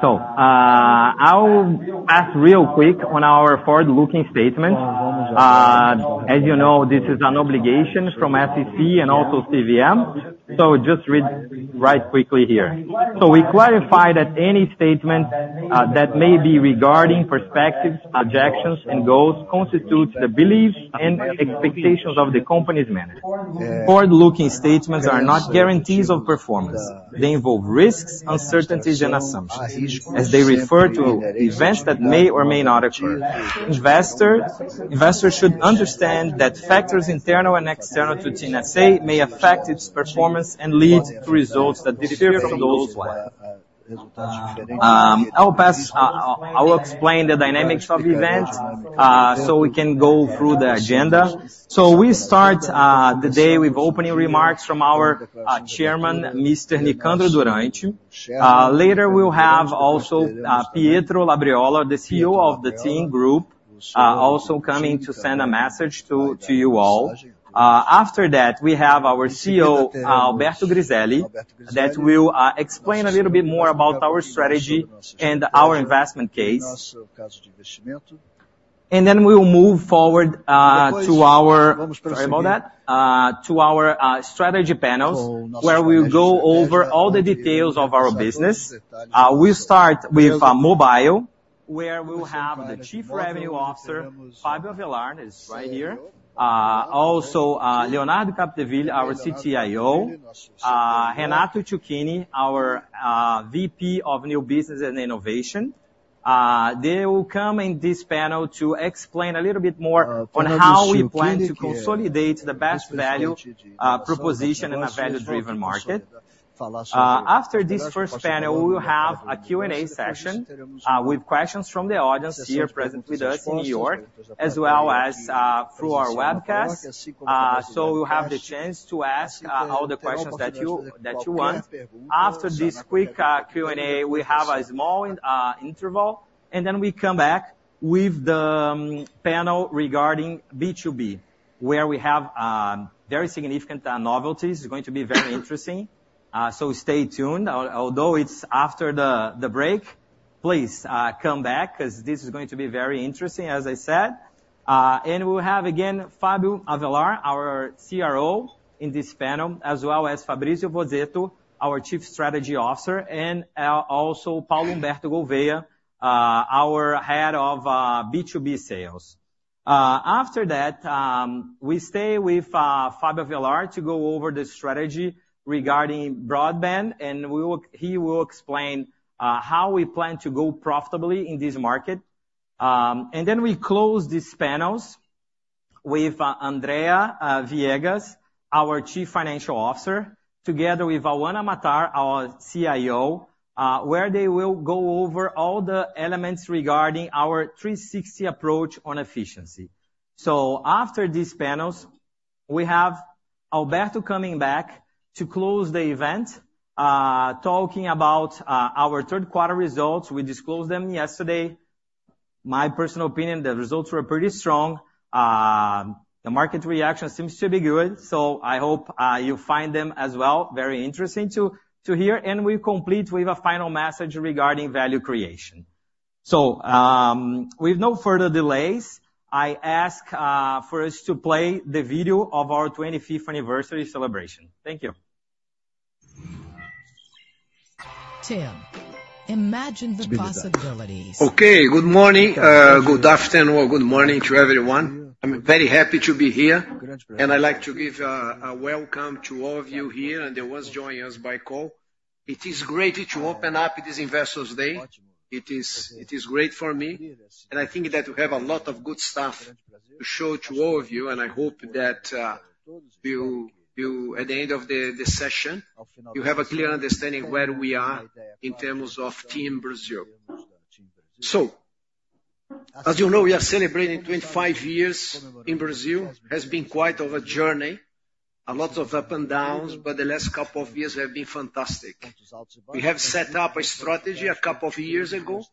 So, I'll ask real quick on our forward-looking statement. As you know, this is an obligation from SEC and also CVM so just read right quickly here. So we clarify that any statement that may be regarding perspectives, objectives, and goals constitutes the beliefs and expectations of the company's management. Forward-looking statements are not guarantees of performance. They involve risks, uncertainties, and assumptions as they refer to events that may or may not occur. Investors should understand that factors, internal and external, to TIM S.A. may affect its performance and lead to results that differ from those warned. I will pass, I will explain the dynamics of event, so we can go through the agenda. So, we start the day with opening remarks from our chairman, Mr. Nicandro Durante. Later, we'll have also Pietro Labriola, the CEO of the TIM Group, also coming to send a message to you all. After that, we have our CEO Alberto Griselli, that will explain a little bit more about our strategy and our investment case. Then we will move forward to our strategy panels, where we will go over all the details of our business. We start with mobile where we will have the Chief Revenue Officer, Fábio Avellar, is right here. Also Leonardo Capdeville, our CTIO, Renato Ciuchini, our VP of New Business and Innovation. They will come in this panel to explain a little bit more on how we plan to consolidate the best value proposition in a value-driven market. After this first panel, we will have a Q&A session, with questions from the audience here present with us in New York, as well as, through our webcast. So we'll have the chance to ask, all the questions that you, that you want. After this quick, Q&A, we have a small, interval, and then we come back with the panel regarding B2B, where we have, very significant, novelties. It's going to be very interesting, so stay tuned. Although it's after the, the break, please, come back, 'cause this is going to be very interesting, as I said. We'll have, again, Fábio Avellar, our CRO in this panel, as well as Fabrizio Bozzetto, our Chief Strategy Officer, and, also Paulo Humberto Gouvêa, our Head of, B2B Sales. After that, we stay with Fábio Avellar to go over the strategy regarding broadband, and we will - he will explain how we plan to go profitably in this market. And then we close these panels with Andrea Viegas, our Chief Financial Officer, together with Auana Mattar, our CIO, where they will go over all the elements regarding our 360 approach on efficiency. So after these panels, we have Alberto coming back to close the event, talking about our third quarter results. We disclosed them yesterday. My personal opinion, the results were pretty strong. The market reaction seems to be good, so I hope you find them as well, very interesting to hear. And we complete with a final message regarding value creation. With no further delays, I ask for us to play the video of our 25th anniversary celebration. Thank you. TIM, imagine the possibilities. Okay, good morning, good afternoon, or good morning to everyone. I'm very happy to be here, and I'd like to give a welcome to all of you here, and those joining us by call. It is great to open up this Investors Day. It is great for me, and I think that we have a lot of good stuff to show to all of you, and I hope that you at the end of the session, you have a clear understanding where we are in terms of TIM Brasil. So, as you know, we are celebrating 25 years in Brazil. It has been quite a journey, a lot of ups and downs, but the last couple of years have been fantastic. We have set up a strategy a couple of years ago,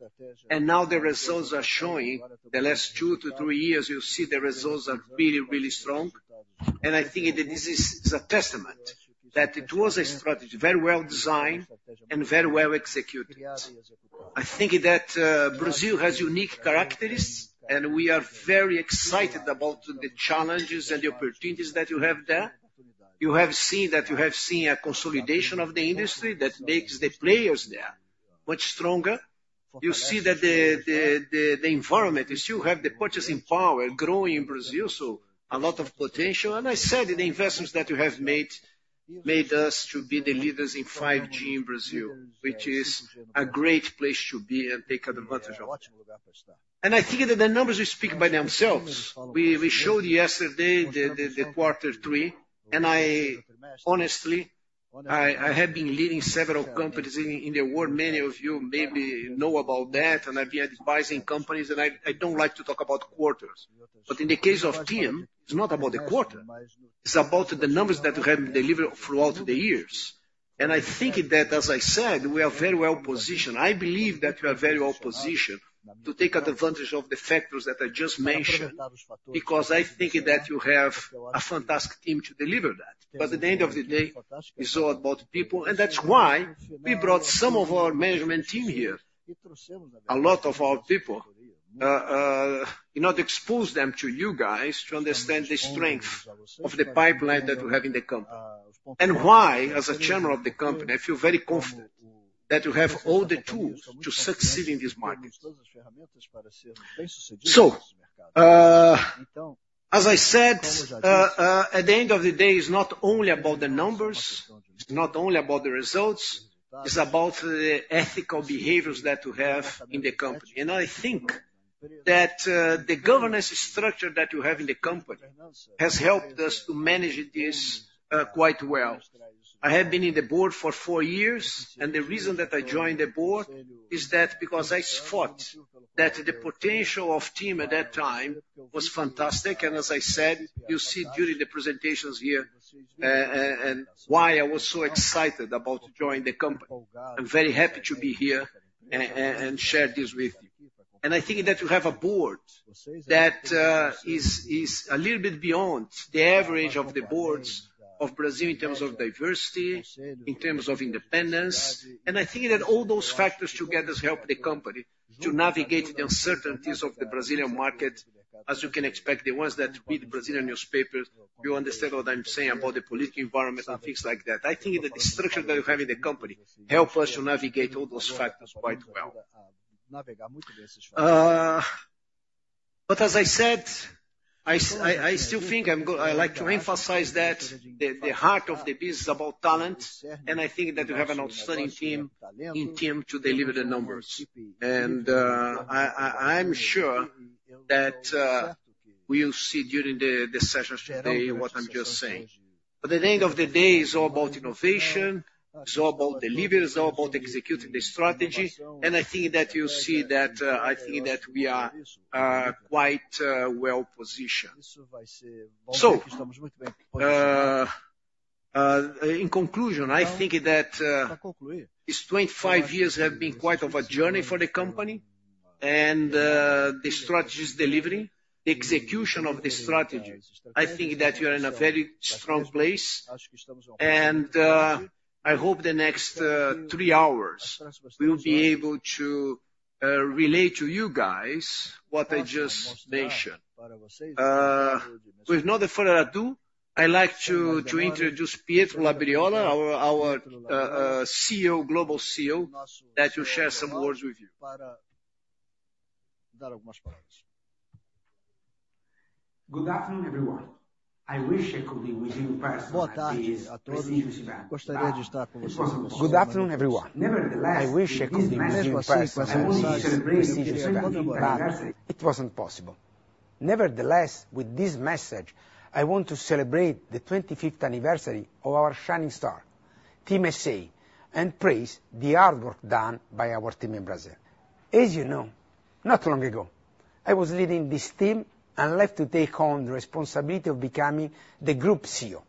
and now the results are showing. The last two to three years, you see the results are really, really strong. And I think that this is a testament, that it was a strategy, very well designed and very well executed. I think that Brazil has unique characteristics, and we are very excited about the challenges and the opportunities that you have there. You have seen that, you have seen a consolidation of the industry that makes the players there much stronger. You see that the environment, you still have the purchasing power growing in Brazil, so a lot of potential. And I said, the investments that you have made, made us to be the leaders in 5G in Brazil, which is a great place to be and take advantage of. And I think that the numbers speak by themselves. We showed yesterday the quarter three, and I - honestly, I, I have been leading several companies in, in the world. Many of you maybe know about that, and I've been advising companies, and I, I don't like to talk about quarters. But in the case of TIM, it's not about the quarter, it's about the numbers that we have delivered throughout the years. And I think that, as I said, we are very well positioned. I believe that we are very well positioned to take advantage of the factors that I just mentioned, because I think that you have a fantastic team to deliver that. But at the end of the day, it's all about people, and that's why we brought some of our management team here. A lot of our people in order to expose them to you guys to understand the strength of the pipeline that we have in the company, and why, as a chairman of the company, I feel very confident that you have all the tools to succeed in these markets. So, as I said, at the end of the day, it's not only about the numbers, it's not only about the results, it's about the ethical behaviors that you have in the company. And I think that the governance structure that you have in the company has helped us to manage this quite well. I have been in the board for four years, and the reason that I joined the board is that because I thought that the potential of TIM at that time was fantastic. As I said, you'll see during the presentations here, and why I was so excited about joining the company. I'm very happy to be here and share this with you. I think that you have a board that is a little bit beyond the average of the boards of Brazil in terms of diversity, in terms of independence. I think that all those factors together help the company to navigate the uncertainties of the Brazilian market. As you can expect, the ones that read Brazilian newspapers, you understand what I'm saying about the political environment and things like that. I think that the structure that you have in the company help us to navigate all those factors quite well. But as I said, I still think I like to reemphasize that the heart of the business is about talent, and I think that you have an outstanding team in TIM to deliver the numbers. And I'm sure that we'll see during the sessions today what I'm just saying. But at the end of the day, it's all about innovation, it's all about delivery, it's all about executing the strategy, and I think that you'll see that I think that we are quite well-positioned. So in conclusion, I think that this 25 years have been quite a journey for the company, and the strategy is delivering. The execution of the strategy, I think that you're in a very strong place, and I hope the next three hours, we'll be able to relay to you guys what I just mentioned. So without further ado, I'd like to introduce Pietro Labriola, our CEO, Global CEO, that will share some words with you. Good afternoon, everyone. I wish I could be with you in person at this prestigious event. Good afternoon, everyone. I wish I could be with you in person at this prestigious event, but it wasn't possible. Nevertheless, with this message, I want to celebrate the 25th anniversary of our shining star, TIM S.A., and praise the hard work done by our team in Brazil. As you know, not long ago, I was leading this team and left to take on the responsibility of becoming the Group CEO.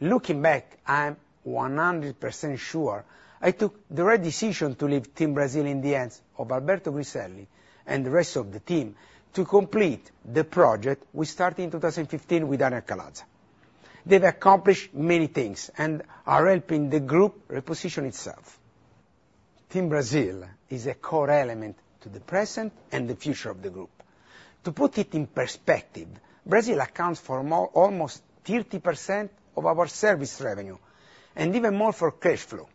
Looking back, I'm 100% sure I took the right decision to leave TIM Brasil in the hands of Alberto Griselli and the rest of the team to complete the project we started in 2015 with Adrian Calaza. They've accomplished many things and are helping the group reposition itself. TIM Brasil is a core element to the present and the future of the group. To put it in perspective, Brazil accounts for more, almost 30% of our service revenue, and even more for cash flow.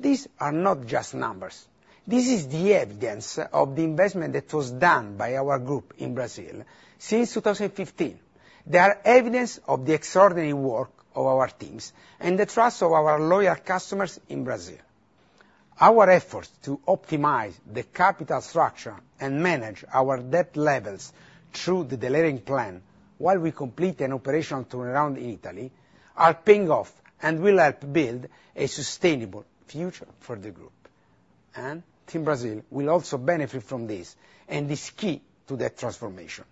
These are not just numbers. This is the evidence of the investment that was done by our group in Brazil since 2015. They are evidence of the extraordinary work of our teams and the trust of our loyal customers in Brazil. Our efforts to optimize the capital structure and manage our debt levels through the delivery plan while we complete an operational turnaround in Italy are paying off and will help build a sustainable future for the group. TIM Brasil will also benefit from this, and is key to that transformation.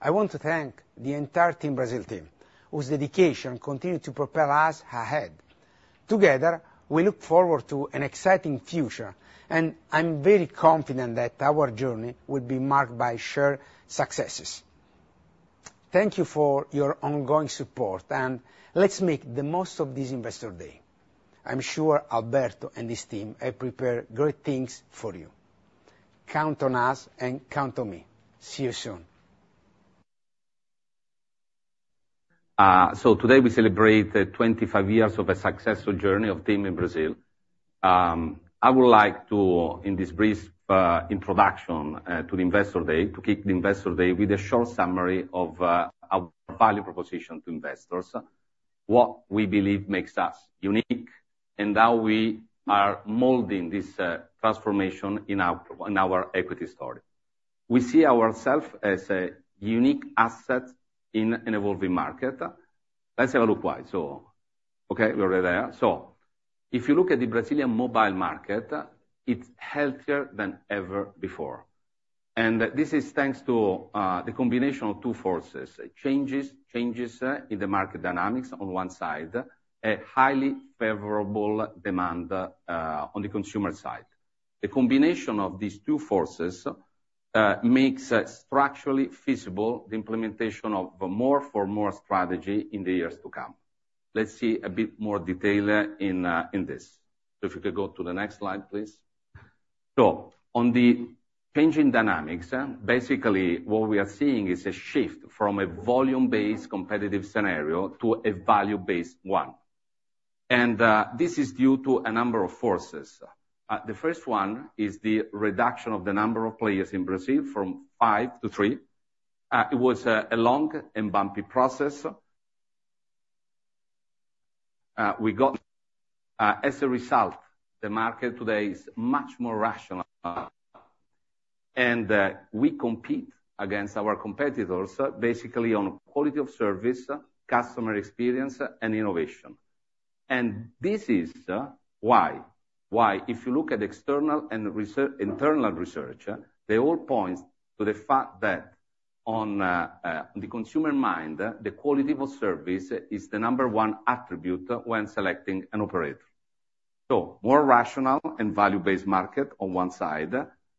I want to thank the entire TIM Brasil team, whose dedication continued to propel us ahead. Together, we look forward to an exciting future, and I'm very confident that our journey will be marked by shared successes. Thank you for your ongoing support, and let's make the most of this Investor Day. I'm sure Alberto and his team have prepared great things for you. Count on us and count on me. See you soon. So today we celebrate the 25 years of a successful journey of TIM in Brazil. I would like to, in this brief introduction, to the Investor Day, to kick the Investor Day with a short summary of our value proposition to investors, what we believe makes us unique, and how we are molding this transformation in our, in our equity story. We see ourself as a unique asset in an evolving market. Let's have a look why. Okay, we're there. So if you look at the Brazilian mobile market, it's healthier than ever before. And this is thanks to the combination of two forces: changes in the market dynamics on one side, a highly favorable demand on the consumer side. The combination of these two forces makes it structurally feasible, the implementation of the more for more strategy in the years to come. Let's see a bit more detail in this. So if you could go to the next slide, please? So on the changing dynamics, basically, what we are seeing is a shift from a volume-based competitive scenario to a value-based one. This is due to a number of forces. The first one is the reduction of the number of players in Brazil from five to three. It was a long and bumpy process. We got, as a result, the market today is much more rational, and we compete against our competitors, basically, on quality of service, customer experience, and innovation. This is why. Why? If you look at external and internal research, they all points to the fact that on the consumer mind, the quality of service is the number one attribute when selecting an operator. So more rational and value-based market on one side.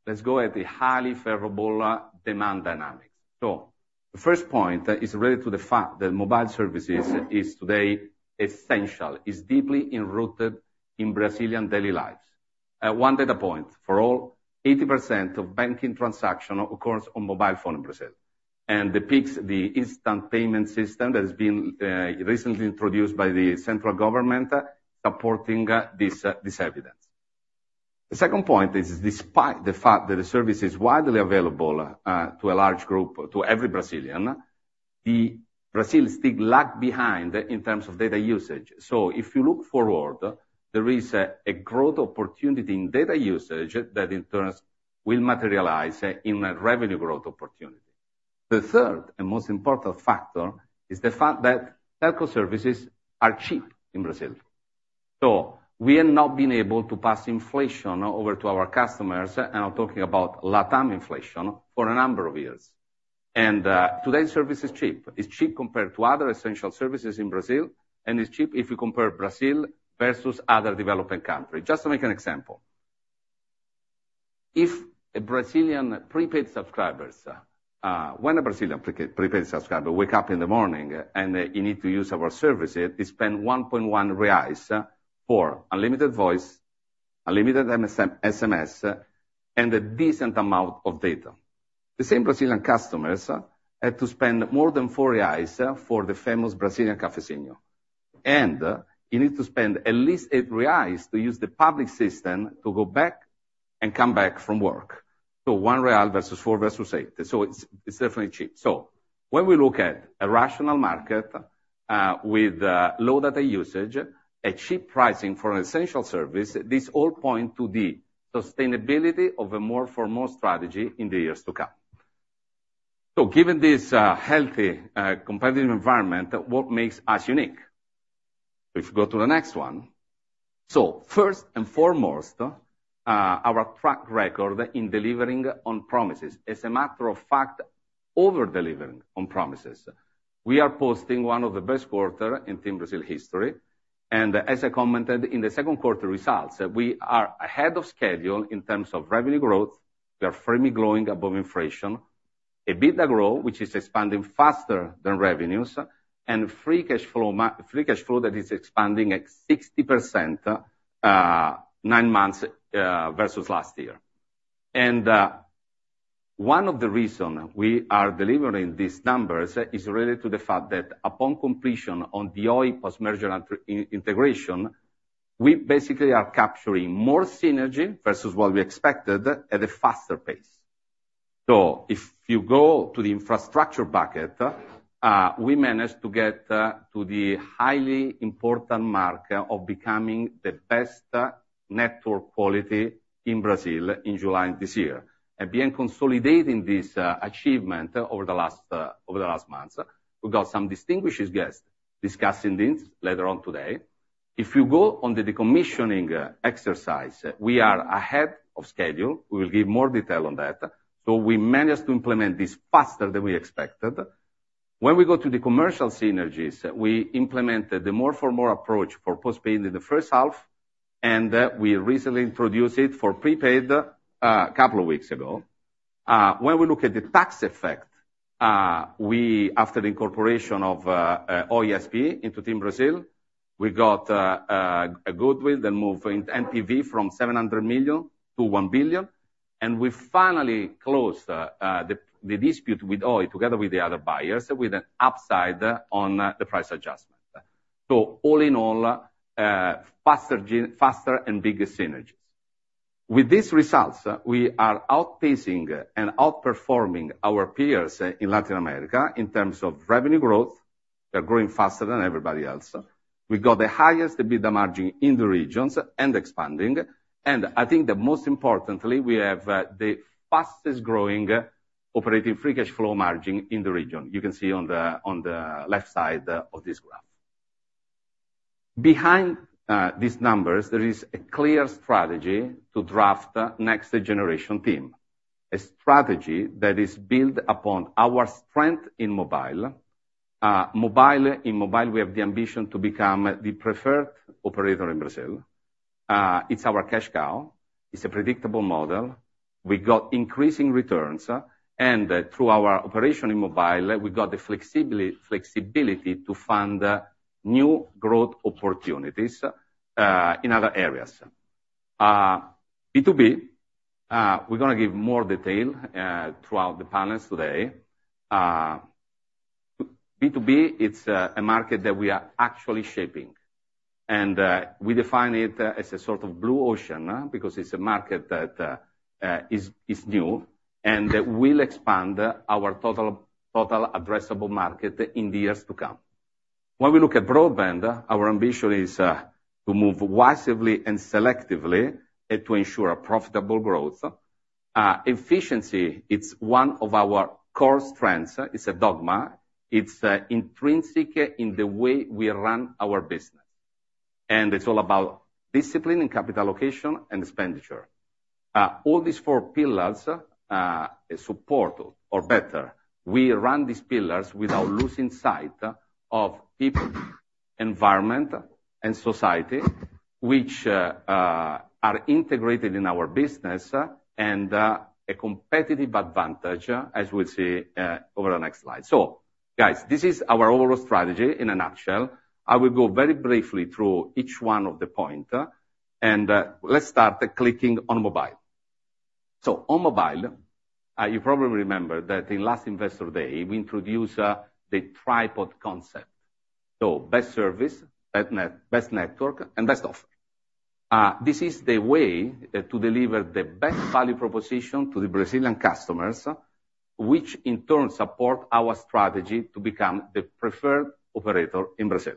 Let's go at the highly favorable demand dynamics. So the first point is related to the fact that mobile services is today essential, is deeply enrooted in Brazilian daily lives. One data point for all: 80% of banking transaction occurs on mobile phone in Brazil, and the Pix, the instant payment system that has been recently introduced by the central government, supporting this evidence. The second point is, despite the fact that the service is widely available to a large group, to every Brazilian, Brazil still lags behind in terms of data usage. So if you look forward, there is a growth opportunity in data usage that, in turn, will materialize in a revenue growth opportunity. The third and most important factor is the fact that telco services are cheap in Brazil. So we have not been able to pass inflation over to our customers, and I'm talking about Latam inflation, for a number of years. Today's service is cheap. It's cheap compared to other essential services in Brazil, and it's cheap if you compare Brazil versus other developing country. Just to make an example, if a Brazilian prepaid subscriber wakes up in the morning, and you need to use our services, they spend 1.1 reais for unlimited voice, unlimited SMS, and a decent amount of data. The same Brazilian customers have to spend more than 4 reais for the famous Brazilian cafézinho, and you need to spend at least 8 reais to use the public system to go back and come back from work. So 1 real versus 4 versus 8, so it's definitely cheap. So when we look at a rational market with low data usage, cheap pricing for an essential service, this all points to the sustainability of a more for more strategy in the years to come. So given this healthy competitive environment, what makes us unique? If you go to the next one. So first and foremost, our track record in delivering on promises. As a matter of fact, over-delivering on promises. We are posting one of the best quarter in TIM Brasil history, and as I commented in the second quarter results, we are ahead of schedule in terms of revenue growth. We are firmly growing above inflation. EBITDA growth, which is expanding faster than revenues, and free cash flow, free cash flow that is expanding at 60%, nine months versus last year. And one of the reason we are delivering these numbers is related to the fact that upon completion on the Oi post-merger and integration, we basically are capturing more synergy versus what we expected at a faster pace. So if you go to the infrastructure bucket, we managed to get to the highly important mark of becoming the best network quality in Brazil in July of this year, and been consolidating this achievement over the last months. We've got some distinguished guests discussing this later on today. If you go on the decommissioning exercise, we are ahead of schedule. We will give more detail on that. So we managed to implement this faster than we expected. When we go to the commercial synergies, we implemented the more for more approach for postpaid in the first half, and we recently introduced it for prepaid a couple of weeks ago. When we look at the tax effect, after the incorporation of Oi SP into TIM Brasil, we got a goodwill, then move NPV from 700 million to 1 billion. We finally closed the dispute with Oi, together with the other buyers, with an upside on the price adjustment. All in all, faster and bigger synergies. With these results, we are outpacing and outperforming our peers in Latin America in terms of revenue growth. We are growing faster than everybody else. We've got the highest EBITDA margin in the region and expanding, and I think the most importantly, we have the fastest growing operating free cash flow margin in the region. You can see on the left side of this graph. Behind these numbers, there is a clear strategy to draft the Next Generation TIM. A strategy that is built upon our strength in mobile. Mobile, in mobile, we have the ambition to become the preferred operator in Brazil. It's our cash cow, it's a predictable model. We got increasing returns, and through our operation in mobile, we got the flexibility to fund new growth opportunities in other areas. B2B, we're gonna give more detail throughout the panels today. B2B, it's a market that we are actually shaping, and we define it as a sort of blue ocean, because it's a market that is new, and that will expand our total addressable market in the years to come. When we look at broadband, our ambition is to move wisely and selectively, and to ensure a profitable growth. Efficiency, it's one of our core strengths. It's a dogma. It's intrinsic in the way we run our business. And it's all about discipline, and capital allocation, and expenditure. All these four pillars are supported, or better. We run these pillars without losing sight of people, environment, and society, which are integrated in our business, and a competitive advantage, as we'll see over the next slide. So guys, this is our overall strategy in a nutshell. I will go very briefly through each one of the point, and let's start by clicking on mobile. So on mobile, you probably remember that in last Investor Day, we introduced the tripod concept. So best service, best network, and best offer. This is the way to deliver the best value proposition to the Brazilian customers, which in turn support our strategy to become the preferred operator in Brazil.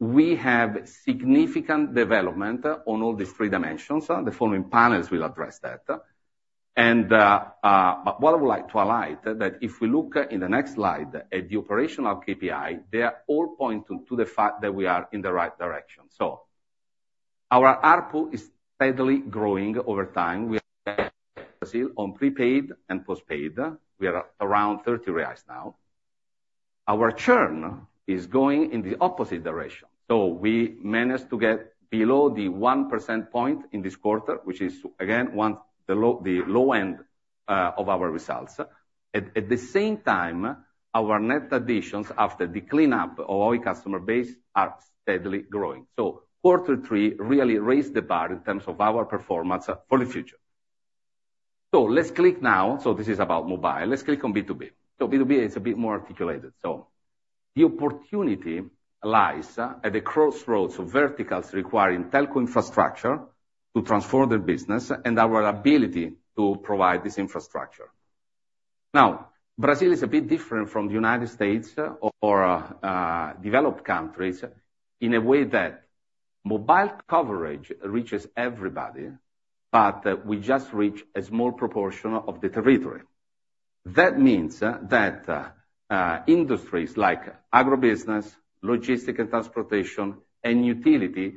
We have significant development on all the three dimensions, the following panels will address that. But what I would like to highlight, that if we look in the next slide at the operational KPI, they are all pointing to the fact that we are in the right direction. So, our ARPU is steadily growing over time. We are still on prepaid and postpaid, we are around 30 reais now. Our churn is going in the opposite direction, so we managed to get below the 1% point in this quarter, which is again, one, the low, the low end, of our results. At the same time, our net additions after the cleanup of our customer base are steadily growing. So quarter three really raised the bar in terms of our performance for the future. So let's click now. So this is about Mobile. Let's click on B2B. So B2B is a bit more articulated. So the opportunity lies at the crossroads of verticals requiring telco infrastructure to transform their business, and our ability to provide this infrastructure. Now, Brazil is a bit different from the United States or developed countries, in a way that mobile coverage reaches everybody, but we just reach a small proportion of the territory. That means that industries like agribusiness, logistics and transportation, and utility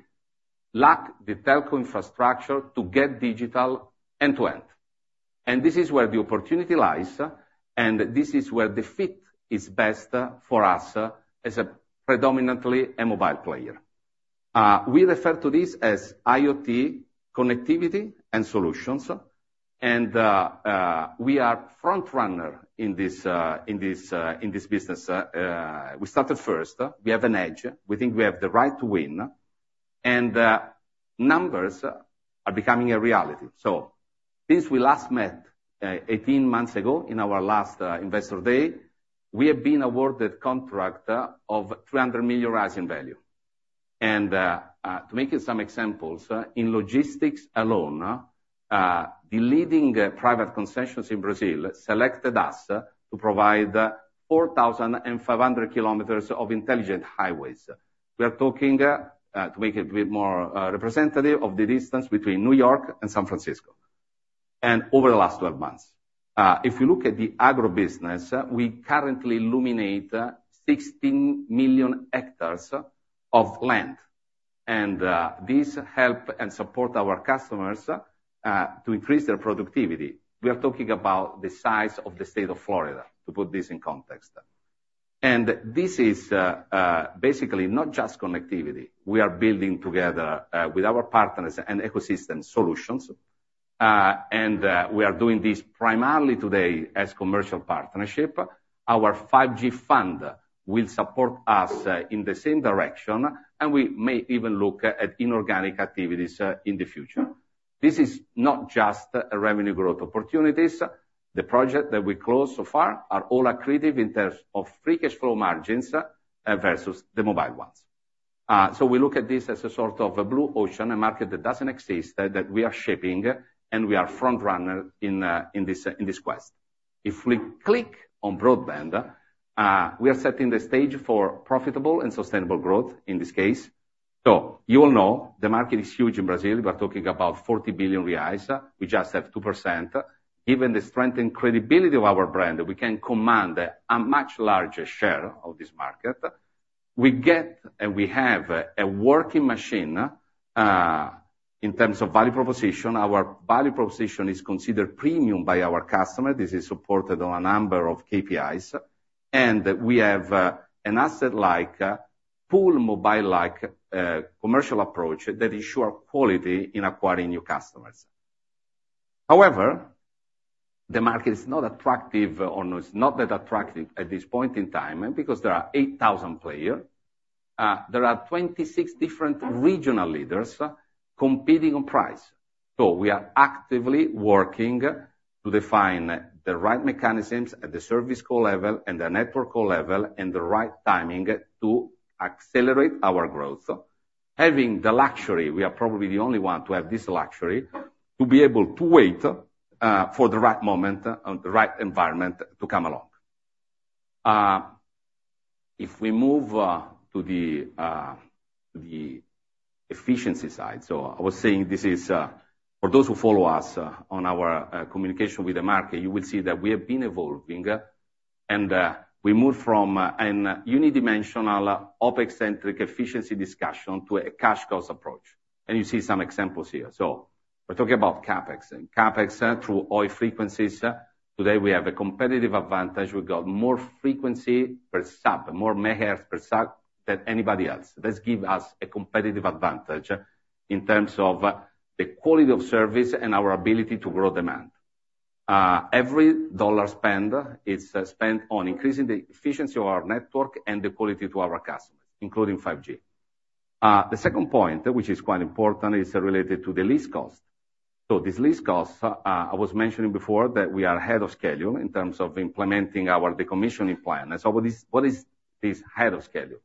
lack the telco infrastructure to get digital end-to-end. This is where the opportunity lies, and this is where the fit is best for us as a predominantly a mobile player. We refer to this as IoT connectivity and solutions, and we are front runner in this, in this, in this business. We started first, we have an edge, we think we have the right to win, and numbers are becoming a reality. Since we last met 18 months ago in our last Investor Day, we have been awarded contract of 300 million rising value. To make it some examples, in logistics alone, the leading private concessions in Brazil selected us to provide 4,500 kilometers of intelligent highways. We are talking to make it a bit more representative of the distance between New York and San Francisco, and over the last 12 months. If you look at the agribusiness, we currently illuminate 16 million hectares of land, and this help and support our customers to increase their productivity. We are talking about the size of the state of Florida, to put this in context. And this is basically not just connectivity. We are building together with our partners and ecosystem solutions, and we are doing this primarily today as commercial partnership. Our 5G fund will support us in the same direction, and we may even look at inorganic activities in the future. This is not just a revenue growth opportunities. The project that we closed so far are all accretive in terms of free cash flow margins versus the mobile ones. So we look at this as a sort of a blue ocean, a market that doesn't exist, that we are shaping, and we are front runner in this quest. If we click on broadband, we are setting the stage for profitable and sustainable growth in this case. So you all know the market is huge in Brazil. We are talking about 40 billion reais. We just have 2%. Given the strength and credibility of our brand, we can command a much larger share of this market. We get and we have a working machine in terms of value proposition. Our value proposition is considered premium by our customer. This is supported on a number of KPIs, and we have an asset like full mobile, like, commercial approach that ensure quality in acquiring new customers. However, the market is not attractive, or it's not that attractive at this point in time, and because there are 8,000 player, there are 26 different regional leaders competing on price. So we are actively working to define the right mechanisms at the service core level and the network core level, and the right timing to accelerate our growth. Having the luxury, we are probably the only one to have this luxury, to be able to wait for the right moment, and the right environment to come along. If we move to the efficiency side. So I was saying this is for those who follow us on our communication with the market. You will see that we have been evolving, and we moved from a unidimensional OpEx-centric efficiency discussion to a cash cost approach, and you see some examples here. So we're talking about CapEx, and CapEx through all frequencies. Today, we have a competitive advantage. We've got more frequency per sub, more MHz per sub than anybody else. This give us a competitive advantage in terms of the quality of service and our ability to grow demand. Every dollar spent is spent on increasing the efficiency of our network and the quality to our customers, including 5G. The second point which is quite important, is related to the lease cost. So this lease cost, I was mentioning before, that we are ahead of schedule in terms of implementing our decommissioning plan. So what is this ahead of schedule?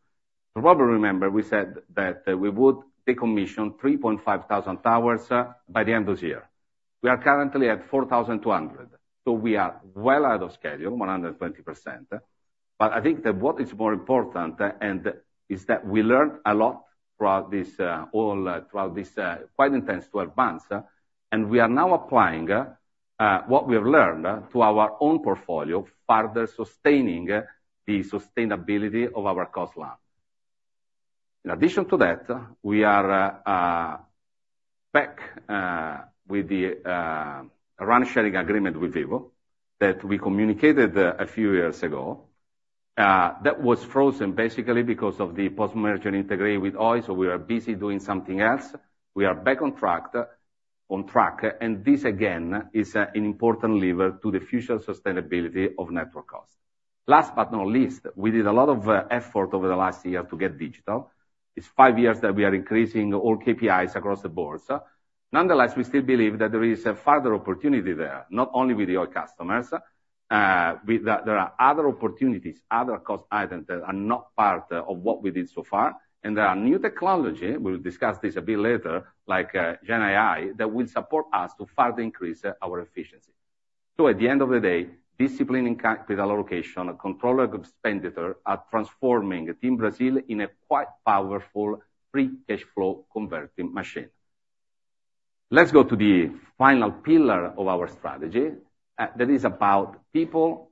You probably remember, we said that we would decommission 3,500 towers by the end of this year. We are currently at 4,200, so we are well ahead of schedule, 120%. But I think that what is more important is that we learned a lot throughout this all throughout this quite intense advance, and we are now applying what we have learned to our own portfolio, further sustaining the sustainability of our cost land. In addition to that, we are back with the revenue sharing agreement with Vivo, that we communicated a few years ago. That was frozen, basically, because of the post-merger integration with Oi so we are busy doing something else. We are back on track, on track, and this again, is an important lever to the future sustainability of network cost. Last but not least, we did a lot of effort over the last year to get digital. It's five years that we are increasing all KPIs across the board. Nonetheless, we still believe that there is a further opportunity there, not only with the Oi customers, with the - there are other opportunities, other cost items that are not part of what we did so far, and there are new technology, we'll discuss this a bit later, like, GenAI, that will support us to further increase, our efficiency. So at the end of the day, discipline and capital allocation, and controlled expenditure are transforming TIM Brasil in a quite powerful, free cash flow converting machine. Let's go to the final pillar of our strategy. That is about people,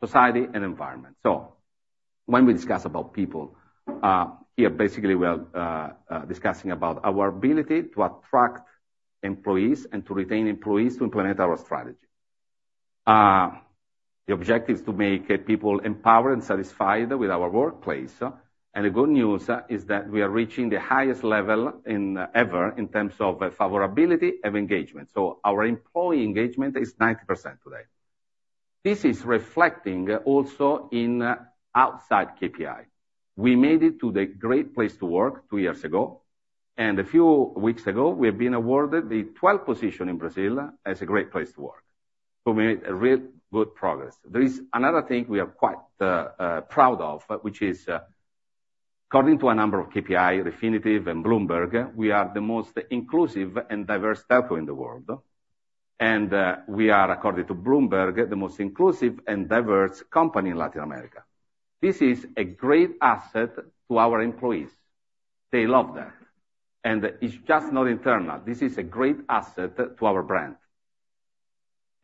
society, and environment. So when we discuss about people, here, basically, we are discussing about our ability to attract employees and to retain employees to implement our strategy. The objective is to make people empowered and satisfied with our workplace, and the good news is that we are reaching the highest level ever, in terms of favorability and engagement. So our employee engagement is 90% today. This is reflecting also in outside KPI. We made it to the Great Place to Work two years ago, and a few weeks ago, we have been awarded the twelfth position in Brazil as a Great Place to Work. So we made a real good progress. There is another thing we are quite proud of, which is, according to a number of KPI, Refinitiv and Bloomberg, we are the most inclusive and diverse telco in the world, and we are, according to Bloomberg, the most inclusive and diverse company in Latin America. This is a great asset to our employees. They love that, and it's just not internal. This is a great asset to our brand.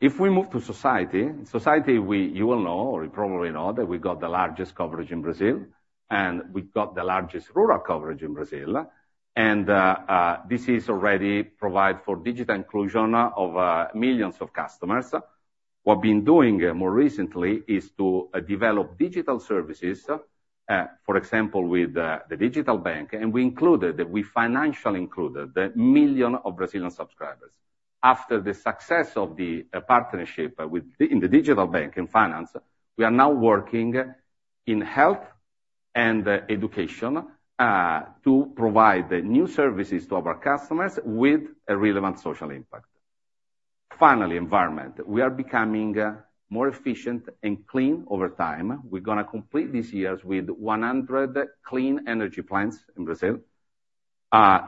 If we move to society, you will know, or you probably know, that we've got the largest coverage in Brazil, and we've got the largest rural coverage in Brazil. This is already provide for digital inclusion of millions of customers. What we've been doing more recently is to develop digital services for example with the the digital bank and we included we financially included 1 million of Brazilian subscribers. After the success of the partnership with the in the digital bank and finance we are now working in health and education to provide the new services to our customers with a relevant social impact. Finally, environment. We are becoming more efficient and clean over time. We're gonna complete this years with 100 clean energy plants in Brazil.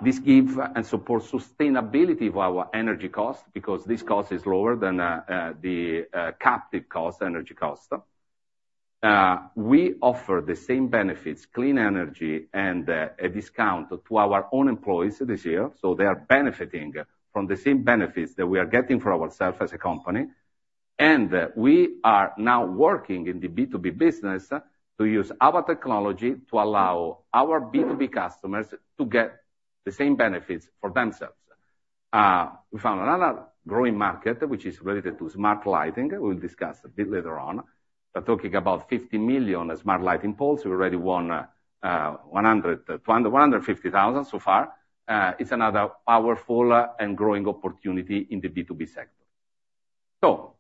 This give and support sustainability of our energy costs because this cost is lower than the captive cost energy cost. We offer the same benefits, clean energy and a discount to our own employees this year, so they are benefiting from the same benefits that we are getting for ourselves as a company. And we are now working in the B2B business to use our technology to allow our B2B customers to get the same benefits for themselves. We found another growing market, which is related to smart lighting. We'll discuss a bit later on. We're talking about 50 million smart lighting poles. We already won 150,000 so far. It's another powerful and growing opportunity in the B2B sector. So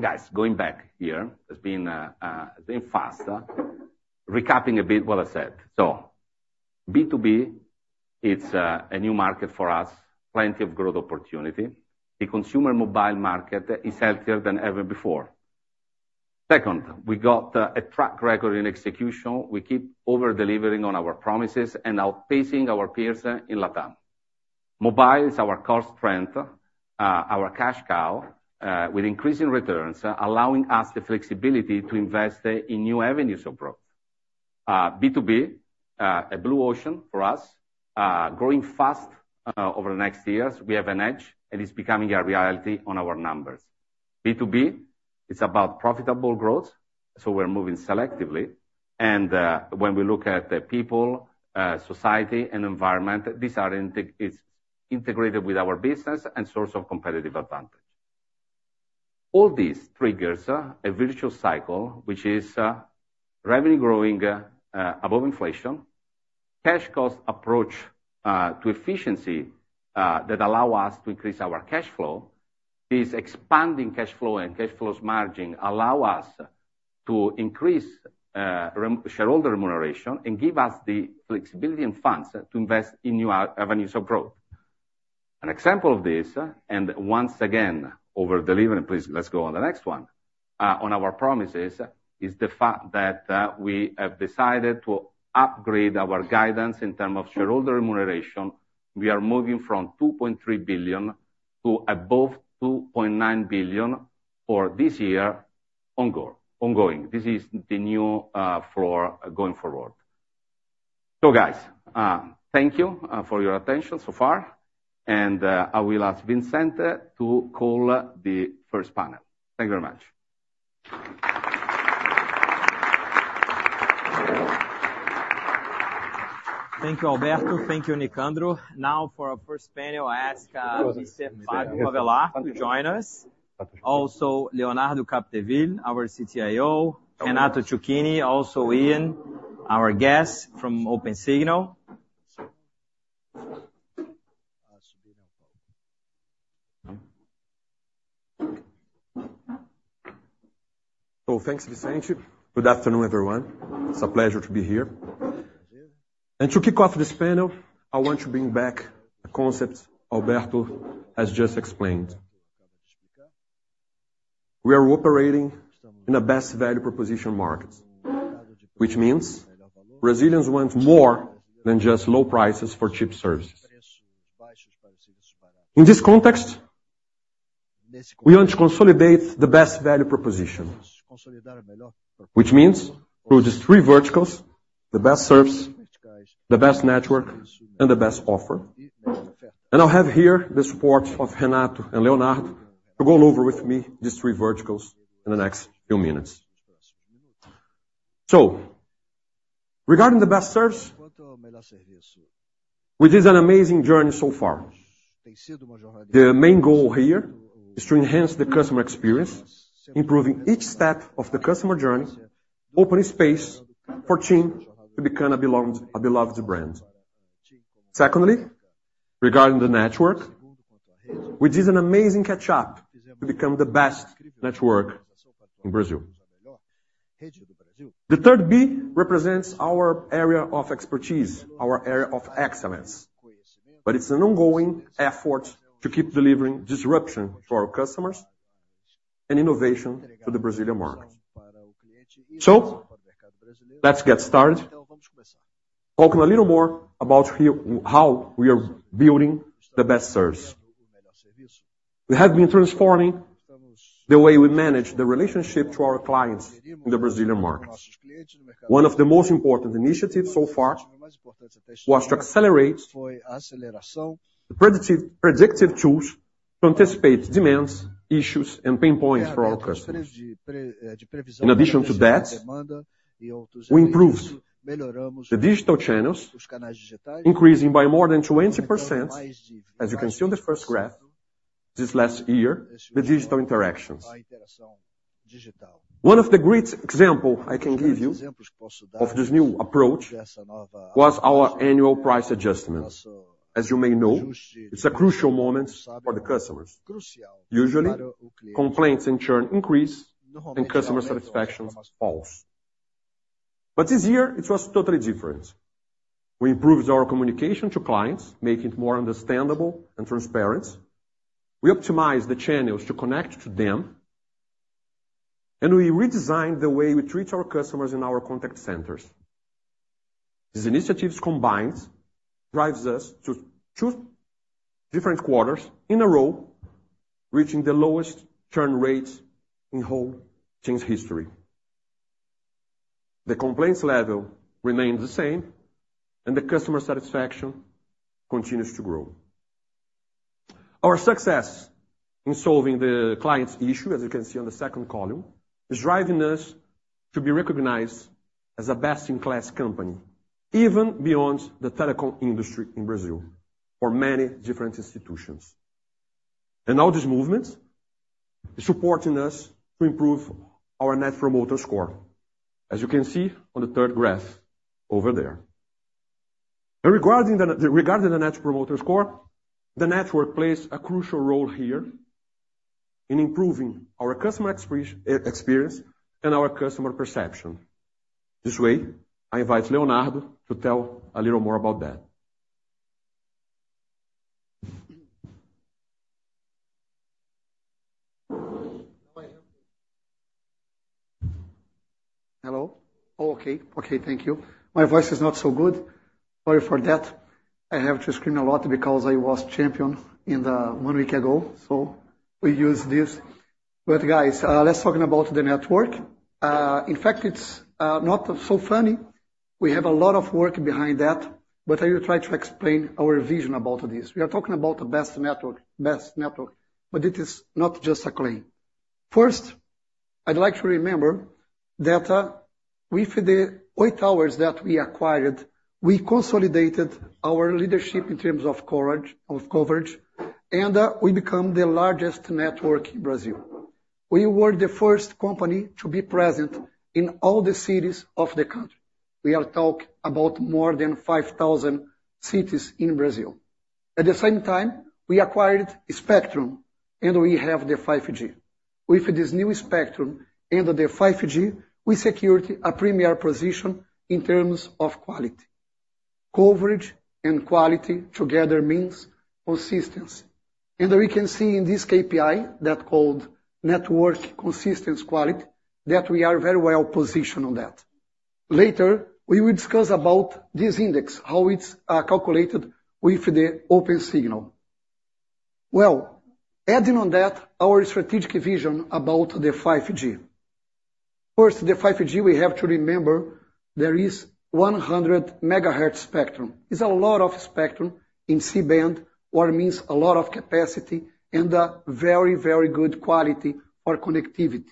guys, going back here, it's been fast. Recapping a bit what I said. So B2B, it's a new market for us, plenty of growth opportunity. The consumer mobile market is healthier than ever before. Second, we got a track record in execution. We keep over-delivering on our promises and outpacing our peers in Latam. Mobile is our core strength, our cash cow, with increasing returns, allowing us the flexibility to invest in new avenues of growth. B2B, a blue ocean for us, growing fast, over the next years. We have an edge, and it's becoming a reality on our numbers. B2B, it's about profitable growth, so we're moving selectively. And when we look at the people, society and environment, it's integrated with our business and source of competitive advantage. All these triggers a virtual cycle, which is revenue growing above inflation, cash cost approach to efficiency that allow us to increase our cash flow. This expanding cash flow and cash flows margin allow us to increase shareholder remuneration and give us the flexibility and funds to invest in new avenues of growth. An example of this, and once again, over-delivery, please, let's go on the next one, on our promises, is the fact that we have decided to upgrade our guidance in terms of shareholder remuneration. We are moving from 2.3 billion to above 2.9 billion for this year, ongoing, ongoing. This is the new floor going forward. So, guys, thank you for your attention so far, and I will ask Vicente to call the first panel. Thank you very much. Thank you, Alberto. Thank you, Nicandro. Now, for our first panel, I ask Mr. Fábio Avellar to join us. Also, Leonardo Capdeville, our CTIO, Renato Ciuchini, also Iain our guest from OpenSignal. So thanks, Vicente. Good afternoon, everyone. It's a pleasure to be here. To kick off this panel, I want to bring back the concept Alberto has just explained. We are operating in a best value proposition markets, which means Brazilians want more than just low prices for cheap services. In this context, we want to consolidate the best value proposition, which means through these three verticals, the best service, the best network, and the best offer. I'll have here the support of Renato and Leonardo to go over with me these three verticals in the next few minutes. Regarding the best service, which is an amazing journey so far. The main goal here is to enhance the customer experience, improving each step of the customer journey, opening space for TIM to become a beloved brand. Secondly, regarding the network which is an amazing catch up to become the best network in Brazil. The third B represents our area of expertise, our area of excellence, but it's an ongoing effort to keep delivering disruption to our customers and innovation to the Brazilian market. So let's get started. Talking a little more about how we are building the best service. We have been transforming the way we manage the relationship to our clients in the Brazilian market. One of the most important initiatives so far was to accelerate the predictive tools to anticipate demands, issues, and pain points for our customers. In addition to that, we improved the digital channels, increasing by more than 20%, as you can see on the first graph, this last year, the digital interactions. One of the great example I can give you of this new approach was our annual price adjustments. As you may know, it's a crucial moment for the customers. Usually, complaints in turn increase, and customer satisfaction falls. But this year, it was totally different. We improved our communication to clients, make it more understandable and transparent. We optimized the channels to connect to them. We redesigned the way we treat our customers in our contact centers. These initiatives combined drives us to two different quarters in a row, reaching the lowest churn rates in whole team's history. The complaints level remains the same, and the customer satisfaction continues to grow. Our success in solving the client's issue, as you can see on the second column, is driving us to be recognized as a best-in-class company, even beyond the telecom industry in Brazil, for many different institutions. All these movements is supporting us to improve our Net Promoter Score, as you can see on the third graph over there. Regarding the Net Promoter Score, the network plays a crucial role here in improving our customer experience and our customer perception. This way, I invite Leonardo to tell a little more about that. Hello. Oh, okay. Okay, thank you. My voice is not so good. Sorry for that. I have to scream a lot because I was champion in the 1 week ago, so we use this. But guys, let's talking about the network. In fact, it's not so funny. We have a lot of work behind that, but I will try to explain our vision about this. We are talking about the best network, best network, but it is not just a claim. First, I'd like to remember that, with the Oi towers that we acquired, we consolidated our leadership in terms of coverage, of coverage, and we become the largest network in Brazil. We were the first company to be present in all the cities of the country. We are talking about more than 5,000 cities in Brazil. At the same time, we acquired a spectrum, and we have the 5G. With this new spectrum and the 5G, we secured a premier position in terms of quality. Coverage and quality together means consistency. And we can see in this KPI, that called Network Consistency Quality, that we are very well positioned on that. Later, we will discuss about this index, how it's calculated with the OpenSignal. Well, adding on that, our strategic vision about the 5G. First, the 5G, we have to remember, there is 100 MHz spectrum. It's a lot of spectrum in C-band, which means a lot of capacity and a very, very good quality for connectivity.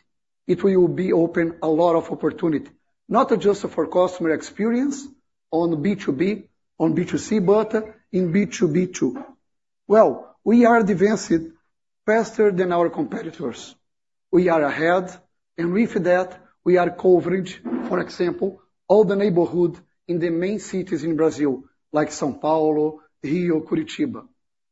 It will open a lot of opportunity, not just for customer experience on B2B, on B2C, but in B2B too. Well, we are advancing faster than our competitors. We are ahead, and with that, we have coverage, for example, all the neighborhoods in the main cities in Brazil, like São Paulo, Rio, Curitiba.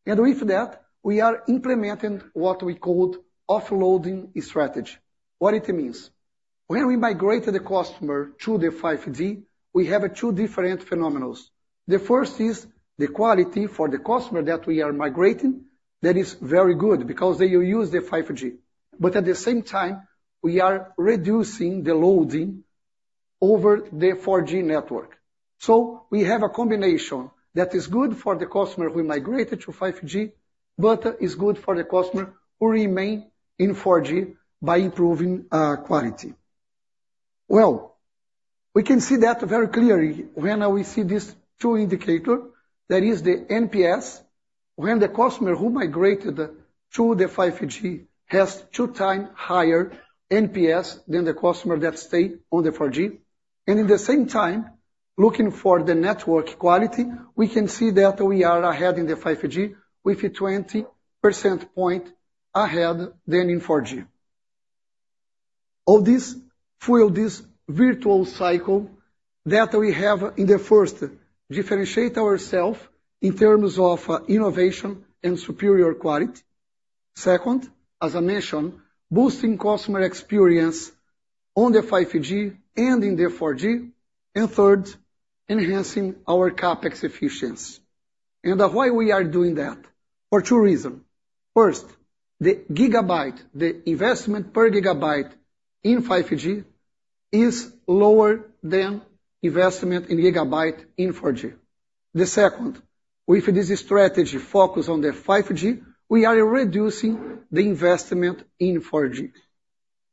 With that, we are implementing what we call offloading strategy. What it means? When we migrate the customer to the 5G, we have two different phenomena. The first is the quality for the customer that we are migrating. That is very good because they use the 5G. But at the same time, we are reducing the loading over the 4G network. So we have a combination that is good for the customer who migrated to 5G but is good for the customer who remain in 4G by improving quality. Well, we can see that very clearly when we see these two indicators, that is the NPS. When the customer who migrated to the 5G has two times higher NPS than the customer that stay on the 4G, and in the same time, looking for the network quality, we can see that we are ahead in the 5G with a 20 percentage point ahead than in 4G. All this fuels this virtuous cycle that we have. First, differentiate ourselves in terms of innovation and superior quality. Second, as I mentioned, boosting customer experience on the 5G and in the 4G. And third, enhancing our CapEx efficiency. And why we are doing that? For 2 reasons. First, the gigabyte, the investment per gigabyte in 5G is lower than investment in gigabyte in 4G. The second, with this strategy focus on the 5G, we are reducing the investment in 4G.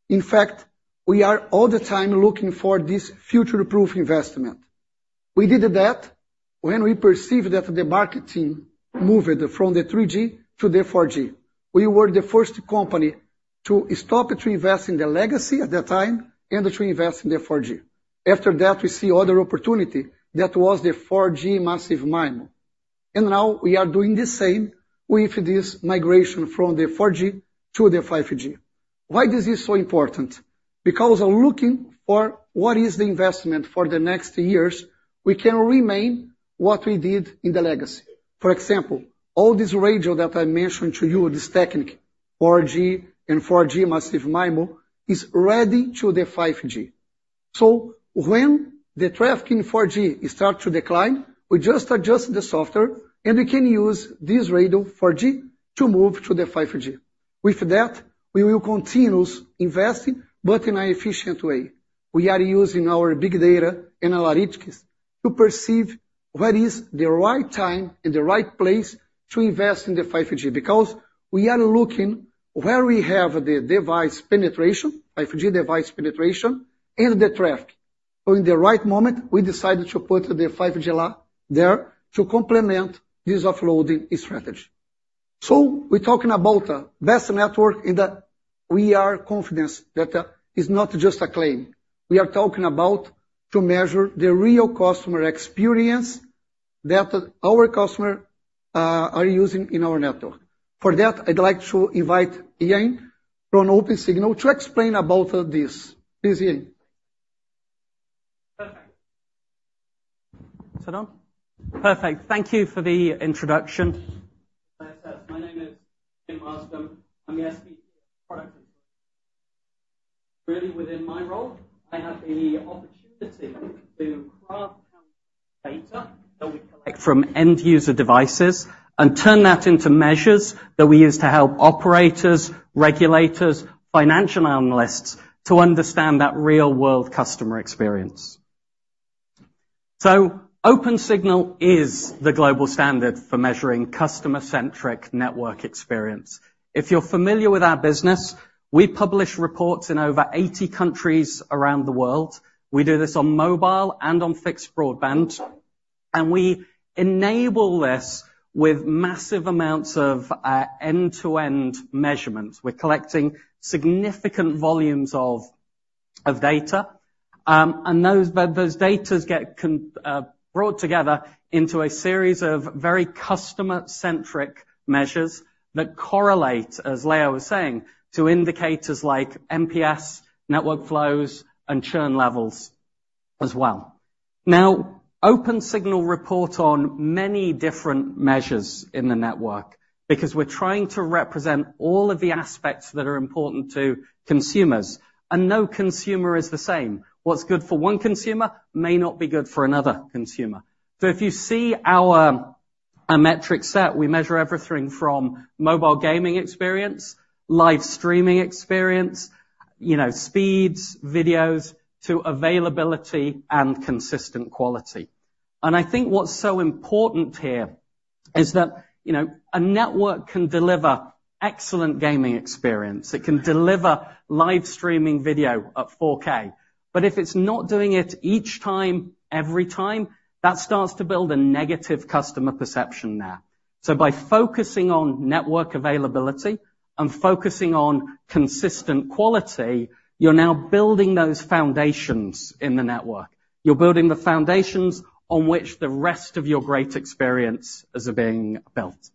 In fact, we are all the time looking for this future-proof investment. We did that when we perceived that the market team moved from the 3G to the 4G. We were the first company to stop to invest in the legacy at that time, and to invest in the 4G. After that, we see other opportunity. That was the 4G Massive MIMO. And now we are doing the same with this migration from the 4G to the 5G. Why this is so important? Because looking for what is the investment for the next years, we can remain what we did in the legacy. For example, all this radio that I mentioned to you, this technique, 4G and 4G Massive MIMO, is ready to the 5G. So when the traffic in 4G starts to decline, we just adjust the software, and we can use this radio 4G to move to the 5G. With that, we will continue investing, but in an efficient way. We are using our big data and analytics to perceive what is the right time and the right place to invest in the 5G, because we are looking where we have the device penetration, 5G device penetration, and the traffic. So in the right moment, we decided to put the 5G layer there to complement this offloading strategy. So we're talking about the best network, and we are confident that is not just a claim. We are talking about to measure the real customer experience that our customer are using in our network. For that, I'd like to invite Iain from OpenSignal to explain about this. Please, Iain. Perfect. So now, perfect. Thank you for the introduction. My name is Iain Marsden I'm the SVP of Product. Really within my role, I have the opportunity to craft data that we collect from end user devices and turn that into measures that we use to help operators, regulators, financial analysts, to understand that real-world customer experience. So OpenSignal is the global standard for measuring customer-centric network experience. If you're familiar with our business, we publish reports in over 80 countries around the world. We do this on mobile and on fixed broadband, and we enable this with massive amounts of end-to-end measurements. We're collecting significant volumes of data, and those data get brought together into a series of very customer-centric measures that correlate, as Leo was saying, to indicators like NPS, network flows, and churn levels as well. Now, OpenSignal reports on many different measures in the network because we're trying to represent all of the aspects that are important to consumers, and no consumer is the same. What's good for one consumer may not be good for another consumer. So if you see our metric set, we measure everything from mobile gaming experience, live streaming experience, you know, speeds, videos, to availability and consistent quality. And I think what's so important here is that, you know, a network can deliver excellent gaming experience. It can deliver live streaming video at 4K, but if it's not doing it each time, every time, that starts to build a negative customer perception there. So by focusing on network availability and focusing on consistent quality, you're now building those foundations in the network. You're building the foundations on which the rest of your great experiences are being built.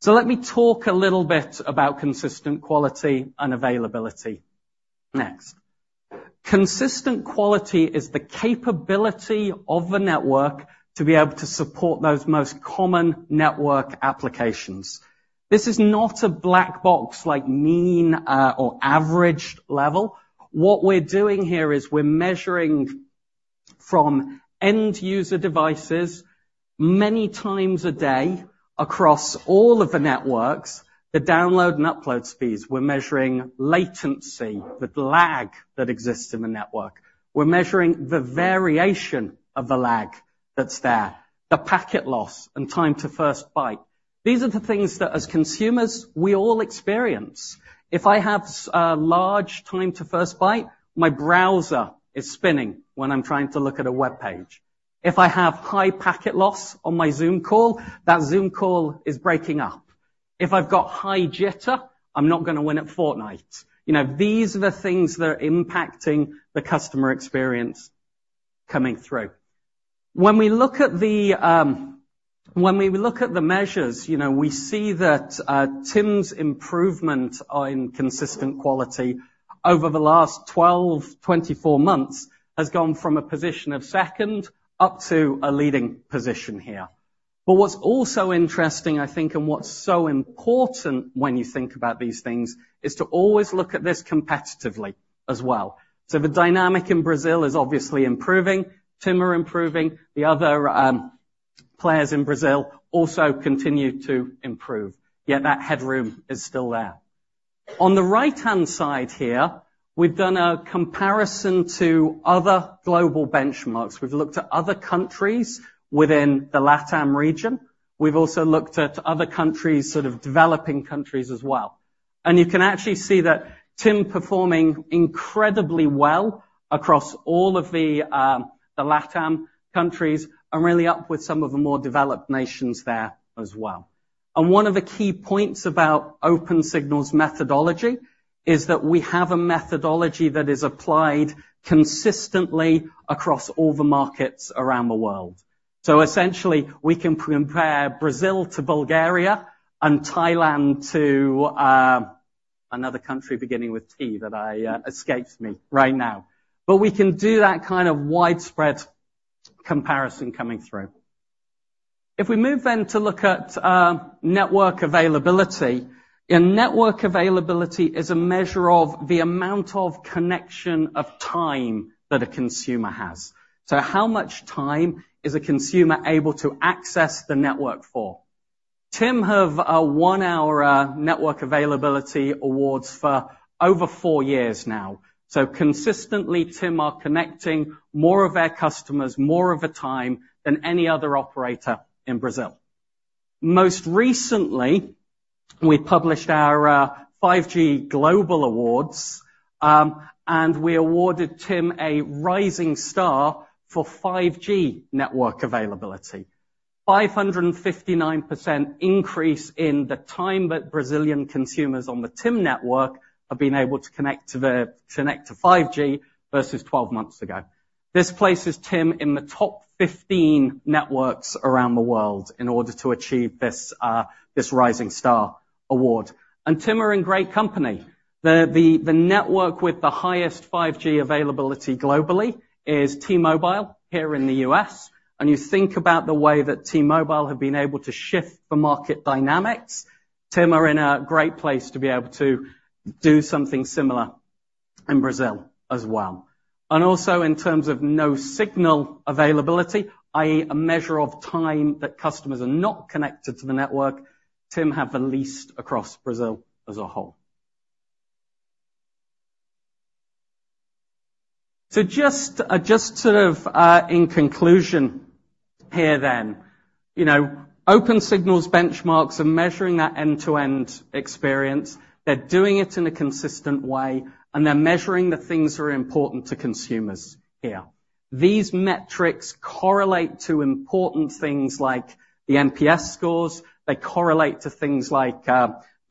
So let me talk a little bit about consistent quality and availability. Next. Consistent quality is the capability of the network to be able to support those most common network applications. This is not a black box like mean or average level. What we're doing here is we're measuring from end user devices many times a day across all of the networks, the download and upload speeds. We're measuring latency, the lag that exists in the network. We're measuring the variation of the lag that's there, the packet loss, and time to first byte. These are the things that as consumers, we all experience. If I have a large time to first byte, my browser is spinning when I'm trying to look at a web page. If I have high packet loss on my Zoom call, that Zoom call is breaking up. If I've got high jitter, I'm not gonna win at Fortnite. You know, these are the things that are impacting the customer experience coming through. When we look at the measures, you know, we see that TIM's improvement in consistent quality over the last 12, 24 months, has gone from a position of second up to a leading position here. But what's also interesting, I think, and what's so important when you think about these things, is to always look at this competitively as well. So the dynamic in Brazil is obviously improving. TIM are improving. The other players in Brazil also continue to improve, yet that headroom is still there. On the right-hand side here, we've done a comparison to other global benchmarks. We've looked at other countries within the LATAM region. We've also looked at other countries, sort of developing countries as well. You can actually see that TIM performing incredibly well across all of the, the LATAM countries, and really up with some of the more developed nations there as well. One of the key points about OpenSignal's methodology is that we have a methodology that is applied consistently across all the markets around the world. Essentially, we can compare Brazil to Bulgaria and Thailand to another country beginning with T that escapes me right now. But we can do that kind of widespread comparison coming through. If we move to look at network availability, and network availability is a measure of the amount of connection of time that a consumer has. So how much time is a consumer able to access the network for? TIM have won our network availability awards for over four years now. So consistently, TIM are connecting more of their customers, more of the time, than any other operator in Brazil. Most recently, we published our 5G global awards, and we awarded TIM a rising star for 5G network availability. 559% increase in the time that Brazilian consumers on the TIM network have been able to connect to 5G versus 12 months ago. This places TIM in the top 15 networks around the world in order to achieve this Rising Star award. TIM are in great company. The network with the highest 5G availability globally is T-Mobile, here in the U.S., and you think about the way that T-Mobile have been able to shift the market dynamics. TIM are in a great place to be able to do something similar in Brazil as well. And also in terms of no signal availability, i.e., a measure of time that customers are not connected to the network, TIM have the least across Brazil as a whole. So just, just sort of, in conclusion here then, you know, OpenSignal benchmarks are measuring that end-to-end experience, they're doing it in a consistent way, and they're measuring the things that are important to consumers here. These metrics correlate to important things like the NPS scores. They correlate to things like,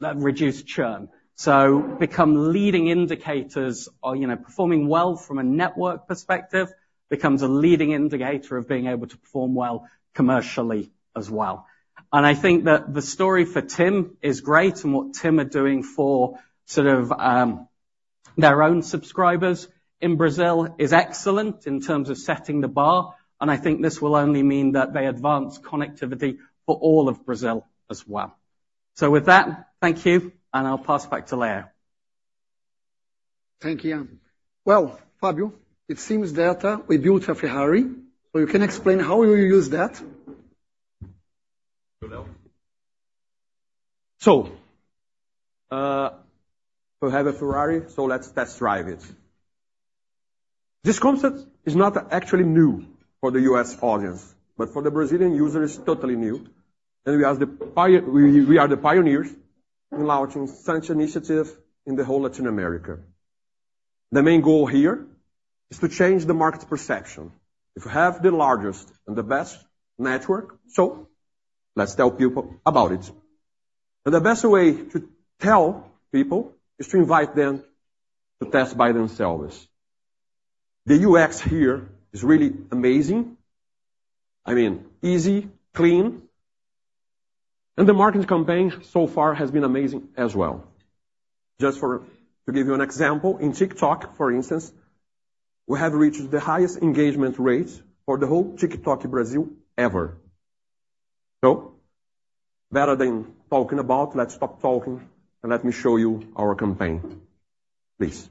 reduced churn. So become leading indicators or, you know, performing well from a network perspective, becomes a leading indicator of being able to perform well commercially as well. I think that the story for TIM is great, and what TIM are doing for sort of their own subscribers in Brazil is excellent in terms of setting the bar, and I think this will only mean that they advance connectivity for all of Brazil as well. With that, thank you, and I'll pass back to Leo. Thank you. Well, Fábio, it seems that we built a Ferrari, so you can explain how you use that? So, we have a Ferrari, so let's test drive it. This concept is not actually new for the U.S. audience, but for the Brazilian user, it's totally new. And we are the pioneers in launching such initiative in the whole Latin America. The main goal here is to change the market perception. If you have the largest and the best network, so let's tell people about it. But the best way to tell people is to invite them to test by themselves. The UX here is really amazing. I mean, easy, clean, and the marketing campaign so far has been amazing as well. Just to give you an example, in TikTok, for instance, we have reached the highest engagement rate for the whole TikTok Brazil ever. So better than talking about, let's stop talking, and let me show you our campaign. Please.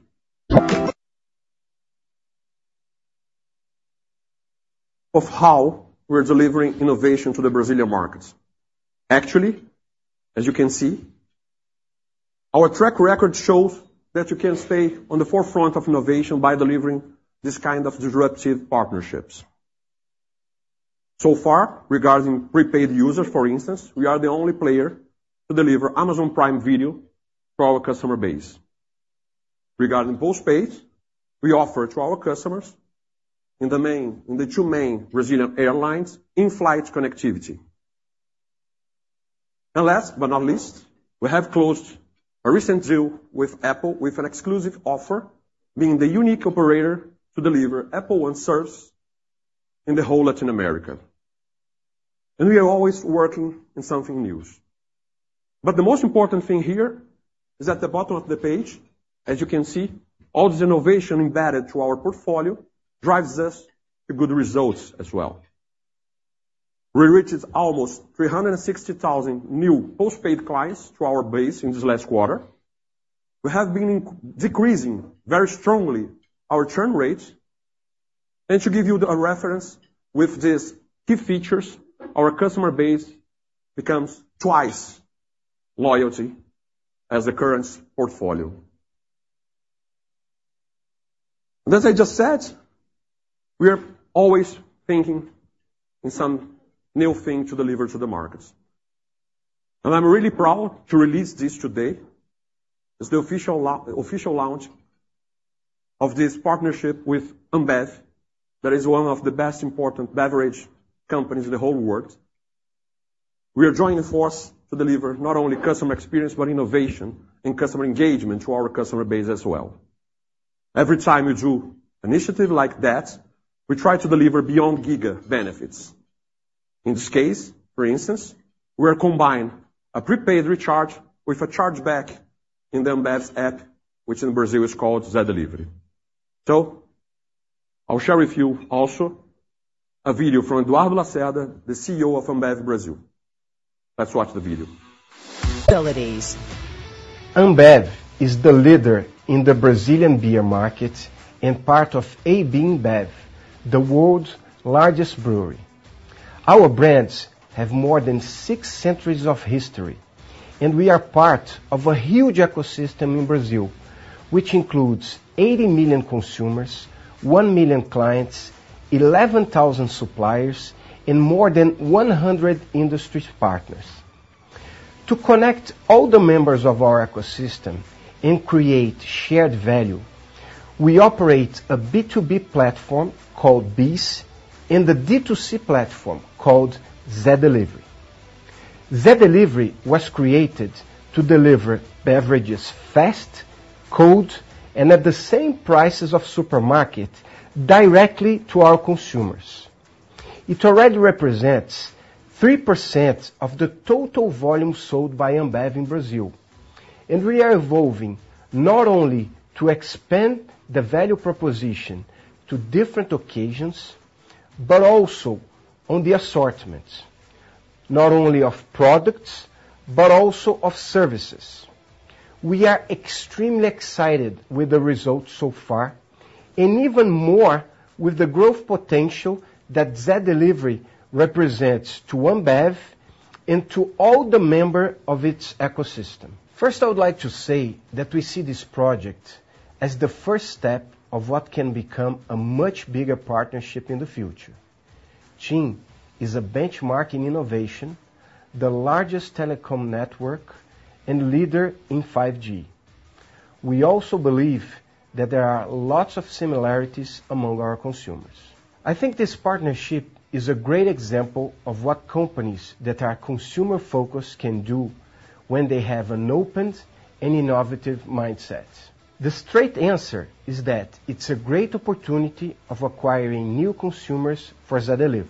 Of how we're delivering innovation to the Brazilian markets. Actually, as you can see, our track record shows that you can stay on the forefront of innovation by delivering these kind of disruptive partnerships. So far, regarding prepaid users, for instance, we are the only player to deliver Amazon Prime Video to our customer base. Regarding postpaid, we offer to our customers in the main, in the two main Brazilian airlines, in-flight connectivity. Last but not least, we have closed a recent deal with Apple with an exclusive offer, being the unique operator to deliver Apple One service in the whole Latin America. We are always working on something new. The most important thing here is at the bottom of the page, as you can see, all this innovation embedded to our portfolio drives us to good results as well. We reached almost 360,000 new postpaid clients to our base in this last quarter. We have been decreasing, very strongly, our churn rates. And to give you the, a reference with these key features, our customer base becomes twice loyalty as the current portfolio. And as I just said, we are always thinking in some new thing to deliver to the markets. And I'm really proud to release this today, as the official launch of this partnership with Ambev. That is one of the best important beverage companies in the whole world. We are joining forces to deliver not only customer experience, but innovation and customer engagement to our customer base as well. Every time we do initiative like that, we try to deliver beyond giga benefits. In this case, for instance, we are combining a prepaid recharge with a cashback in Ambev's app, which in Brazil is called Zé Delivery. I'll share with you also a video from Eduardo Lacerda, the CEO of Ambev Brazil. Let's watch the video. Abilities. Ambev is the leader in the Brazilian beer market and part of AB InBev, the world's largest brewery. Our brands have more than six centuries of history, and we are part of a huge ecosystem in Brazil, which includes 80 million consumers, 1 million clients, 11,000 suppliers, and more than 100 industry partners. To connect all the members of our ecosystem and create shared value, we operate a B2B platform called BEES, and the D2C platform called Zé Delivery. Zé Delivery was created to deliver beverages fast, cold, and at the same prices of supermarket directly to our consumers. It already represents 3% of the total volume sold by Ambev in Brazil, and we are evolving not only to expand the value proposition to different occasions, but also on the assortments, not only of products, but also of services. We are extremely excited with the results so far, and even more with the growth potential that Zé Delivery represents to Ambev and to all the members of its ecosystem. First, I would like to say that we see this project as the first step of what can become a much bigger partnership in the future. TIM is a benchmark in innovation, the largest telecom network and leader in 5G. We also believe that there are lots of similarities among our consumers. I think this partnership is a great example of what companies that are consumer-focused can do when they have an open and innovative mindset. The straight answer is that it's a great opportunity of acquiring new consumers for Zé Delivery.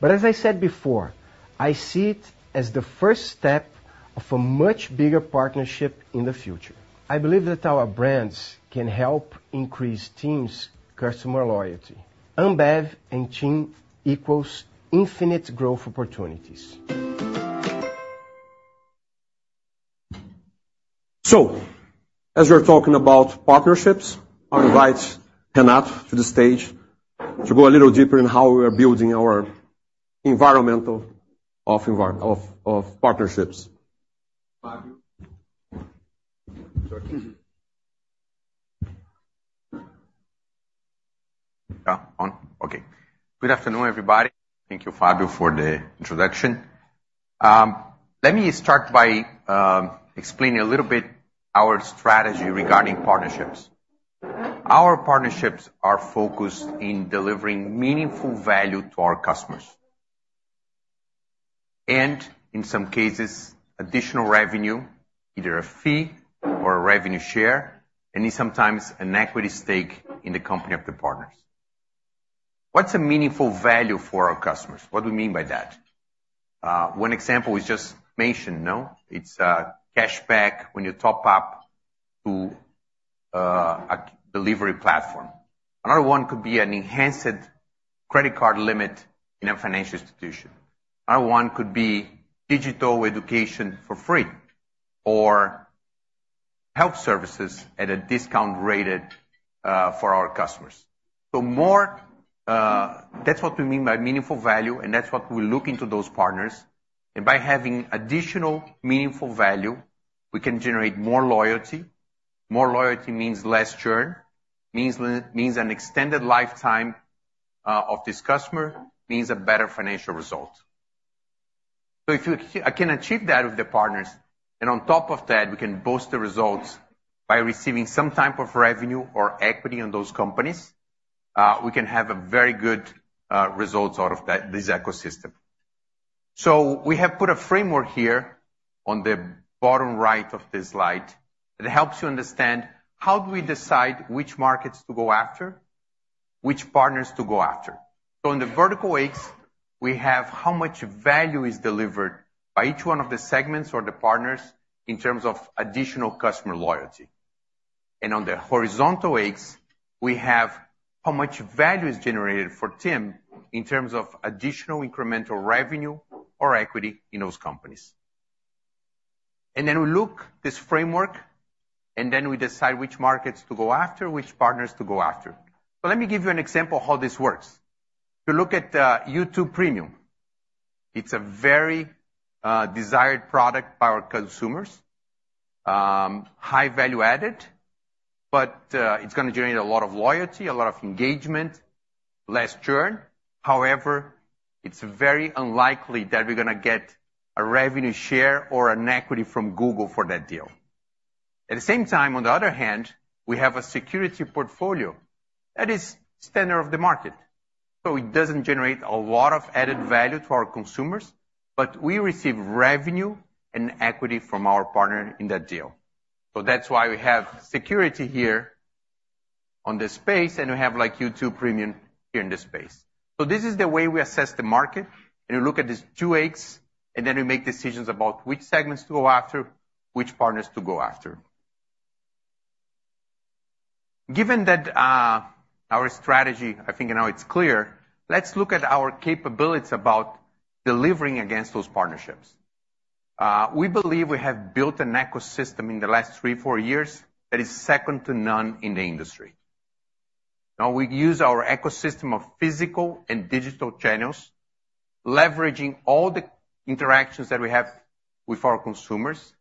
But as I said before, I see it as the first step of a much bigger partnership in the future. I believe that our brands can help increase TIM's customer loyalty. Ambev and TIM equals infinite growth opportunities. So, as we're talking about partnerships, I invite Renato to the stage to go a little deeper in how we are building our environment of partnerships. Good afternoon, everybody. Thank you, Fábio, for the introduction. Let me start by explaining a little bit our strategy regarding partnerships. Our partnerships are focused in delivering meaningful value to our customers, and in some cases, additional revenue, either a fee or a revenue share, and sometimes an equity stake in the company of the partners. What's a meaningful value for our customers? What do we mean by that? One example is just mentioned, no? It's cashback when you top up to a delivery platform. Another one could be an enhanced credit card limit in a financial institution. Another one could be digital education for free, or health services at a discount rated for our customers. So more - that's what we mean by meaningful value, and that's what we look into those partners. And by having additional meaningful value, we can generate more loyalty. More loyalty means less churn, means an extended lifetime of this customer, means a better financial result. So I can achieve that with the partners, and on top of that, we can boost the results by receiving some type of revenue or equity in those companies, we can have a very good results out of that, this ecosystem. So we have put a framework here on the bottom right of this slide, that helps you understand how do we decide which markets to go after, which partners to go after. So in the vertical axis, we have how much value is delivered by each one of the segments or the partners in terms of additional customer loyalty. On the horizontal axis, we have how much value is generated for TIM in terms of additional incremental revenue or equity in those companies. Then we look this framework, and then we decide which markets to go after, which partners to go after. So let me give you an example of how this works. If you look at YouTube Premium, it's a very desired product by our consumers. High value added, but it's gonna generate a lot of loyalty, a lot of engagement, less churn. However, it's very unlikely that we're gonna get a revenue share or an equity from Google for that deal. At the same time, on the other hand, we have a security portfolio that is standard of the market, so it doesn't generate a lot of added value to our consumers, but we receive revenue and equity from our partner in that deal. So that's why we have security here on this space, and we have, like, YouTube Premium here in this space. So this is the way we assess the market, and we look at these two X, and then we make decisions about which segments to go after - which partners to go after. Given that, our strategy, I think now it's clear, let's look at our capabilities about delivering against those partnerships. We believe we have built an ecosystem in the last three, four years that is second to none in the industry. Now, we use our ecosystem of physical and digital channels, leveraging all the interactions that we have with our consumers,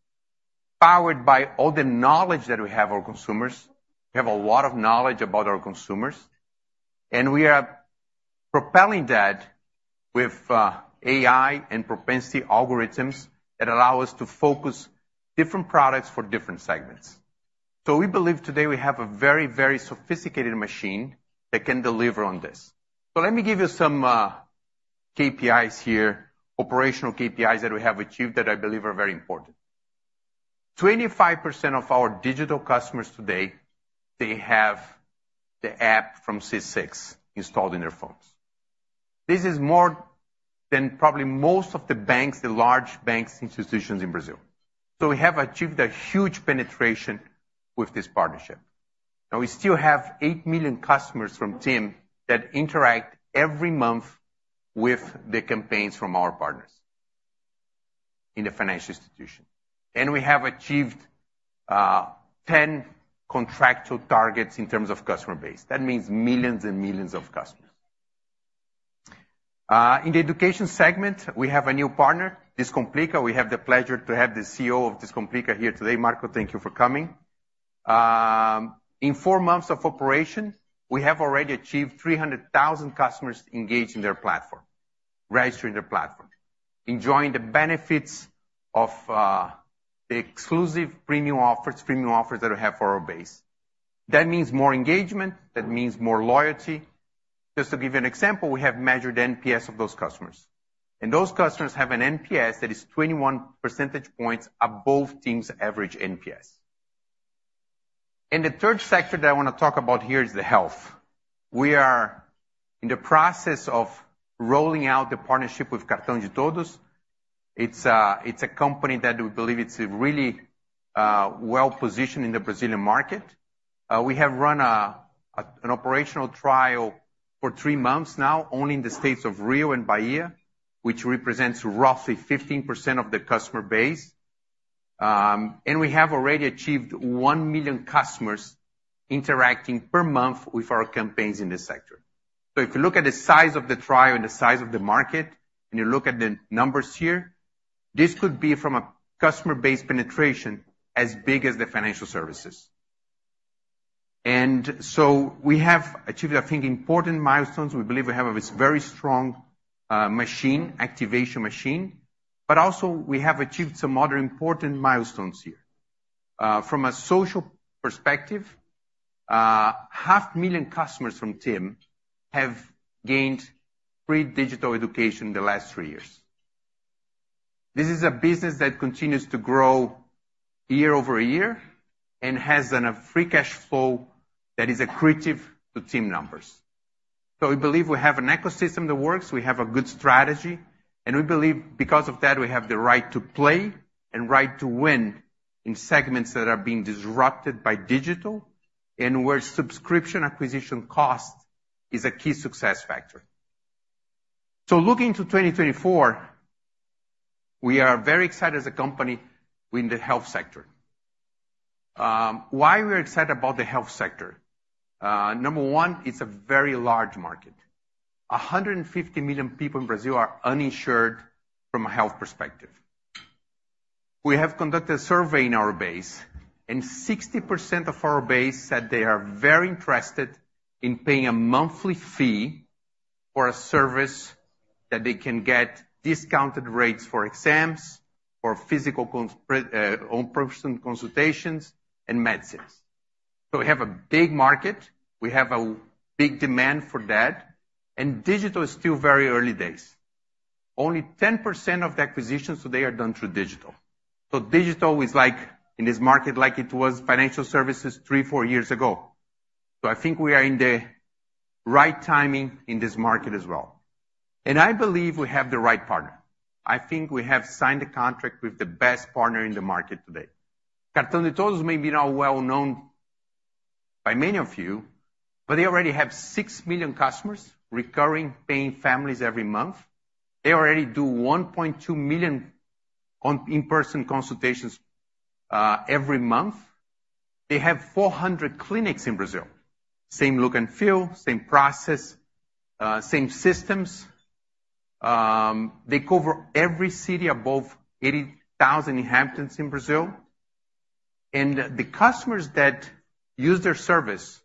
powered by all the knowledge that we have our consumers. We have a lot of knowledge about our consumers, and we are propelling that with AI and propensity algorithms that allow us to focus different products for different segments. So we believe today we have a very, very sophisticated machine that can deliver on this. So let me give you some KPIs here, operational KPIs that we have achieved that I believe are very important. 25% of our digital customers today, they have the app from C6 installed in their phones. This is more than probably most of the banks, the large banks, institutions in Brazil. So we have achieved a huge penetration with this partnership. Now, we still have 8 million customers from TIM that interact every month with the campaigns from our partners in the financial institution. We have achieved ten contractual targets in terms of customer base. That means millions and millions of customers. In the education segment, we have a new partner, Descomplica. We have the pleasure to have the CEO of Descomplica here today. Marco, thank you for coming. In four months of operation, we have already achieved 300,000 customers engaged in their platform, registered in their platform, enjoying the benefits of the exclusive premium offers, premium offers that we have for our base. That means more engagement, that means more loyalty. Just to give you an example, we have measured NPS of those customers, and those customers have an NPS that is 21 percentage points above TIM's average NPS. The third sector that I want to talk about here is the health. We are in the process of rolling out the partnership with Cartão de TODOS. It's a company that we believe is really well-positioned in the Brazilian market. We have run an operational trial for three months now, only in the states of Rio and Bahia, which represents roughly 15% of the customer base. And we have already achieved 1 million customers interacting per month with our campaigns in this sector. So if you look at the size of the trial and the size of the market and you look at the numbers here, this could be from a customer base penetration as big as the financial services. And so we have achieved, I think, important milestones. We believe we have a very strong machine, activation machine, but also we have achieved some other important milestones here. From a social perspective, 500,000 customers from TIM have gained free digital education in the last three years. This is a business that continues to grow year-over-year and has a free cash flow that is accretive to TIM numbers. So we believe we have an ecosystem that works, we have a good strategy, and we believe because of that, we have the right to play and right to win in segments that are being disrupted by digital and where subscription acquisition cost is a key success factor. So looking to 2024, we are very excited as a company in the health sector. Why we're excited about the health sector? Number one, it's a very large market. 150 million people in Brazil are uninsured from a health perspective. We have conducted a survey in our base, and 60% of our base said they are very interested in paying a monthly fee for a service that they can get discounted rates for exams, for physical consultations, in-person consultations, and medicines. So we have a big market, we have a big demand for that, and digital is still very early days. Only 10% of the acquisitions today are done through digital. So digital is like, in this market, like it was financial services 3-4 years ago. So I think we are in the right timing in this market as well. And I believe we have the right partner. I think we have signed a contract with the best partner in the market today. Cartão de TODOS may be not well known by many of you, but they already have 6 million customers, recurring, paying families every month. They already do 1.2 million on in-person consultations every month. They have 400 clinics in Brazil. Same look and feel, same process, same systems. They cover every city above 80,000 inhabitants in Brazil. And the customers that use their service,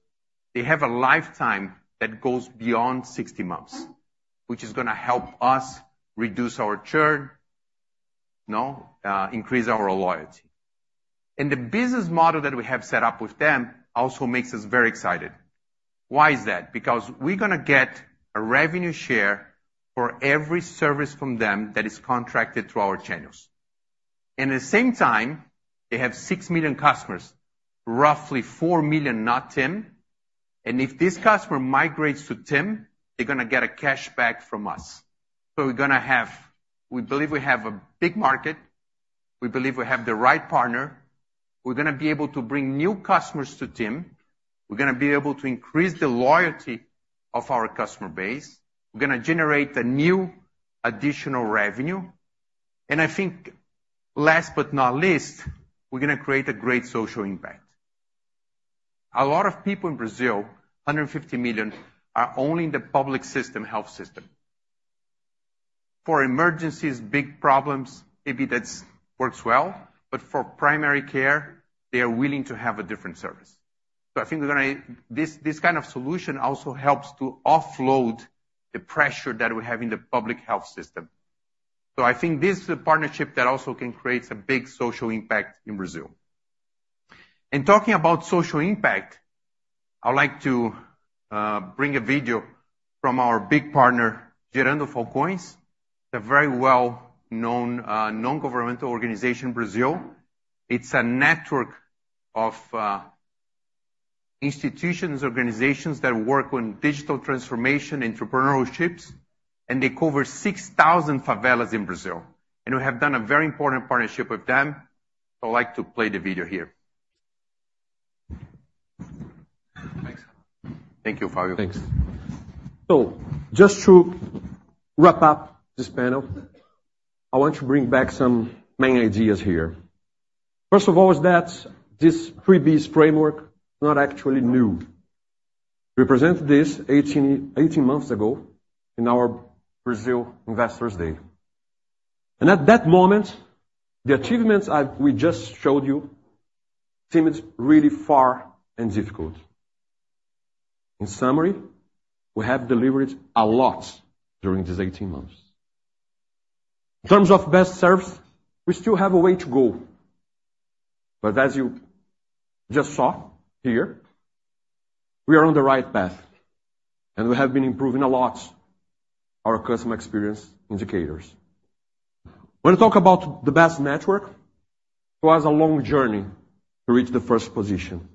they have a lifetime that goes beyond 60 months, which is gonna help us reduce our churn, increase our loyalty. And the business model that we have set up with them also makes us very excited. Why is that? Because we're gonna get a revenue share for every service from them that is contracted through our channels. And at the same time, they have 6 million customers, roughly 4 million, not TIM. If this customer migrates to TIM, they're gonna get a cashback from us. So we're gonna have. We believe we have a big market, we believe we have the right partner. We're gonna be able to bring new customers to TIM. We're gonna be able to increase the loyalty of our customer base. We're gonna generate a new additional revenue, and I think last but not least, we're gonna create a great social impact. A lot of people in Brazil, 150 million, are only in the public system, health system. For emergencies, big problems, maybe that works well, but for primary care, they are willing to have a different service. So I think we're gonna. This, this kind of solution also helps to offload the pressure that we have in the public health system. So I think this is a partnership that also can create a big social impact in Brazil. And talking about social impact, I would like to bring a video from our big partner, Gerando Falcões, a very well-known non-governmental organization in Brazil. It's a network of institutions, organizations that work on digital transformation, entrepreneurships, and they cover 6,000 favelas in Brazil, and we have done a very important partnership with them. So I'd like to play the video here. Thank you, Fábio. Thanks. So just to wrap up this panel, I want to bring back some main ideas here. First of all, is that this 3Bs framework is not actually new. We presented this 18 months ago in our Brazil Investor Day. And at that moment, the achievements we just showed you seemed really far and difficult. In summary, we have delivered a lot during these 18 months. In terms of best service, we still have a way to go, but as you just saw here, we are on the right path, and we have been improving a lot our customer experience indicators. When you talk about the best network, it was a long journey to reach the first position,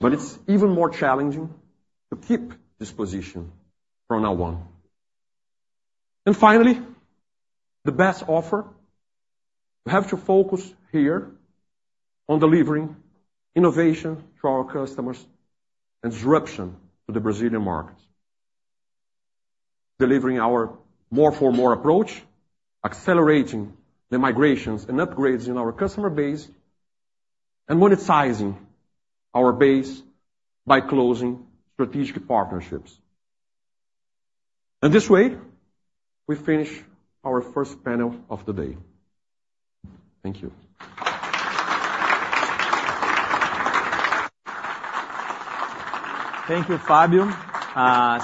but it's even more challenging to keep this position from now on. And finally, the best offer. We have to focus here on delivering innovation to our customers and disruption to the Brazilian market. Delivering our more for more approach, accelerating the migrations and upgrades in our customer base, and monetizing our base by closing strategic partnerships. This way, we finish our first panel of the day. Thank you. Thank you, Fábio.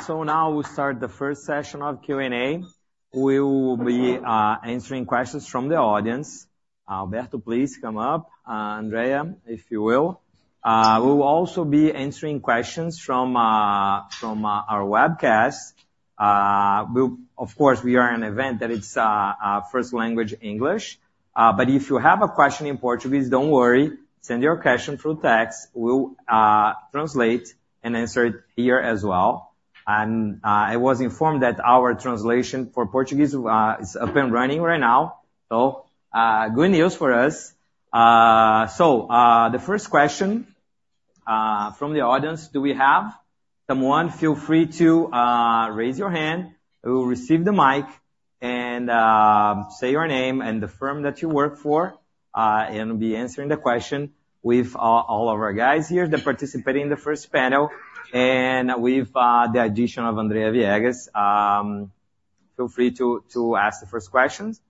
So now we start the first session of Q&A. We will be answering questions from the audience. Alberto, please come up, Andrea, if you will. We will also be answering questions from our webcast. Of course, we are an event that it's our first language English, but if you have a question in Portuguese, don't worry. Send your question through text. We'll translate and answer it here as well. And I was informed that our translation for Portuguese is up and running right now, so good news for us. So the first question from the audience, do we have someone? Feel free to raise your hand. We will receive the mic and, say your name and the firm that you work for, and we'll be answering the question with, all of our guys here, they're participating in the first panel and with, the addition of Andrea Viegas. Feel free to ask the first questions.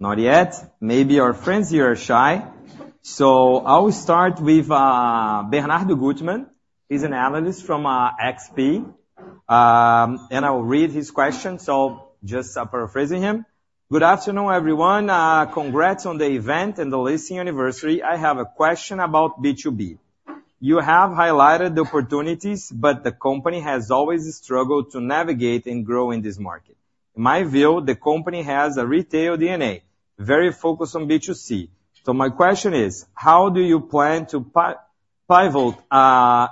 Not yet. Maybe our friends here are shy. So I will start with, Bernardo Guttmann. He's an analyst from, XP, and I will read his question, so just paraphrasing him: Good afternoon, everyone. Congrats on the event and the listing anniversary. I have a question about B2B. You have highlighted the opportunities, but the company has always struggled to navigate and grow in this market. In my view, the company has a retail DNA, very focused on B2C. So my question is: How do you plan to pivot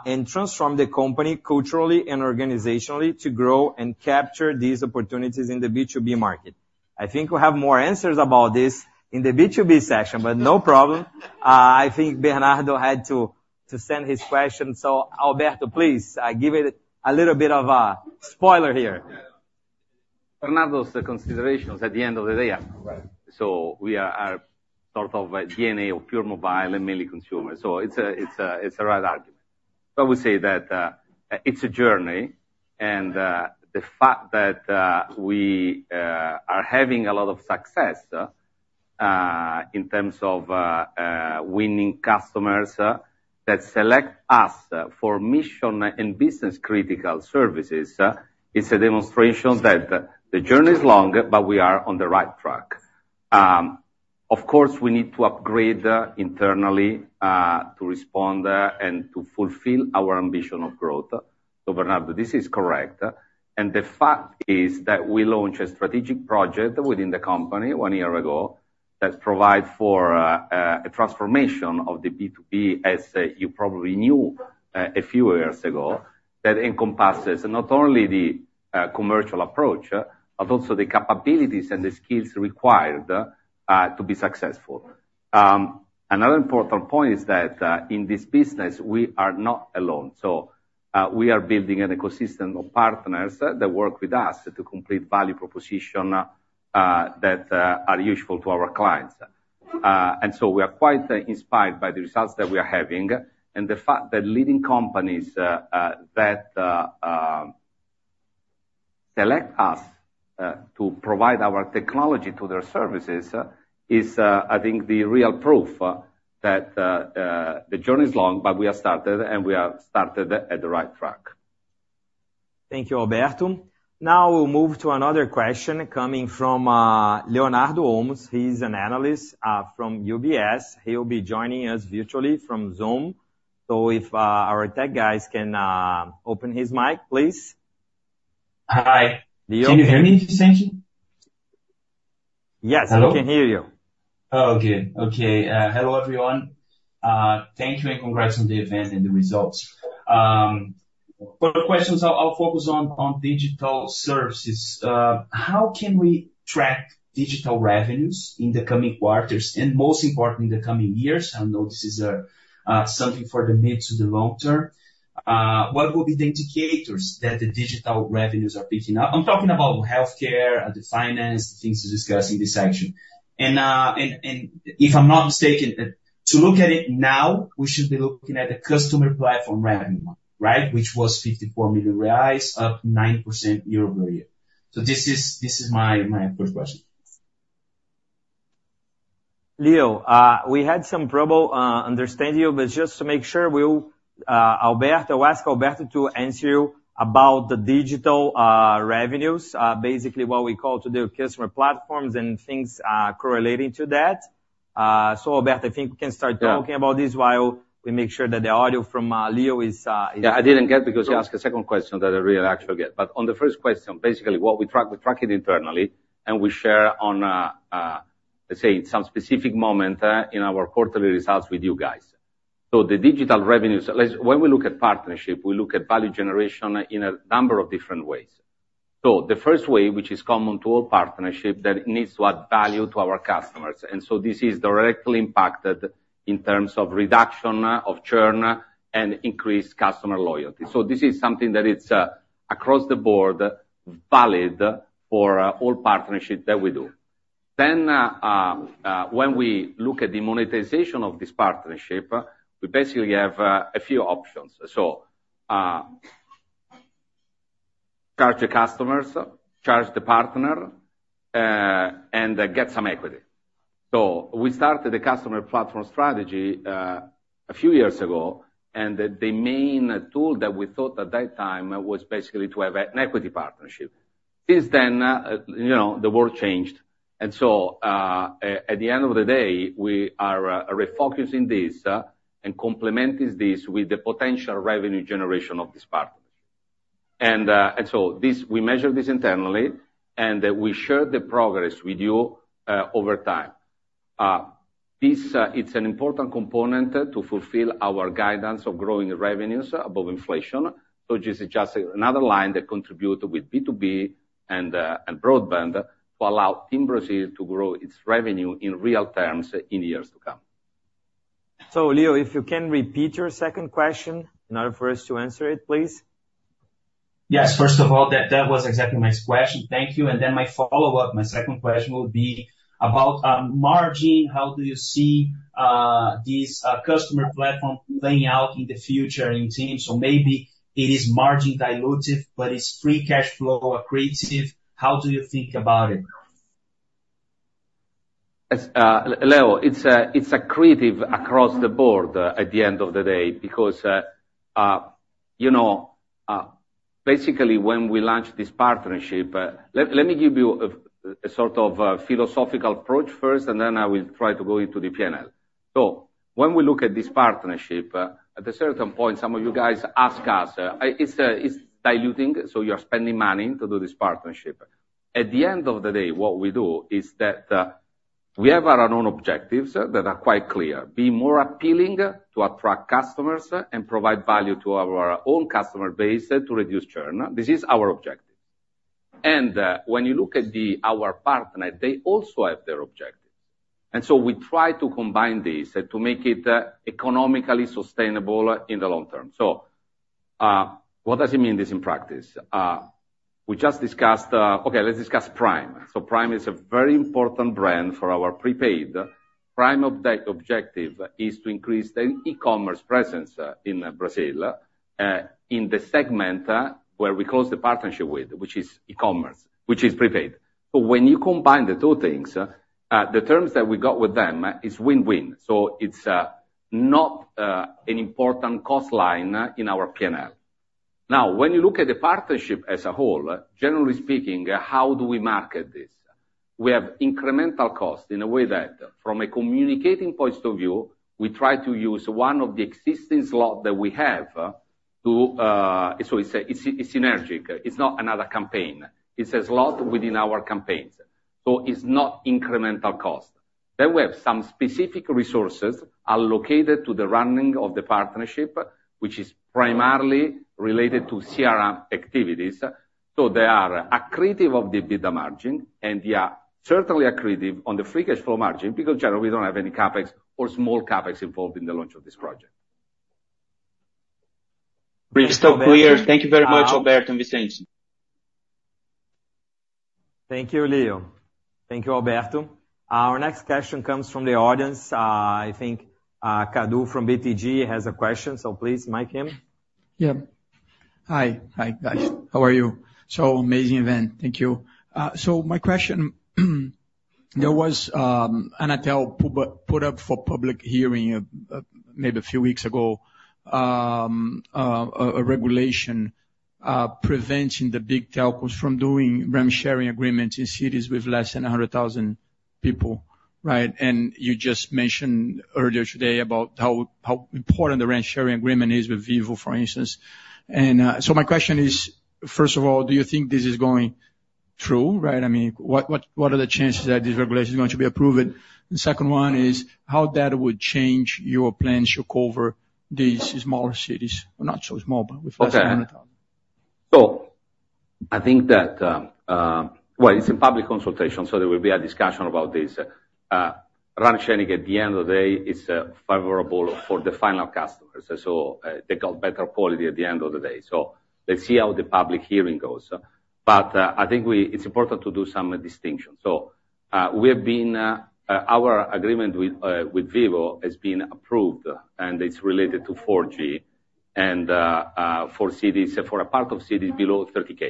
and transform the company culturally and organizationally to grow and capture these opportunities in the B2B market? I think we have more answers about this in the B2B session, but no problem. I think Bernardo had to send his question. So Alberto, please, give it a little bit of a spoiler here. Yeah. Bernardo's considerations at the end of the day are - Right. So we are sort of a DNA of pure mobile and mainly consumer, so it's a right argument. But I would say that it's a journey, and the fact that we are having a lot of success in terms of winning customers that select us for mission and business-critical services is a demonstration that the journey is long, but we are on the right track. Of course, we need to upgrade internally to respond and to fulfill our ambition of growth. So Bernardo, this is correct, and the fact is that we launched a strategic project within the company one year ago. That provide for a transformation of the B2B as you probably knew a few years ago, that encompasses not only the commercial approach, but also the capabilities and the skills required to be successful. Another important point is that in this business, we are not alone. So we are building an ecosystem of partners that work with us to complete value proposition that are useful to our clients. And so we are quite inspired by the results that we are having, and the fact that leading companies that select us to provide our technology to their services is I think the real proof that the journey is long, but we have started, and we have started at the right track. Thank you, Alberto. Now we'll move to another question coming from Leonardo Olmos. He's an analyst from UBS. He'll be joining us virtually from Zoom. So if our tech guys can open his mic, please. Hi. Can you hear me, Vicente? Yes- Hello? We can hear you. Oh, good. Okay, hello, everyone. Thank you, and congrats on the event and the results. For the questions, I'll focus on digital services. How can we track digital revenues in the coming quarters, and most importantly, in the coming years? I know this is something for the mid to the long term. What will be the indicators that the digital revenues are picking up? I'm talking about healthcare, the finance, things to discuss in this section. And if I'm not mistaken, to look at it now, we should be looking at the customer platform revenue model, right? Which was 54 million reais, up 9% year-over-year. So this is my first question. Leo, we had some trouble understanding you, but just to make sure we'll Alberto, ask Alberto to answer you about the digital revenues, basically what we call today customer platforms and things correlating to that. So Alberto, I think we can start talking about this while we make sure that the audio from Leo is - Yeah, I didn't get because he asked a second question that I really actually get. But on the first question, basically, what we track, we track it internally, and we share on a, let's say, some specific moment in our quarterly results with you guys. So the digital revenues, let's... When we look at partnership, we look at value generation in a number of different ways. So the first way, which is common to all partnership, that it needs to add value to our customers, and so this is directly impacted in terms of reduction of churn and increased customer loyalty. So this is something that it's across the board, valid for all partnerships that we do. Then, when we look at the monetization of this partnership, we basically have a few options. So, charge the customers, charge the partner, and get some equity. So we started the customer platform strategy, a few years ago, and the main tool that we thought at that time was basically to have an equity partnership. Since then, you know, the world changed, and so, at the end of the day, we are refocusing this, and complementing this with the potential revenue generation of this partnership. And so this, we measure this internally, and we share the progress with you, over time. This, it's an important component to fulfill our guidance of growing revenues above inflation, which is just another line that contribute with B2B and broadband, to allow TIM Brasil to grow its revenue in real terms in years to come. Leo, if you can repeat your second question, in order for us to answer it, please. Yes, first of all, that was exactly my question. Thank you. And then my follow-up, my second question will be about margin. How do you see this customer platform playing out in the future in TIM's? So maybe it is margin dilutive, but it's free cash flow accretive. How do you think about it? As Leo, it's accretive across the board, at the end of the day, because you know, basically, when we launched this partnership. Let me give you a sort of a philosophical approach first, and then I will try to go into the P&L. So when we look at this partnership, at a certain point, some of you guys ask us, it's diluting, so you're spending money to do this partnership. At the end of the day, what we do is that we have our own objectives that are quite clear: be more appealing to attract customers and provide value to our own customer base, and to reduce churn. This is our objective. And when you look at the our partner, they also have their objectives. So we try to combine this, to make it economically sustainable in the long term. So, what does it mean this in practice? We just discussed - okay, let's discuss Prime. So Prime is a very important brand for our prepaid. Prime objective is to increase the e-commerce presence in Brazil, in the segment where we close the partnership with, which is e-commerce, which is prepaid. But when you combine the two things, the terms that we got with them is win-win. So it's not an important cost line in our P&L. Now, when you look at the partnership as a whole, generally speaking, how do we market this? We have incremental cost in a way that from a communicating point of view, we try to use one of the existing slot that we have - So it's, it's synergistic. It's not another campaign. It's a slot within our campaigns, so it's not incremental cost. Then we have some specific resources allocated to the running of the partnership, which is primarily related to CRM activities. So they are accretive of the EBITDA margin, and they are certainly accretive on the free cash flow margin, because generally, we don't have any CapEx or small CapEx involved in the launch of this project. Still clear. Thank you very much, Alberto and Vicente. Thank you, Leo. Thank you, Alberto. Our next question comes from the audience. I think Cadu from BTG has a question, so please mic him. Yeah. Hi. Hi, guys. How are you? So amazing event. Thank you. So my question, there was, Anatel put up for public hearing, maybe a few weeks ago, a regulation, preventing the big telcos from doing RAN sharing agreements in cities with less than 100,000 people, right? And you just mentioned earlier today about how, how important the RAN sharing agreement is with Vivo, for instance. And, so my question is, first of all, do you think this is going true, right? I mean, what, what, what are the chances that this regulation is going to be approved? The second one is, how that would change your plans to cover these smaller cities? Well, not so small, but with less than 100,000. Okay. So I think that, well it's in public consultation, so there will be a discussion about this. RAN sharing, at the end of the day, is favorable for the final customers. So, they got better quality at the end of the day. So let's see how the public hearing goes. But, I think it's important to do some distinction. So, we have our agreement with Vivo has been approved, and it's related to 4G and for cities, for a part of cities below 30K.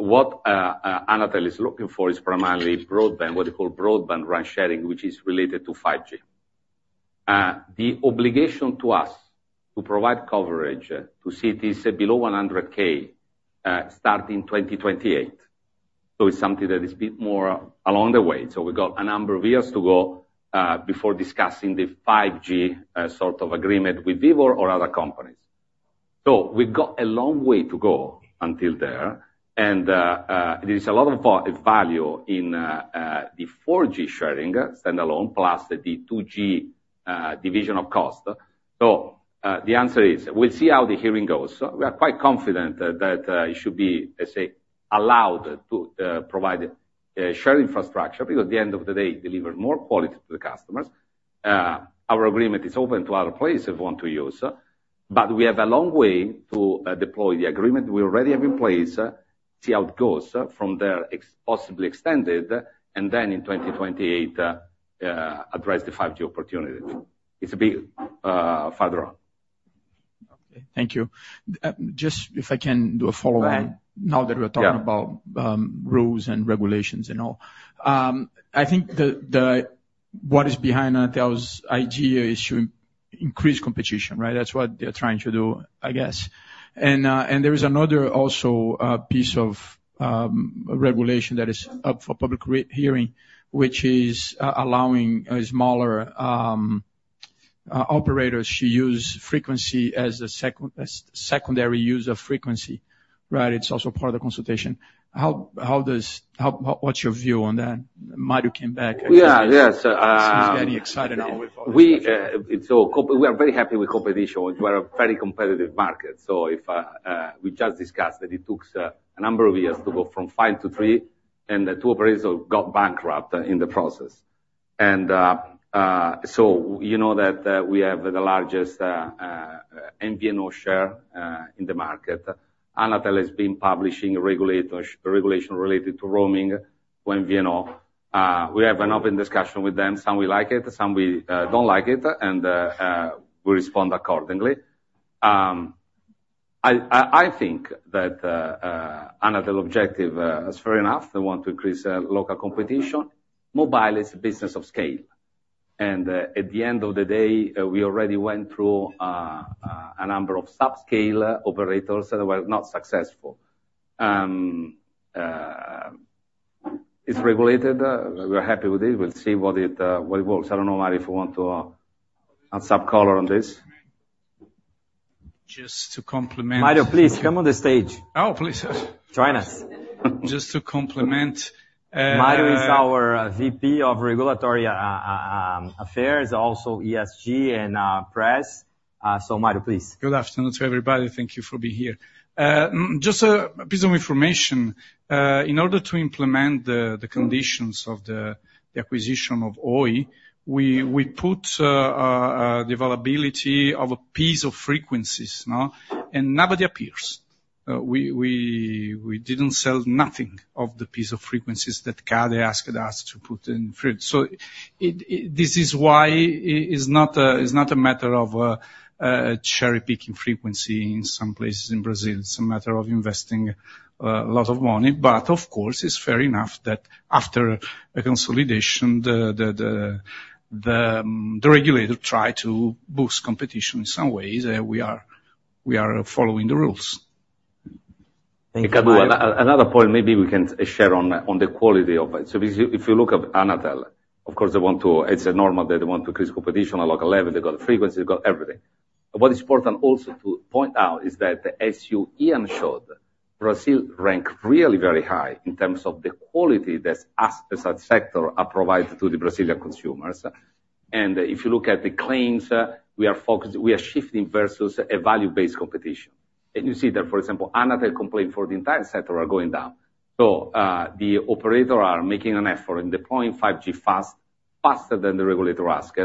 What Anatel is looking for is primarily broadband, what they call broadband RAN sharing, which is related to 5G. The obligation to us to provide coverage to cities below 100K start in 2028. So it's something that is a bit more along the way. So we got a number of years to go before discussing the 5G sort of agreement with Vivo or other companies. So we've got a long way to go until there, and there is a lot of value in the 4G sharing standalone, plus the 2G division of cost. So the answer is, we'll see how the hearing goes. We are quite confident that it should be, let's say, allowed to provide shared infrastructure, because at the end of the day, it delivers more quality to the customers. Our agreement is open to other players who want to use, but we have a long way to deploy the agreement. We already have in place, see how it goes. From there, possibly extended, and then in 2028, address the 5G opportunity. It's a bit further on. Okay, thank you. Just if I can do a follow on - now that we're talking about rules and regulations and all. I think what is behind Anatel's idea is to increase competition, right? That's what they're trying to do, I guess. And there is another also piece of regulation that is up for public rehearing, which is allowing smaller operators to use frequency as a secondary use of frequency, right? It's also part of the consultation. What's your view on that? Mario came back. Yeah. Yes. He's getting excited. We are very happy with competition. We are a very competitive market. So if we just discussed that it takes a number of years to go from five to three and the two operators got bankrupt in the process. And so you know that we have the largest MVNO share in the market. Anatel has been publishing regulation related to roaming MVNO. We have an open discussion with them. Some we like it, some we don't like it, and we respond accordingly. I think that Anatel objective is fair enough. They want to increase local competition. Mobile is a business of scale, and, at the end of the day, we already went through a number of subscale operators that were not successful. It's regulated, we're happy with it. We'll see what it, what it works. I don't know, Mario, if you want to add some color on this. Just to complement - Mario, please come on the stage. Oh, please. Join us. Just to complement - Mario is our VP of Regulatory Affairs, also ESG and Press. So, Mario, please. Good afternoon to everybody. Thank you for being here. Just a piece of information, in order to implement the conditions of the acquisition of Oi, we put the availability of a piece of frequencies now, and nobody appears. We didn't sell nothing of the piece of frequencies that CADE asked us to put on the market. So this is why it's not a matter of cherry-picking frequency in some places in Brazil. It's a matter of investing a lot of money, but of course, it's fair enough that after a consolidation, the regulator try to boost competition in some ways, we are following the rules. Another point maybe we can share on, on the quality of it. So if you, if you look at Anatel, of course, they want to, it's normal that they want to increase competition at local level. They've got the frequency, they've got everything. But what is important also to point out is that the SUEN showed Brazil ranked really very high in terms of the quality that us, as a sector, are provided to the Brazilian consumers. And if you look at the claims, we are focused, we are shifting versus a value-based competition. And you see that, for example, Anatel complaint for the entire sector are going down. So, the operator are making an effort in deploying 5G fast, faster than the regulator asked.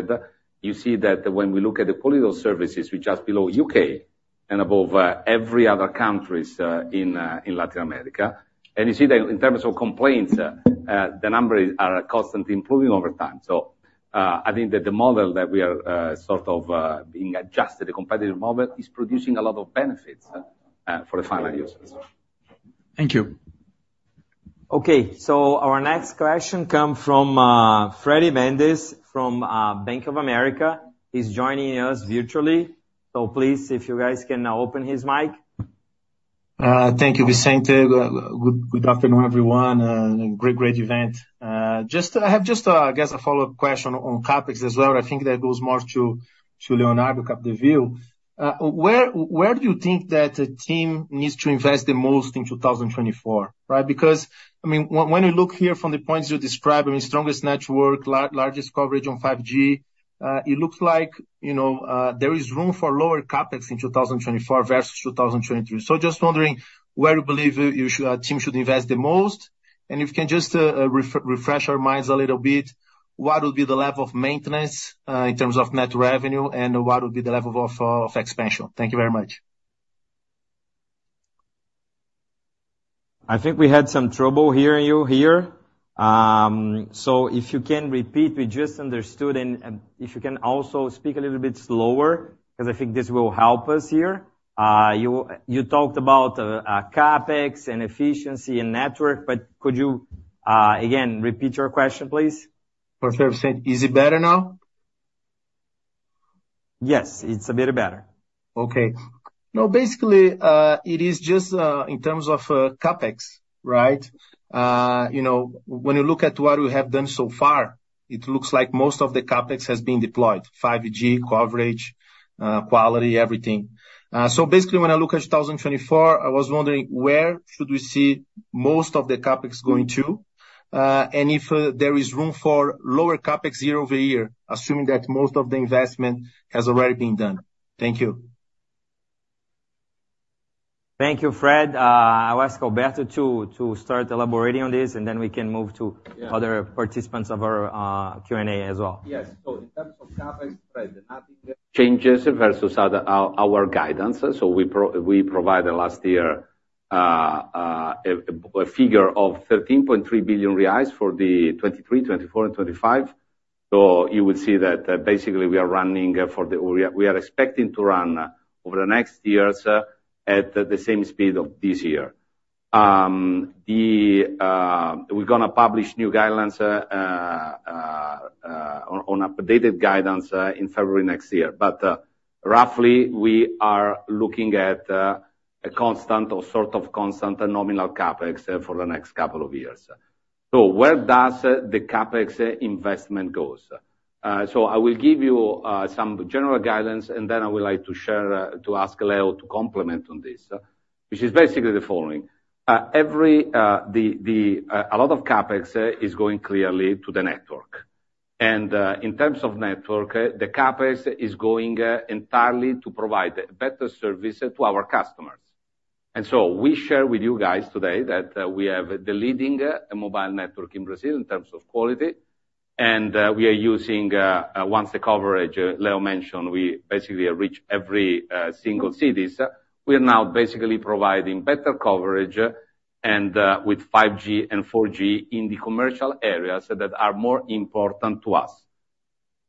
You see that when we look at the quality of services, we're just below UK and above every other countries in Latin America. And you see that in terms of complaints, the numbers are constantly improving over time. So, I think that the model that we are sort of being adjusted, the competitive model, is producing a lot of benefits for the final users. Thank you. Okay, so our next question come from Freddy Mendes from Bank of America. He's joining us virtually, so please, if you guys can now open his mic. Thank you, Vicente. Good afternoon, everyone, and great event. Just—I have just, I guess, a follow-up question on CapEx as well. I think that goes more to Leonardo Capdeville. Where do you think that the team needs to invest the most in 2024, right? Because, I mean when you look here from the points you described, I mean, strongest network, largest coverage on 5G, it looks like, you know, there is room for lower CapEx in 2024 versus 2023. So just wondering where you believe the team should invest the most. If you can just refresh our minds a little bit, what would be the level of maintenance in terms of net revenue, and what would be the level of expansion? Thank you very much. I think we had some trouble hearing you here. So if you can repeat, we just understood, and if you can also speak a little bit slower, 'cause I think this will help us here. You talked about CapEx and efficiency and network, but could you again repeat your question, please? For sure, Vicente. Is it better now? Yes, it's a bit better. Okay. No, basically, it is just, in terms of, CapEx, right? You know, when you look at what we have done so far, it looks like most of the CapEx has been deployed, 5G, coverage, quality, everything. So basically, when I look at 2024, I was wondering where should we see most of the CapEx going to? And if, there is room for lower CapEx year over year, assuming that most of the investment has already been done. Thank you. Thank you, Fred. I'll ask Alberto to start elaborating on this, and then we can move to- Yeah. Other participants of our Q&A as well. Yes. So in terms of CapEx, Fred, nothing changes versus our guidance. So we provided last year a figure of 13.3 billion reais for the 2023, 2024 and 2025. So you will see that, basically, we are running for the whole year. We are expecting to run over the next years at the same speed of this year. We're gonna publish new guidelines on updated guidance in February next year. But roughly, we are looking at a constant or sort of constant nominal CapEx for the next couple of years. So where does the CapEx investment goes? So I will give you some general guidance, and then I would like to share to ask Leo to complement on this, which is basically the following. A lot of CapEx is going clearly to the network. And in terms of network, the CapEx is going entirely to provide better service to our customers. And so we share with you guys today that we have the leading mobile network in Brazil in terms of quality, and we are using once the coverage Leo mentioned, we basically reach every single cities. We are now basically providing better coverage and with 5G and 4G in the commercial areas that are more important to us.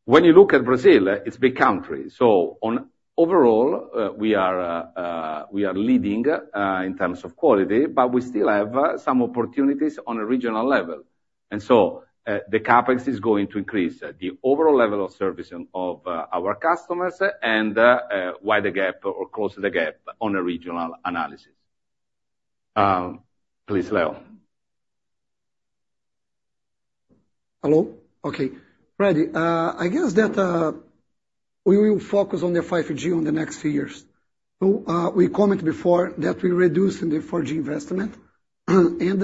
When you look at Brazil, it's a big country, so overall we are leading in terms of quality, but we still have some opportunities on a regional level. The CapEx is going to increase the overall level of service of our customers and widen the gap or close the gap on a regional analysis. Please, Leo. Hello? Okay. Fred, I guess that, we will focus on the 5G on the next few years. So, we comment before that we reduced the 4G investment, and,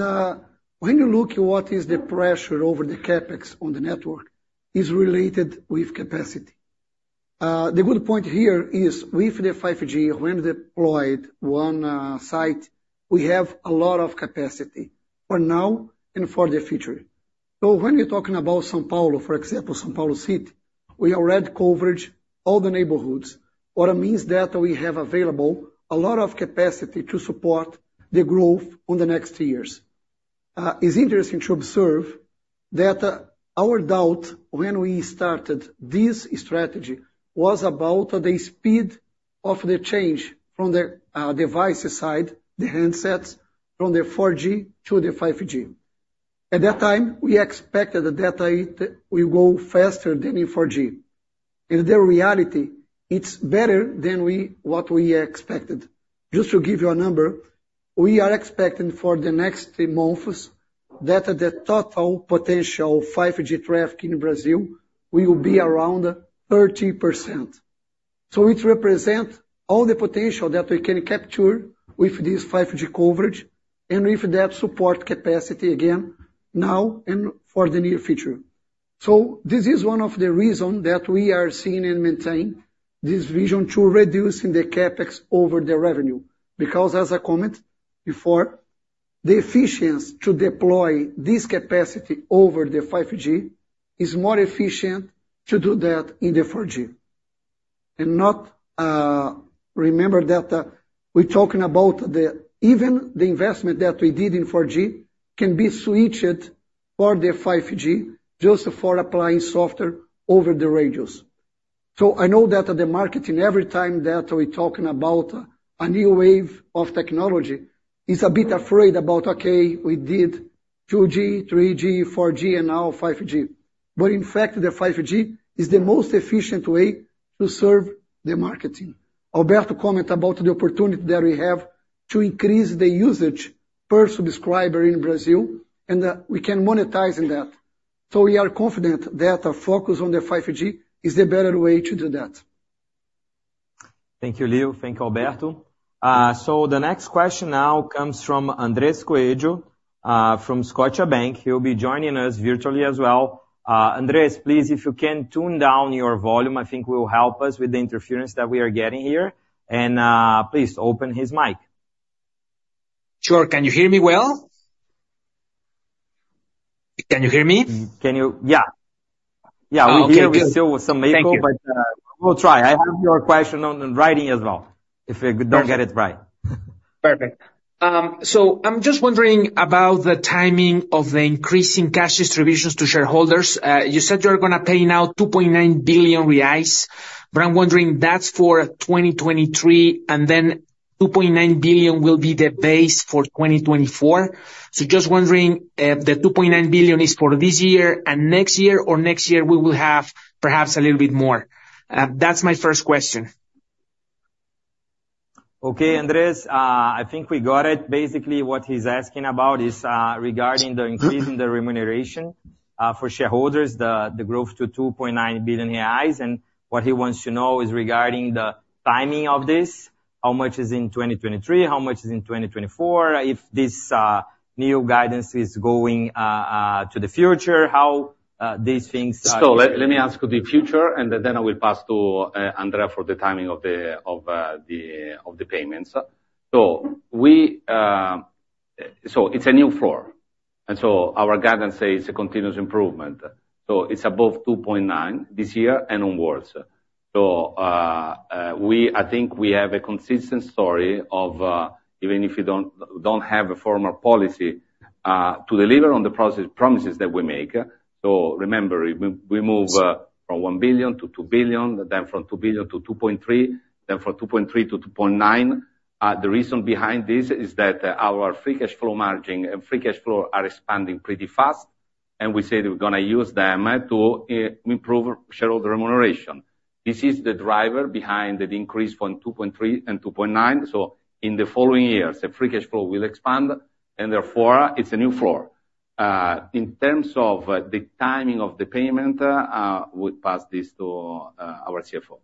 when you look what is the pressure over the CapEx on the network, is related with capacity. The good point here is with the 5G, when deployed one, site, we have a lot of capacity for now and for the future. So when you're talking about São Paulo, for example, São Paulo City, we already cover all the neighborhoods, what it means that we have available a lot of capacity to support the growth on the next years. It's interesting to observe that, our doubt when we started this strategy was about the speed of the change from the, device side, the handsets, from the 4G to the 5G.... At that time, we expected that the data will go faster than in 4G. In reality, it's better than what we expected. Just to give you a number, we are expecting for the next three months that the total potential 5G traffic in Brazil will be around 30%. So it represent all the potential that we can capture with this 5G coverage and with that support capacity again now and for the near future. So this is one of the reason that we are seeing and maintaining this vision to reducing the CapEx over the revenue, because as I comment before, the efficiency to deploy this capacity over the 5G is more efficient to do that in the 4G. And not, remember that, we're talking about the, even the investment that we did in 4G can be switched for the 5G just for applying software over the radios. So I know that the marketing, every time that we're talking about a new wave of technology, is a bit afraid about, okay, we did 2G, 3G, 4G, and now 5G. But in fact, the 5G is the most efficient way to serve the marketing. Alberto comment about the opportunity that we have to increase the usage per subscriber in Brazil, and, we can monetize in that. So we are confident that our focus on the 5G is the better way to do that. Thank you, Leo. Thank you, Alberto. So the next question now comes from Andres Coello from Scotiabank. He'll be joining us virtually as well. Andres, please, if you can tune down your volume, I think will help us with the interference that we are getting here. Please, open his mic. Sure. Can you hear me well? Can you hear me? Yeah. Yeah. Okay, good. We still with some echo- Thank you. But we'll try. I have your question on writing as well, if we don't get it right. Perfect. So I'm just wondering about the timing of the increase in cash distributions to shareholders. You said you're gonna pay now 2.9 billion reais, but I'm wondering, that's for 2023, and then 2.9 billion will be the base for 2024? So just wondering, the 2.9 billion is for this year and next year, or next year we will have perhaps a little bit more? That's my first question. Okay, Andres, I think we got it. Basically, what he's asking about is, regarding the increase in the remuneration for shareholders, the growth to 2.9 billion reais. And what he wants to know is regarding the timing of this, how much is in 2023, how much is in 2024, if this new guidance is going to the future, how these things are - So let me address the future, and then I will pass to Andrea for the timing of the payments. So it's a new floor, and so our guidance says a continuous improvement, so it's above 2.9 billion this year and onwards. So we have a consistent story of even if you don't have a formal policy to deliver on the promises that we make. So remember, we move from 1 billion to 2 billion, then from 2 billion to 2.3 billion, then from 2.3 billion to 2.9 billion. The reason behind this is that our free cash flow margin and free cash flow are expanding pretty fast, and we said we're gonna use them to improve shareholder remuneration. This is the driver behind the increase from 2.3 and 2.9. So in the following years, the free cash flow will expand, and therefore, it's a new floor. In terms of the timing of the payment, I will pass this to our CFO.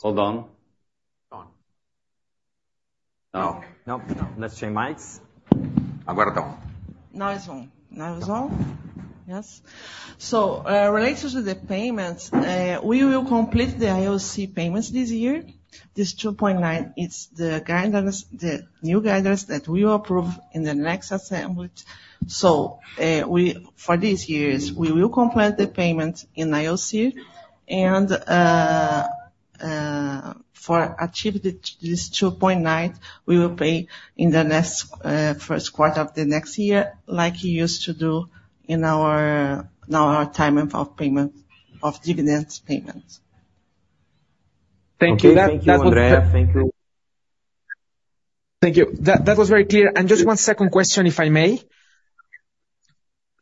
Hold on. Now. No, no, let's change mics. Now we're done. Now it's on. Now it's on? Yes. So, related to the payments, we will complete the IOC payments this year. This 2.9, it's the guidance, the new guidance that we approve in the next assembly. So, we, for these years, we will complete the payment in IOC, and, for achieve the, this 2.9, we will pay in the next, first quarter of the next year, like we used to do in our, in our timing of payment, of dividends payments. Thank you. That was - Thank you, Andrea. Thank you. Thank you. That, that was very clear. And just one second question, if I may.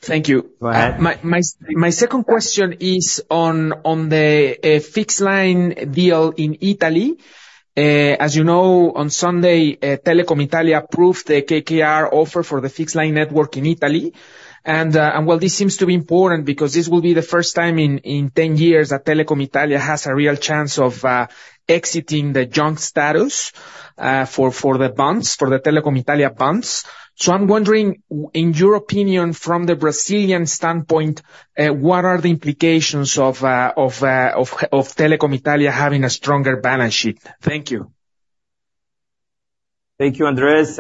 Thank you. Go ahead. My second question is on the fixed line deal in Italy. As you know, on Sunday, Telecom Italia approved the KKR offer for the fixed line network in Italy. And well, this seems to be important because this will be the first time in 10 years that Telecom Italia has a real chance of exiting the junk status for the bonds, for the Telecom Italia bonds. So I'm wondering, in your opinion, from the Brazilian standpoint, what are the implications of Telecom Italia having a stronger balance sheet? Thank you. Thank you, Andres.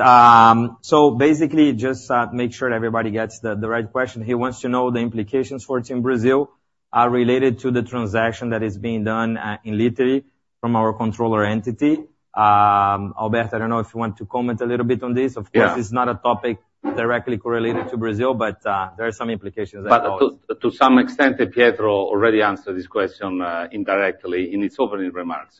So basically, just make sure everybody gets the right question. He wants to know the implications for TIM Brasil related to the transaction that is being done in Italy from our controlling entity. Alberto, I don't know if you want to comment a little bit on this. Yeah. Of course, it's not a topic directly correlated to Brazil, but there are some implications that- But to some extent, Pietro already answered this question indirectly in his opening remarks.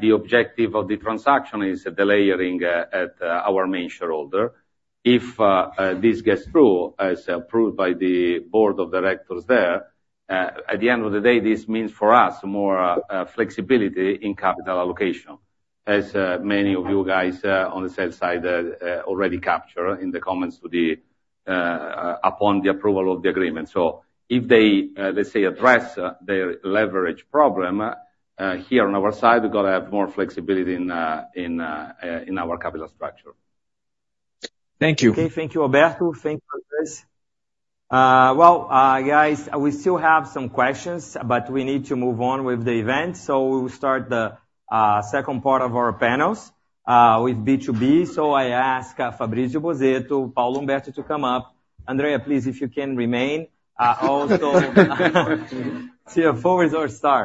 The objective of the transaction is the layering at our main shareholder. If this gets through, as approved by the board of directors there, at the end of the day, this means for us more flexibility in capital allocation, as many of you guys on the sell side already capture in the comments to the upon the approval of the agreement. So if they let's say address their leverage problem here on our side, we're gonna have more flexibility in our capital structure. Thank you. Okay, thank you, Alberto. Thank you, guys. Well, guys, we still have some questions, but we need to move on with the event. So we will start the second part of our panels with B2B. So I ask Fabrizio Bozzetto, Paulo Humberto to come up. Andrea, please, if you can remain also - CFO is our star.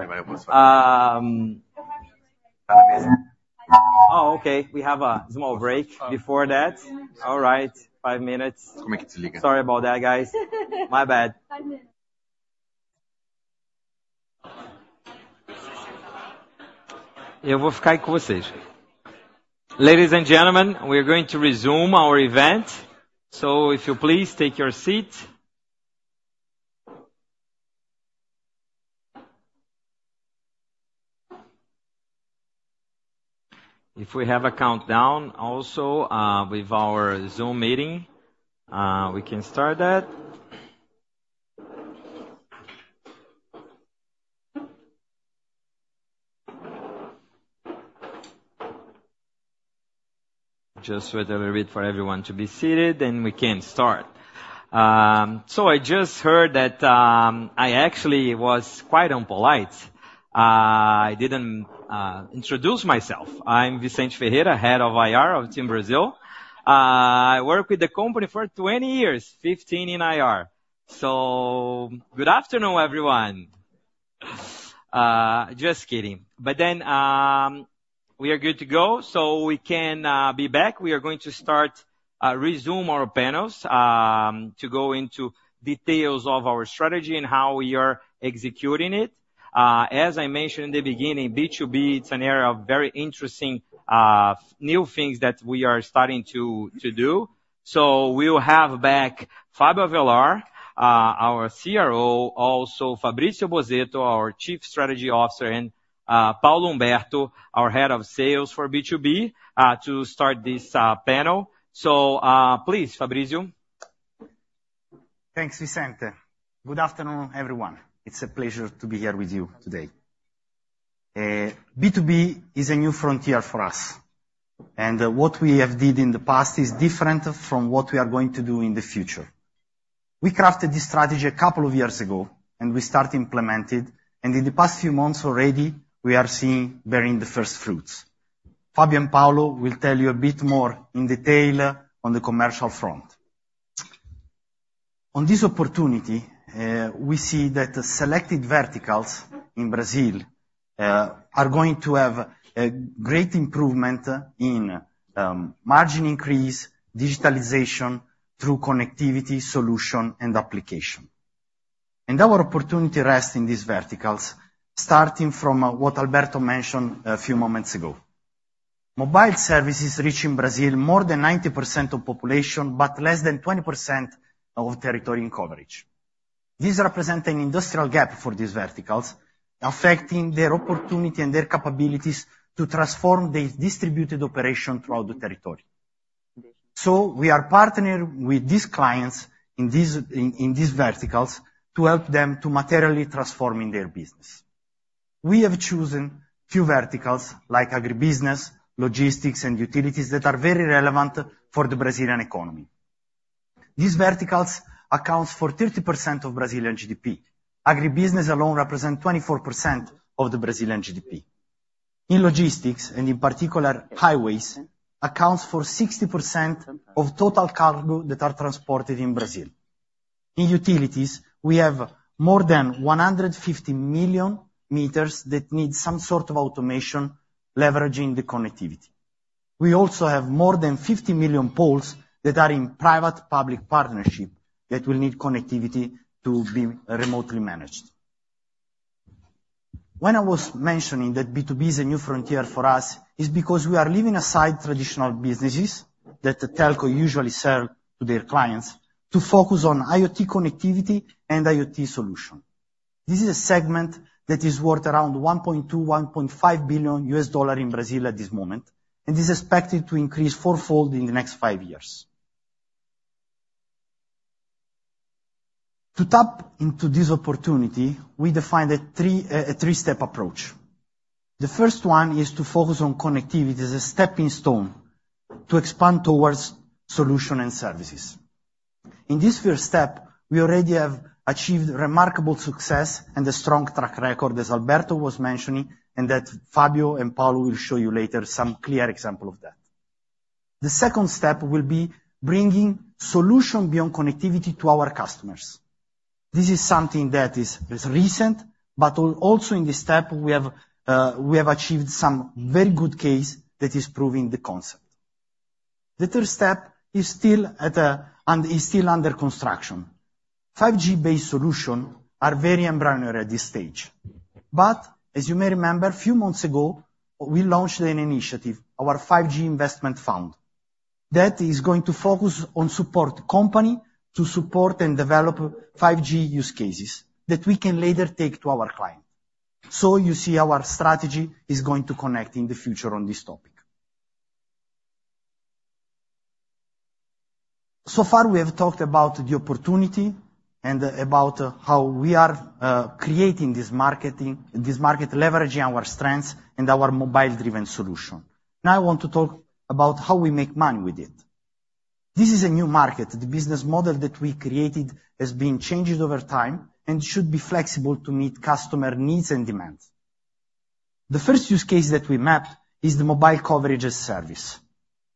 Oh, okay. We have a small break before that. All right, five minutes. Sorry about that, guys. My ba d. Five minutes. Ladies and gentlemen, we are going to resume our event, so if you please take your seat. If we have a countdown also, with our Zoom meeting, we can start that. Just wait a little bit for everyone to be seated, then we can start. So I just heard that, I actually was quite impolite. I didn't introduce myself. I'm Vicente Ferreira, Head of IR of TIM Brasil. I worked with the company for 20 years, 15 in IR. So good afternoon, everyone. Just kidding. But then, we are good to go, so we can be back. We are going to start, resume our panels, to go into details of our strategy and how we are executing it. As I mentioned in the beginning, B2B, it's an area of very interesting, new things that we are starting to, to do. So we will have back Fábio Avellar, our CRO, also Fabrizio Bozzetto, our Chief Strategy Officer, and, Paulo Humberto, our Head of Sales for B2B, to start this, panel. So, please, Fabrizio. Thanks, Vicente. Good afternoon, everyone. It's a pleasure to be here with you today. B2B is a new frontier for us, and what we have did in the past is different from what we are going to do in the future. We crafted this strategy a couple of years ago, and we start implemented, and in the past few months already, we are seeing bearing the first fruits. Fábio and Paulo will tell you a bit more in detail on the commercial front. On this opportunity, we see that the selected verticals in Brazil are going to have a great improvement in margin increase, digitalization through connectivity, solution and application. And our opportunity rests in these verticals, starting from what Alberto mentioned a few moments ago. Mobile services reach in Brazil more than 90% of population, but less than 20% of territory in coverage. These represent an industrial gap for these verticals, affecting their opportunity and their capabilities to transform the distributed operation throughout the territory. So we are partnering with these clients in these verticals to help them to materially transforming their business. We have chosen two verticals, like agribusiness, logistics, and utilities that are very relevant for the Brazilian economy. These verticals accounts for 30% of Brazilian GDP. Agribusiness alone represent 24% of the Brazilian GDP. In logistics, and in particular, highways, accounts for 60% of total cargo that are transported in Brazil. In utilities, we have more than 150 million meters that need some sort of automation, leveraging the connectivity. We also have more than 50 million poles that are in private-public partnership that will need connectivity to be remotely managed. When I was mentioning that B2B is a new frontier for us, is because we are leaving aside traditional businesses that the telco usually sell to their clients, to focus on IoT connectivity and IoT solution. This is a segment that is worth around $1.2 billion-$1.5 billion in Brazil at this moment, and is expected to increase fourfold in the next 5 years. To tap into this opportunity, we defined a three, a three-step approach. The first one is to focus on connectivity as a stepping stone to expand towards solution and services. In this first step, we already have achieved remarkable success and a strong track record, as Alberto was mentioning, and that Fábio and Paulo will show you later some clear example of that. The second step will be bringing solution beyond connectivity to our customers. This is something that is recent, but also in this step, we have achieved some very good case that is proving the concept. The third step is still under construction. 5G-based solution are very embryonic at this stage, but as you may remember, a few months ago, we launched an initiative, our 5G investment fund, that is going to focus on support company to support and develop 5G use cases that we can later take to our client. So you see, our strategy is going to connect in the future on this topic. So far, we have talked about the opportunity and about how we are creating this marketing, this market, leveraging our strengths and our mobile-driven solution. Now, I want to talk about how we make money with it. This is a new market. The business model that we created has been changed over time and should be flexible to meet customer needs and demands. The first use case that we mapped is the mobile coverage service.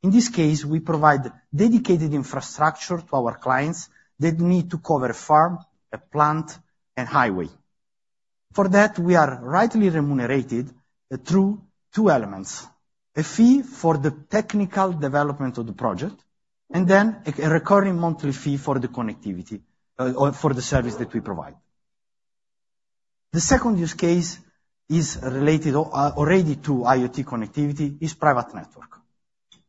In this case, we provide dedicated infrastructure to our clients that need to cover a farm, a plant, and highway. For that, we are rightly remunerated through two elements: a fee for the technical development of the project, and then a recurring monthly fee for the connectivity or for the service that we provide. The second use case is related already to IoT connectivity, is private network.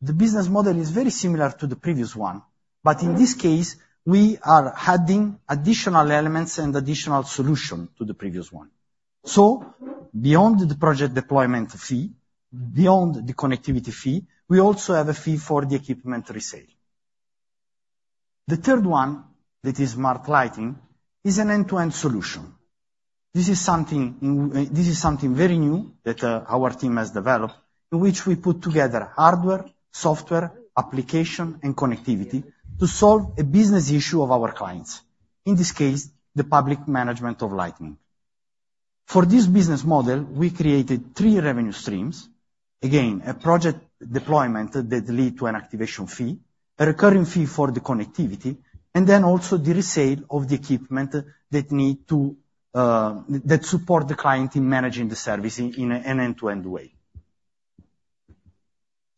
The business model is very similar to the previous one, but in this case, we are adding additional elements and additional solution to the previous one. So beyond the project deployment fee, beyond the connectivity fee, we also have a fee for the equipment resale. The third one, that is smart lighting, is an end-to-end solution. This is something new, this is something very new that, our team has developed, in which we put together hardware, software, application, and connectivity to solve a business issue of our clients, in this case, the public management of lighting. For this business model, we created three revenue streams. Again, a project deployment that lead to an activation fee, a recurring fee for the connectivity, and then also the resale of the equipment that need to, that support the client in managing the service in an end-to-end way.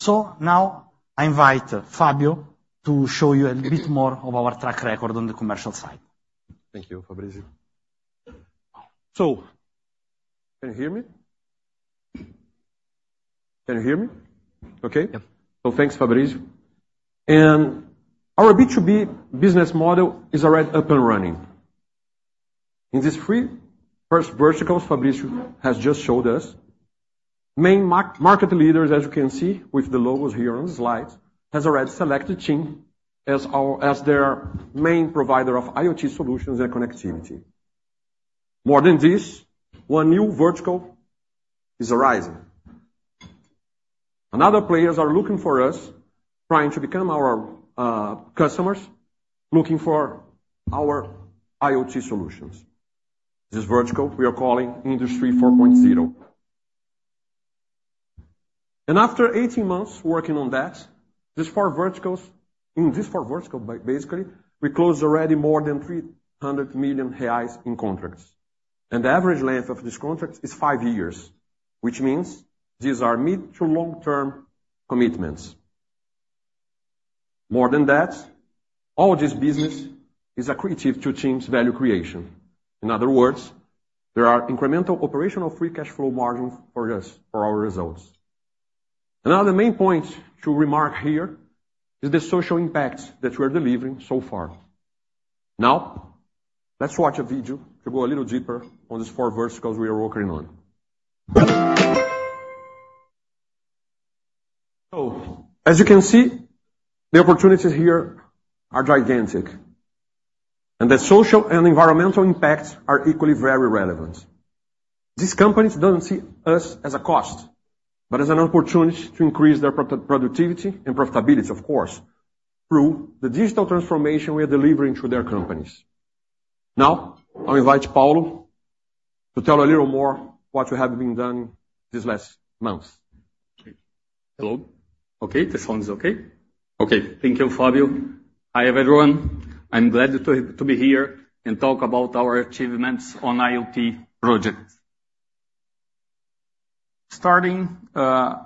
Now I invite Fábio to show you a bit more of our track record on the commercial side. Thank you, Fabrizio. So can you hear me? Can you hear me okay? Yep. So thanks, Fabrizio. Our B2B business model is already up and running. In these 3 first verticals Fabrizio has just showed us, main market leaders, as you can see with the logos here on the slide, has already selected TIM as our, as their main provider of IoT solutions and connectivity. More than this, one new vertical is rising, and other players are looking for us, trying to become our, customers, looking for our IoT solutions. This vertical, we are calling Industry 4.0. After 18 months working on that, these 4 verticals, in these 4 verticals, basically, we closed already more than 300 million reais in contracts, and the average length of this contract is 5 years, which means these are mid to long-term commitments. More than that, all this business is accretive to TIM's value creation. In other words, there are incremental operational free cash flow margins for us, for our results. Another main point to remark here is the social impact that we are delivering so far. Now, let's watch a video to go a little deeper on these four verticals we are working on. So as you can see, the opportunities here are gigantic, and the social and environmental impacts are equally very relevant. These companies don't see us as a cost, but as an opportunity to increase their pro-productivity and profitability, of course, through the digital transformation we are delivering to their companies. Now I invite Paulo to tell a little more what you have been done these last months. Hello. Okay, this one is okay? Okay. Thank you, Fábio. Hi, everyone. I'm glad to be here and talk about our achievements on IoT projects. Starting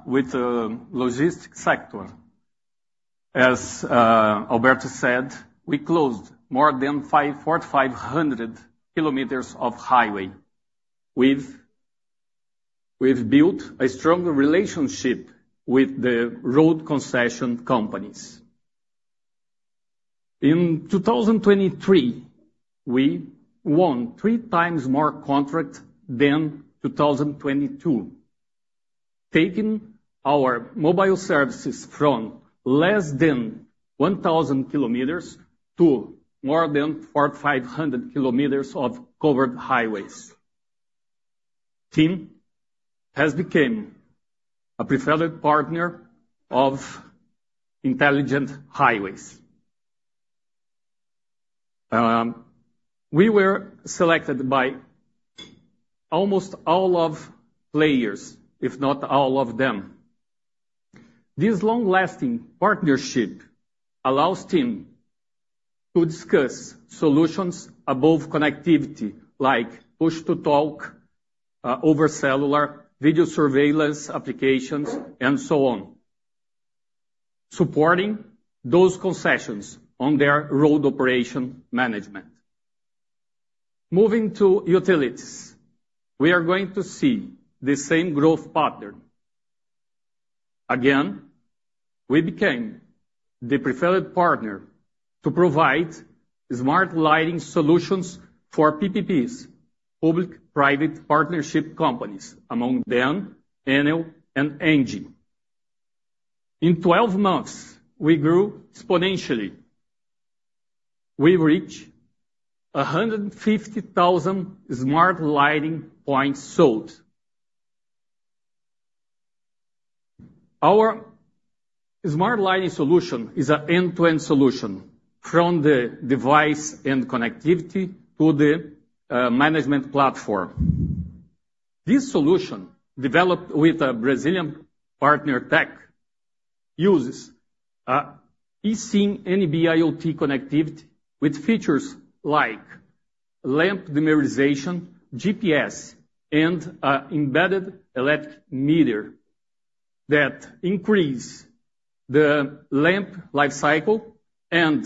with the logistic sector, as Alberto said, we closed more than 450-500 kilometers of highway. We've built a strong relationship with the road concession companies. In 2023, we won three times more contract than 2022, taking our mobile services from less than 1,000 kilometers to more than 450 kilometers of covered highways. TIM has became a preferred partner of intelligent highways. We were selected by almost all of players, if not all of them. This long-lasting partnership allows TIM to discuss solutions above connectivity, like push-to-talk over cellular, video surveillance applications, and so on, supporting those concessions on their road operation management. Moving to utilities, we are going to see the same growth pattern. Again, we became the preferred partner to provide smart lighting solutions for PPPs, public-private partnership companies, among them, Enel and ENGIE. In 12 months, we grew exponentially. We reached 150,000 smart lighting points sold. Our smart lighting solution is a end-to-end solution from the device and connectivity to the management platform. This solution, developed with a Brazilian partner tech, uses eSIM NB-IoT connectivity with features like lamp dimmerization, GPS, and embedded electric meter, that increase the lamp life cycle and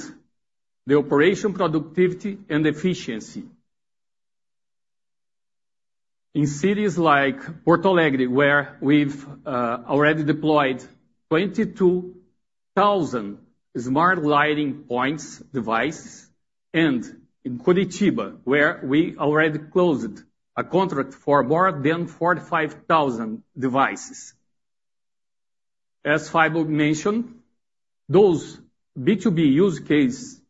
the operation productivity and efficiency. In cities like Porto Alegre, where we've already deployed 22,000 smart lighting points devices, and in Curitiba, where we already closed a contract for more than 45,000 devices. As Fábio mentioned, those B2B use cases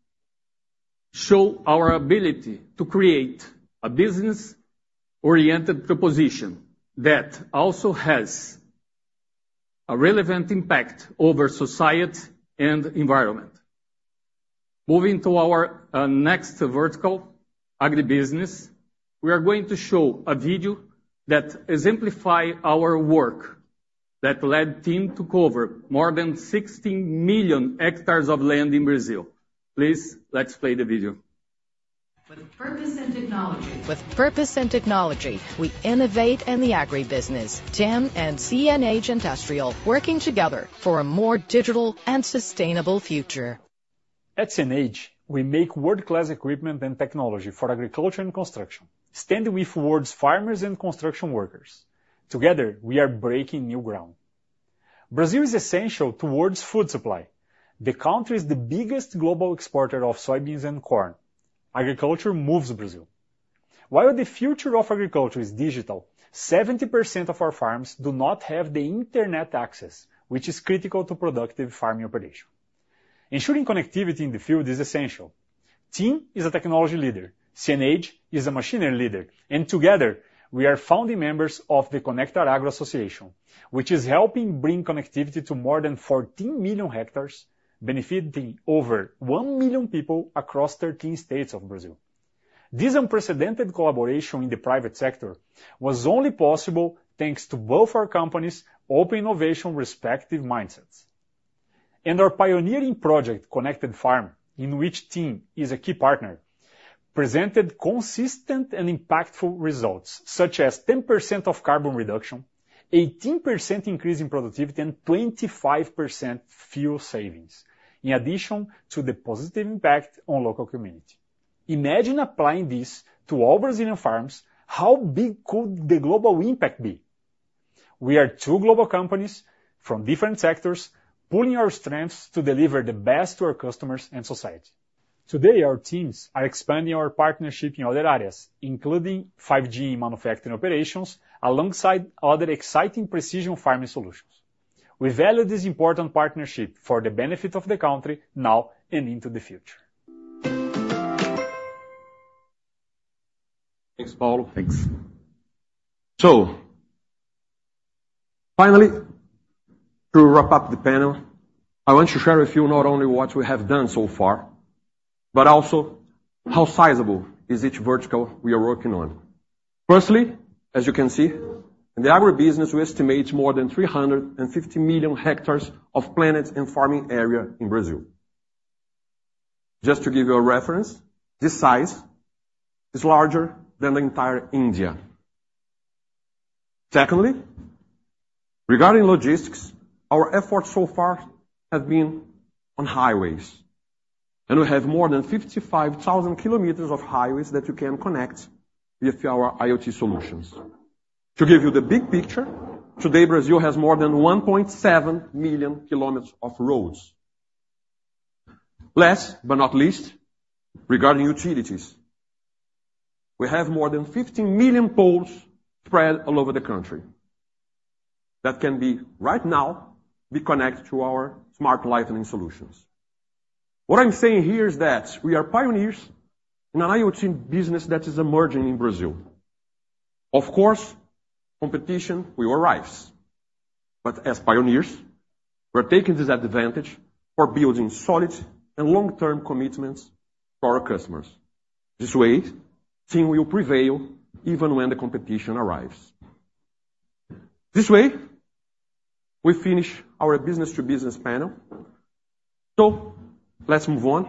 show our ability to create a business-oriented proposition that also has a relevant impact over society and environment. Moving to our next vertical, agribusiness, we are going to show a video that exemplify our work, that led team to cover more than 16 million hectares of land in Brazil. Please, let's play the video. With purpose and technology, we innovate in the agribusiness. TIM and CNH Industrial working together for a more digital and sustainable future. At CNH, we make world-class equipment and technology for agriculture and construction, standing with world's farmers and construction workers. Together, we are breaking new ground. Brazil is essential towards food supply. The country is the biggest global exporter of soybeans and corn. Agriculture moves Brazil. While the future of agriculture is digital, 70% of our farms do not have the internet access, which is critical to productive farming operation. Ensuring connectivity in the field is essential. TIM is a technology leader, CNH is a machinery leader and together, we are founding members of the ConectarAGRO Association, which is helping bring connectivity to more than 14 million hectares, benefiting over 1 million people across 13 states of Brazil. This unprecedented collaboration in the private sector was only possible thanks to both our companies' open innovation respective mindsets. Our pioneering project, Connected Farm, in which TIM is a key partner, presented consistent and impactful results such as 10% of carbon reduction, 18% increase in productivity, and 25% fuel savings, in addition to the positive impact on local community. Imagine applying this to all Brazilian farms, how big could the global impact be? We are two global companies from different sectors, pooling our strengths to deliver the best to our customers and society. Today our teams are expanding our partnership in other areas, including 5G manufacturing operations, alongside other exciting precision farming solutions. We value this important partnership for the benefit of the country now and into the future. Thanks, Paulo. Thanks. So finally, to wrap up the panel, I want to share with you not only what we have done so far, but also how sizable is each vertical we are working on. Firstly, as you can see, in the agribusiness, we estimate more than 350 million hectares of planted and farming area in Brazil. Just to give you a reference, this size is larger than the entire India. Secondly, regarding logistics, our efforts so far have been on highways, and we have more than 55,000 kilometers of highways that we can connect with our IoT solutions. To give you the big picture, today, Brazil has more than 1.7 million kilometers of roads. Last, but not least, regarding utilities, we have more than 15 million poles spread all over the country that can be, right now, be connected to our smart lighting solutions. What I'm saying here is that we are pioneers in an IoT business that is emerging in Brazil. Of course, competition will arise, but as pioneers, we're taking this advantage for building solid and long-term commitments to our customers. This way, TIM will prevail even when the competition arrives. This way, we finish our business to business panel. So let's move on,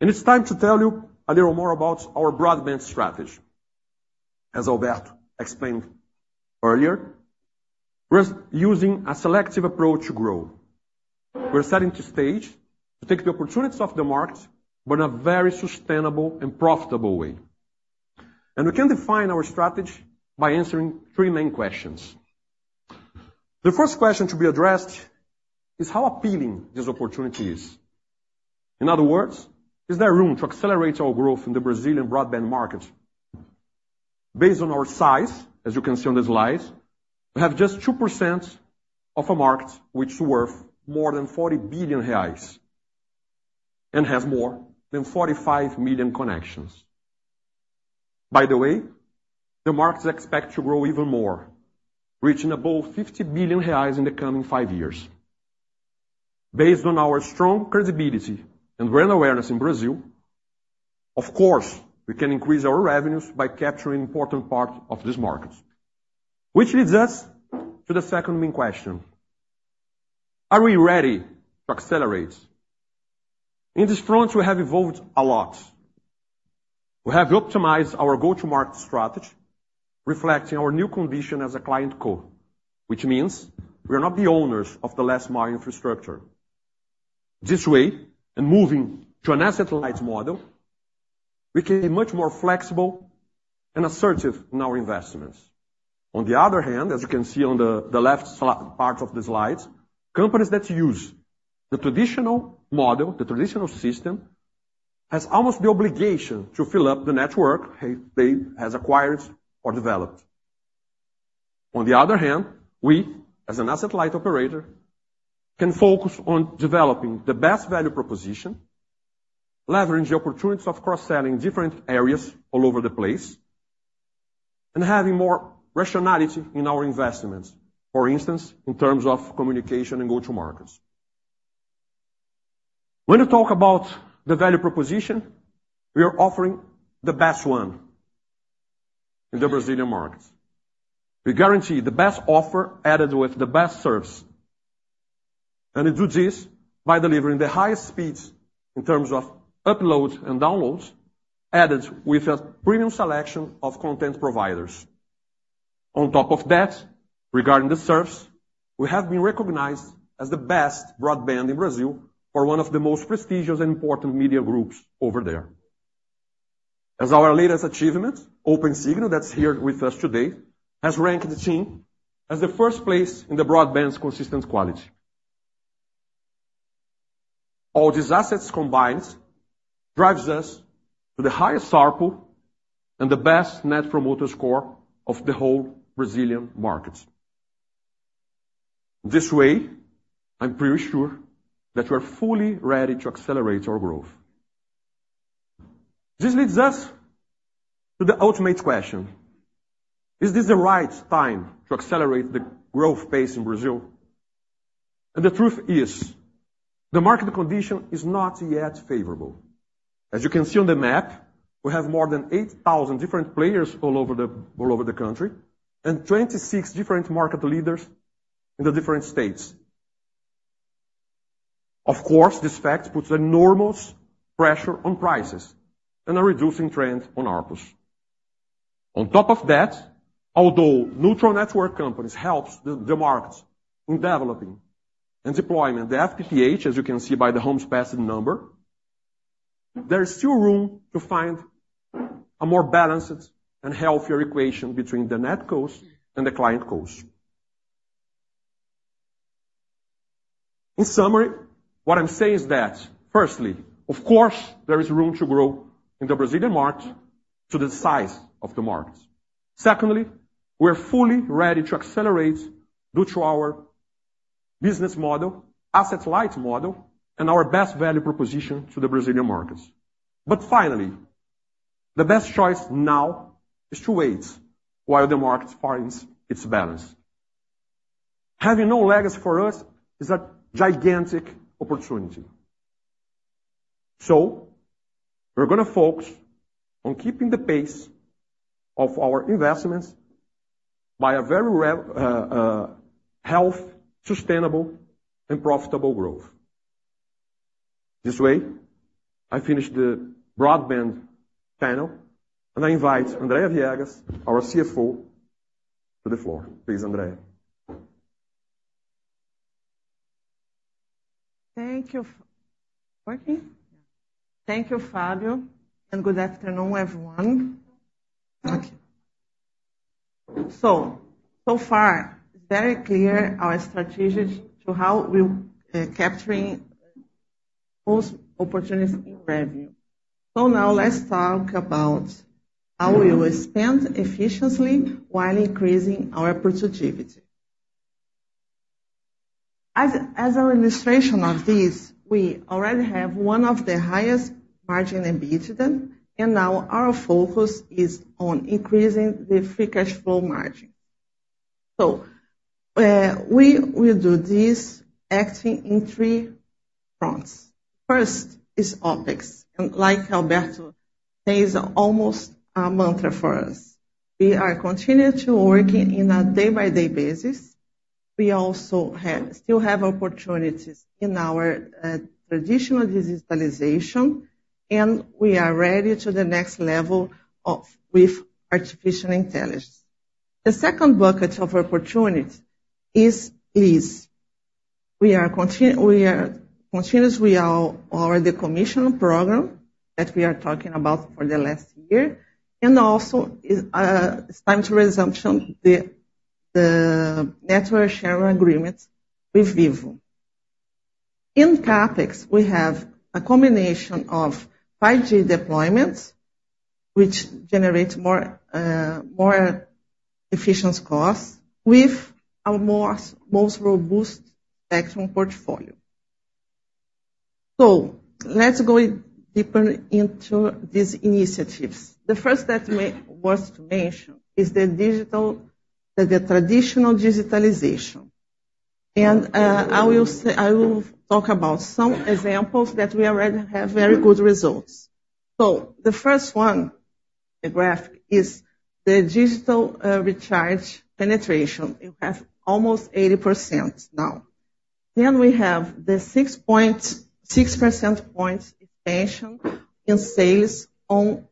and it's time to tell you a little more about our broadband strategy. As Alberto explained earlier, we're using a selective approach to grow. We're setting the stage to take the opportunities of the market, but in a very sustainable and profitable way. And we can define our strategy by answering three main questions. The first question to be addressed is, how appealing this opportunity is? In other words, is there room to accelerate our growth in the Brazilian broadband market? Based on our size, as you can see on the slides, we have just 2% of a market which is worth more than 40 billion reais, and has more than 45 million connections. By the way, the market is expected to grow even more, reaching above 50 billion reais in the coming 5 years. Based on our strong credibility and brand awareness in Brazil, of course, we can increase our revenues by capturing important part of this market. Which leads us to the second main question: Are we ready to accelerate? In this front, we have evolved a lot. We have optimized our go-to-market strategy, reflecting our new condition as a ClientCo, which means we are not the owners of the last mile infrastructure. This way, and moving to an asset-light model, we can be much more flexible and assertive in our investments. On the other hand, as you can see on the left part of the slide, companies that use the traditional model, the traditional system, has almost the obligation to fill up the network they has acquired or developed. On the other hand, we, as an asset-light operator, can focus on developing the best value proposition, leverage the opportunities of cross-selling different areas all over the place, and having more rationality in our investments, for instance, in terms of communication and go-to-markets. When you talk about the value proposition, we are offering the best one in the Brazilian markets. We guarantee the best offer, added with the best service, and we do this by delivering the highest speeds in terms of uploads and downloads, added with a premium selection of content providers. On top of that regarding the service, we have been recognized as the best broadband in Brazil for one of the most prestigious and important media groups over there. As our latest achievement, OpenSignal, that's here with us today, has ranked the team as the first place in the broadband's consistent quality. All these assets combined, drives us to the highest ARPU and the best Net Promoter Score of the whole Brazilian market. This way, I'm pretty sure that we're fully ready to accelerate our growth. This leads us to the ultimate question: Is this the right time to accelerate the growth pace in Brazil? And the truth is, the market condition is not yet favorable. As you can see on the map, we have more than 8,000 different players all over the, all over the country, and 26 different market leaders in the different states. Of course, this fact puts enormous pressure on prices and a reducing trend on ARPU. On top of that, although neutral network companies helps the markets in developing and deploying the FTTH, as you can see by the homes passed number, there is still room to find a more balanced and healthier equation between the net cost and the client cost. In summary, what I'm saying is that, firstly, of course, there is room to grow in the Brazilian market to the size of the market. Secondly, we're fully ready to accelerate due to our business model, asset-light model, and our best value proposition to the Brazilian markets. But finally, the best choice now is to wait while the market finds its balance. Having no legacy for us is a gigantic opportunity. We're gonna focus on keeping the pace of our investments by a very healthy, sustainable, and profitable growth. This way, I finish the broadband panel, and I invite Andrea Viegas, our CFO, to the floor. Please, Andrea. Thank you, Fábio, and good afternoon, everyone. Okay. So far, it's very clear our strategies to how we're capturing most opportunities in revenue. So now let's talk about how we will spend efficiently while increasing our productivity. As our illustration of this, we already have one of the highest EBITDA margins, and now our focus is on increasing the free cash flow margin. We will do this acting in three fronts. First is OpEx, and like Alberto, there is almost a mantra for us. We are continuing to work on a day-to-day basis. We also still have opportunities in our traditional digitalization, and we are ready to the next level with artificial intelligence. The second bucket of opportunity is the commission program that we are talking about for the last year, and also it's time to resumption the network sharing agreement with Vivo. In CapEx, we have a combination of 5G deployments, which generates more efficient costs, with a more robust spectrum portfolio. So let's go deeper into these initiatives. The first that may worth to mention is the digital traditional digitalization. And I will talk about some examples that we already have very good results. So the first one, the graphic, is the digital recharge penetration. It has almost 80% now. Then we have the 6.6 percentage points expansion in sales on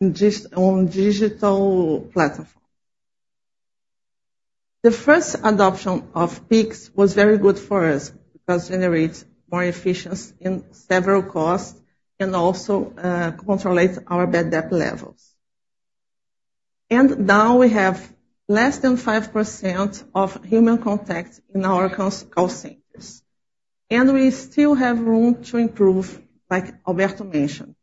digital platform. The first adoption of Pix was very good for us, because generates more efficiency in several costs and also, control our bad debt levels. And now we have less than 5% of human contact in our call centers, and we still have room to improve, like Alberto mentioned.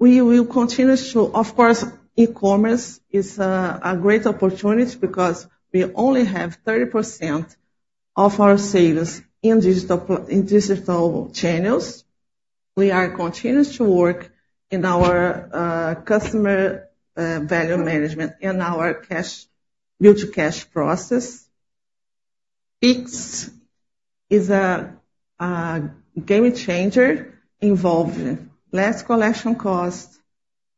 We will continue to... Of course, e-commerce is a great opportunity because we only have 30% of our sales in digital in digital channels. We are continuing to work in our customer value management and our cash bill to cash process. Pix is a game changer involving less collection cost,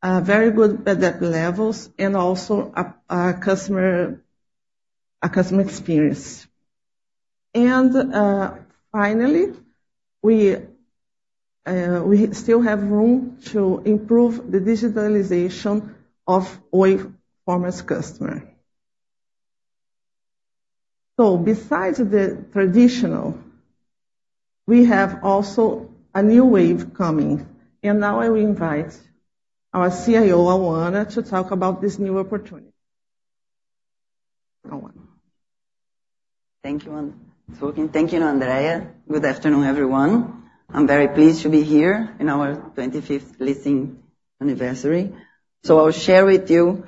very good bad debt levels, and also a customer experience. And finally, we still have room to improve the digitalization of Oi performance customer. So besides the traditional, we have also a new wave coming, and now I will invite our CIO, Auana, to talk about this new opportunity. Auana. Thank you for talking. Thank you, Andrea. Good afternoon, everyone. I'm very pleased to be here in our 25th listing anniversary. I'll share with you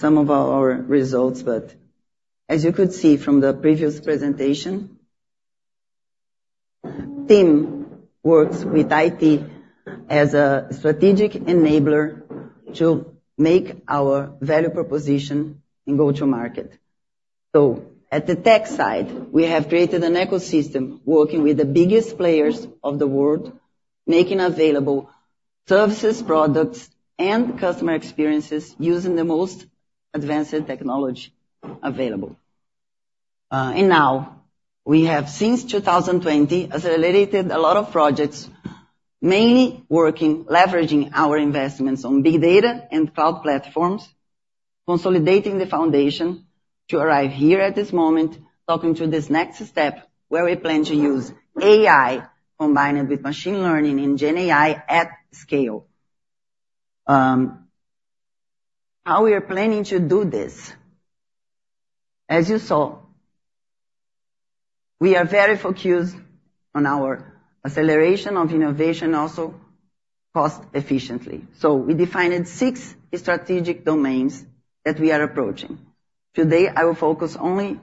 some of our results, but as you could see from the previous presentation, TIM works with IT as a strategic enabler to make our value proposition and go to market. At the tech side, we have created an ecosystem working with the biggest players of the world, making available services, products, and customer experiences using the most advanced technology available. And now, we have, since 2020, accelerated a lot of projects, mainly working, leveraging our investments on big data and cloud platforms, consolidating the foundation to arrive here at this moment, talking to this next step, where we plan to use AI, combined with machine learning and GenAI at scale. How we are planning to do this? As you saw, we are very focused on our acceleration of innovation, also cost efficiently. So we defined six strategic domains that we are approaching. Today, I will focus only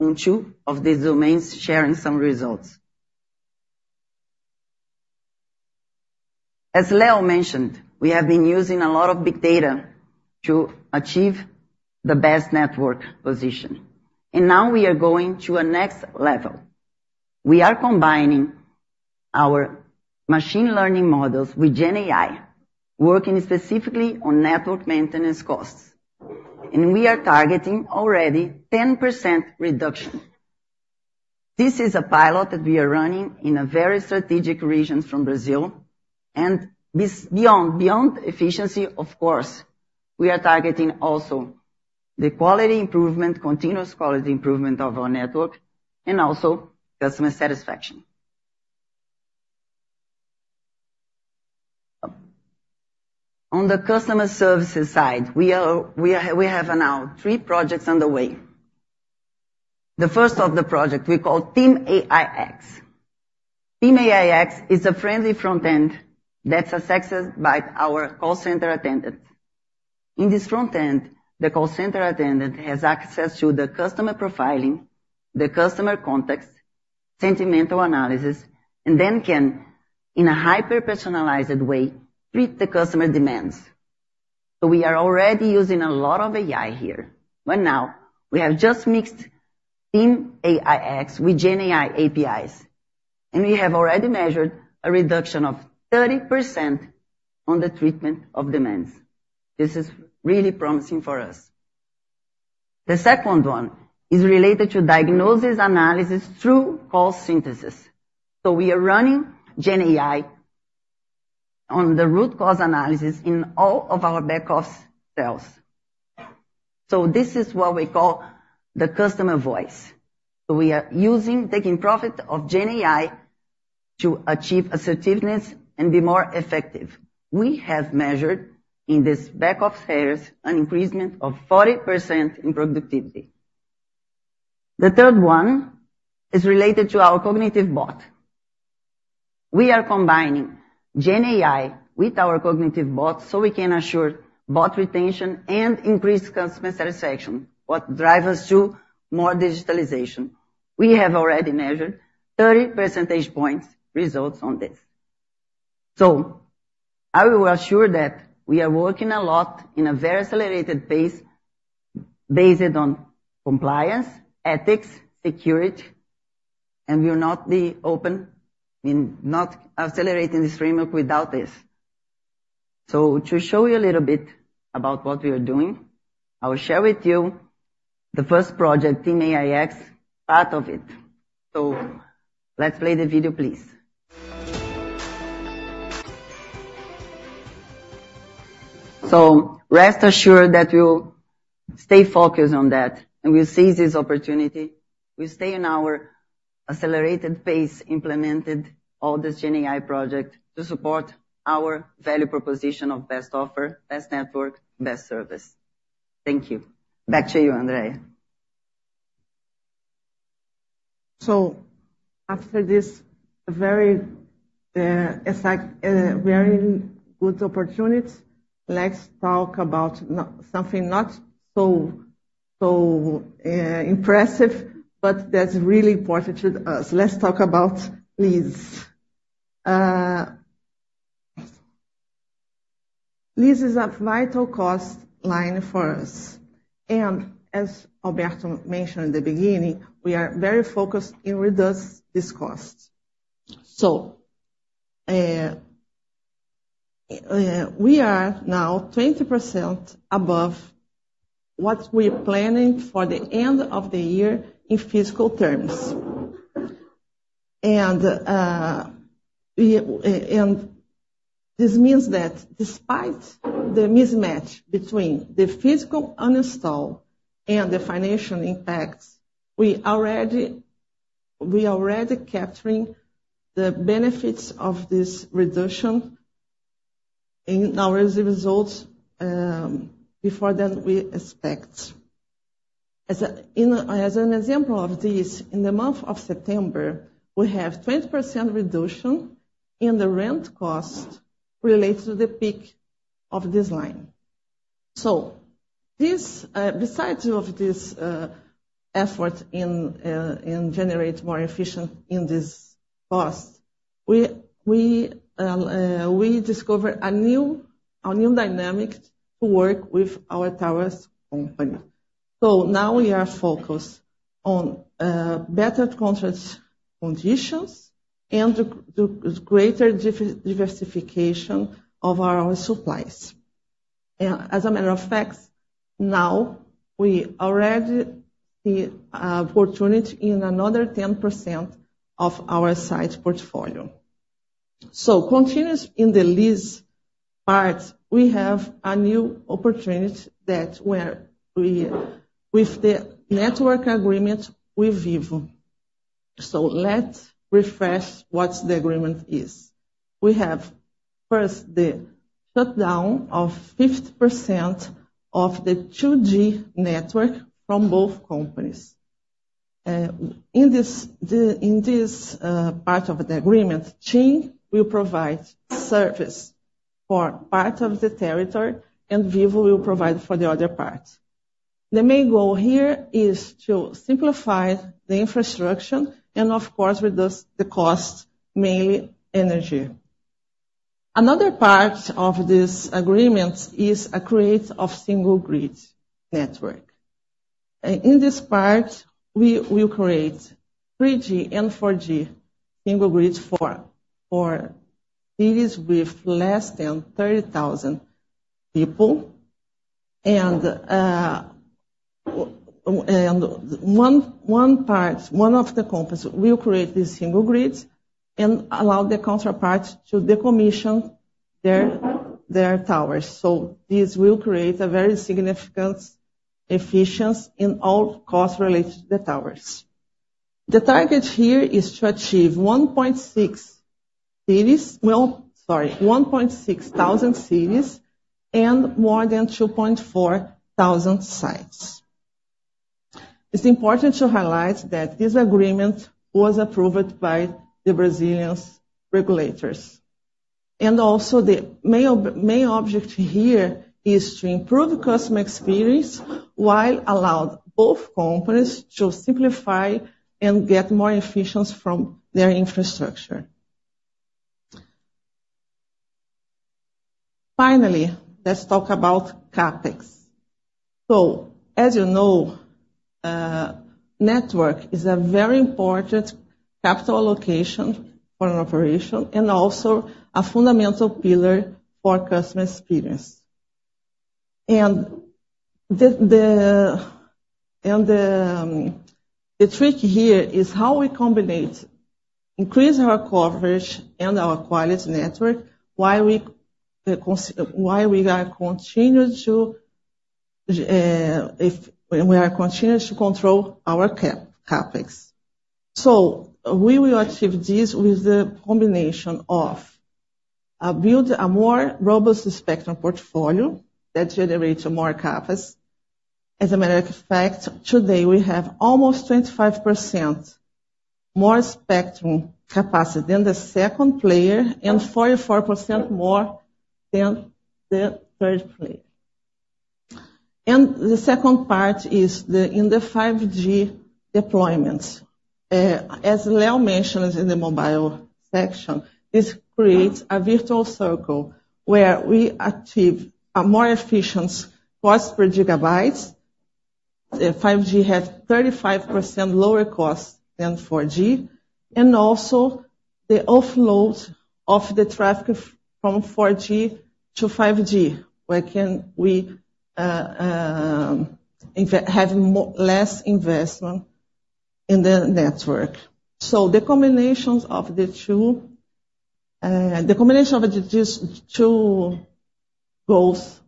on two of these domains, sharing some results. As Leo mentioned, we have been using a lot of big data to achieve the best network position, and now we are going to a next level. We are combining our machine learning models with Gen AI, working specifically on network maintenance costs, and we are targeting already 10% reduction. This is a pilot that we are running in a very strategic region from Brazil, and this beyond efficiency, of course, we are targeting also the quality improvement, continuous quality improvement of our network, and also customer satisfaction. On the customer services side, we have now 3 projects underway. The first of the project we call TIM AIX. TIM AIX is a friendly front end that's accessed by our call center attendant. In this front end, the call center attendant has access to the customer profiling, the customer context, sentimental analysis, and then can, in a hyper-personalized way, treat the customer demands. So we are already using a lot of AI here, but now we have just mixed TIM AIX with Gen AI APIs, and we have already measured a reduction of 30% on the treatment of demands. This is really promising for us. The second one is related to diagnosis analysis through call synthesis. So we are running GenAI on the root cause analysis in all of our back-office sales. So this is what we call the customer voice. We are using, taking profit of GenAI to achieve assertiveness and be more effective. We have measured, in this back-office sales, an increase of 40% in productivity. The third one is related to our cognitive bot. We are combining GenAI with our cognitive bot, so we can ensure bot retention and increase customer satisfaction, what drive us to more digitalization. We have already measured 30 percentage points results on this. So I will assure that we are working a lot in a very accelerated pace, based on compliance, ethics, security, and we will not be open, and not accelerating this framework without this. So to show you a little bit about what we are doing, I will share with you the first project, TIM AIX, part of it. So let's play the video, please. So rest assured that we'll stay focused on that, and we'll seize this opportunity. We stay in our accelerated pace, implemented all this GenAI project to support our value proposition of best offer, best network, best service. Thank you. Back to you, Andrea. So after this very, exact, very good opportunity, let's talk about something not so, so, impressive, but that's really important to us. Let's talk about lease. Lease is a vital cost line for us, and as Alberto mentioned in the beginning, we are very focused in reduce this cost. So, we are now 20% above what we are planning for the end of the year in physical terms. And, we, and this means that despite the mismatch between the physical uninstall and the financial impacts, we already, we are already capturing the benefits of this reduction in our results, before then we expect. As a, in a, as an example of this, in the month of September, we have 20% reduction in the rent cost related to the peak of this line. So this, besides of this, effort in, in generate more efficient in this cost, we discover a new dynamic to work with our towers company. So now we are focused on better contract conditions and the greater diversification of our own supplies. And as a matter of fact, now we already see opportunity in another 10% of our site portfolio. So continuous in the lease part, we have a new opportunity that where we... With the network agreement with Vivo. So let's refresh what the agreement is. We have, first, the shutdown of 50% of the 2G network from both companies. In this part of the agreement, TIM will provide service for part of the territory, and Vivo will provide for the other part. The main goal here is to simplify the infrastructure and, of course, reduce the cost, mainly energy. Another part of this agreement is the creation of a single grid network. In this part, we will create 3G and 4G single grid for cities with less than 30,000 people. And one part, one of the companies will create these single grids and allow the counterpart to decommission their towers. So this will create a very significant efficiency in all costs related to the towers. The target here is to achieve 1,600 cities. Well, sorry, 1,600 cities and more than 2,400 sites. It's important to highlight that this agreement was approved by the Brazilian regulators. Also the main object here is to improve the customer experience, while allowing both companies to simplify and get more efficiency from their infrastructure. Finally, let's talk about CapEx. So, as you know, network is a very important capital allocation for an operation, and also a fundamental pillar for customer experience. And the trick here is how we combine it, increase our coverage and our quality network while we continue to control our CapEx. So we will achieve this with the combination of building a more robust spectrum portfolio that generates more CapEx. As a matter of fact, today, we have almost 25% more spectrum capacity than the second player, and 44% more than the third player. And the second part is the, in the 5G deployments. As Leo mentioned in the mobile section, this creates a virtual circle where we achieve a more efficient cost per gigabytes. 5G has 35% lower cost than 4G, and also the offload of the traffic from 4G to 5G, where can we, in fact, have less investment in the network. So the combinations of the two, the combination of the, these two goals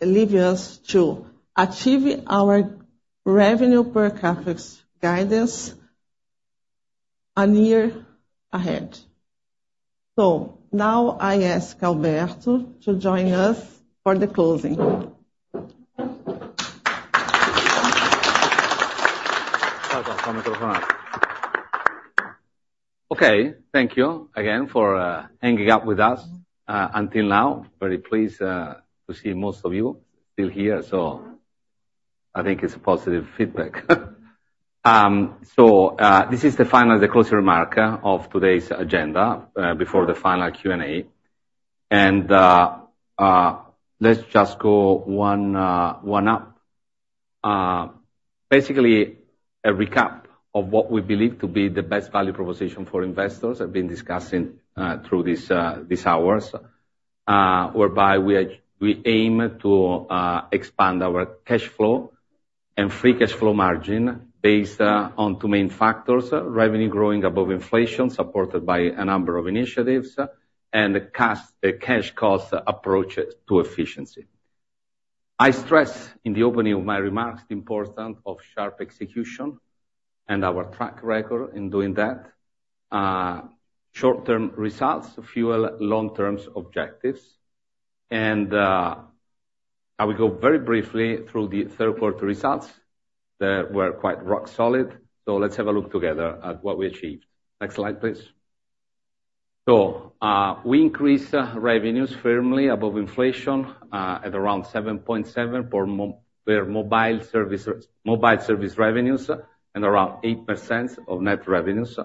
allows us to achieve our revenue per CapEx guidance a year ahead. So now I ask Alberto to join us for the closing. Okay, thank you again for hanging out with us until now. Very pleased to see most of you still here, so I think it's a positive feedback. So, this is the final, the closing remark of today's agenda before the final Q&A. And, let's just go one one up. Basically, a recap of what we believe to be the best value proposition for investors, I've been discussing through this these hours. Whereby we are, we aim to expand our cash flow and free cash flow margin based on two main factors: revenue growing above inflation, supported by a number of initiatives, and the cost, the cash cost approach to efficiency. I stressed in the opening of my remarks, the importance of sharp execution and our track record in doing that. Short-term results fuel long-term objectives, and I will go very briefly through the third quarter results that were quite rock solid. So let's have a look together at what we achieved. Next slide, please. So, we increased revenues firmly above inflation, at around 7.7 for mobile services, mobile service revenues and around 8% of net revenues.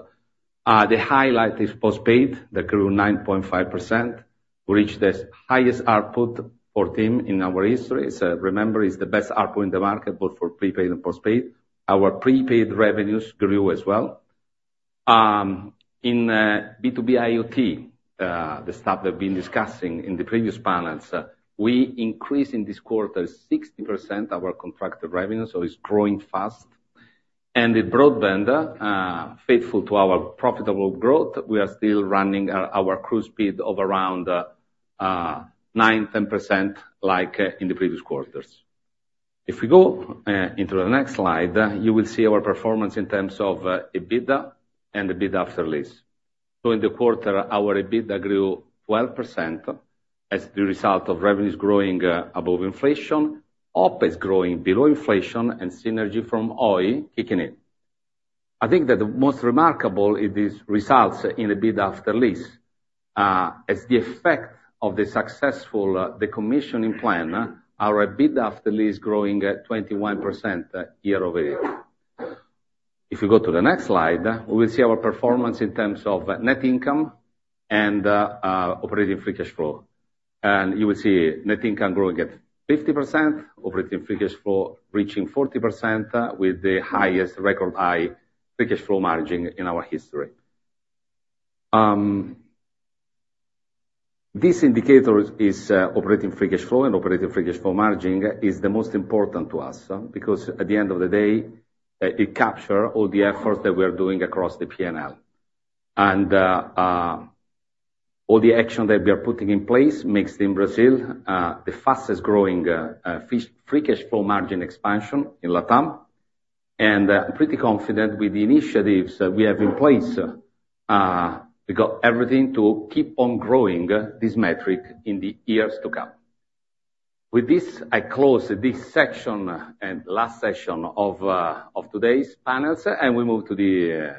The highlight is postpaid, that grew 9.5%, reached the highest ARPU for TIM in our history. So remember, it's the best ARPU in the market, both for prepaid and postpaid. Our prepaid revenues grew as well. In B2B IoT, the stuff that we've been discussing in the previous panels, we increased in this quarter, 60% our contracted revenue, so it's growing fast. The broadband, faithful to our profitable growth, we are still running our cruise speed of around 9-10%, like, in the previous quarters. If we go into the next slide, you will see our performance in terms of EBITDA and EBITDA after lease. So in the quarter, our EBITDA grew 12% as the result of revenues growing above inflation, OpEx growing below inflation, and synergy from Oi kicking in. I think that the most remarkable is these results in EBITDA after lease. As the effect of the successful decommissioning plan, our EBITDA after lease growing at 21% year-over-year. If you go to the next slide, we will see our performance in terms of net income and operating free cash flow. And you will see net income growing at 50%, operating free cash flow reaching 40%, with the highest record high free cash flow margin in our history. This indicator is operating free cash flow, and operating free cash flow margin is the most important to us, because at the end of the day, it capture all the efforts that we are doing across the P&L. And all the action that we are putting in place makes in Brazil the fastest growing free cash flow margin expansion in Latam. And I'm pretty confident with the initiatives that we have in place, we got everything to keep on growing this metric in the years to come. With this, I close this section and last session of today's panels, and we move to the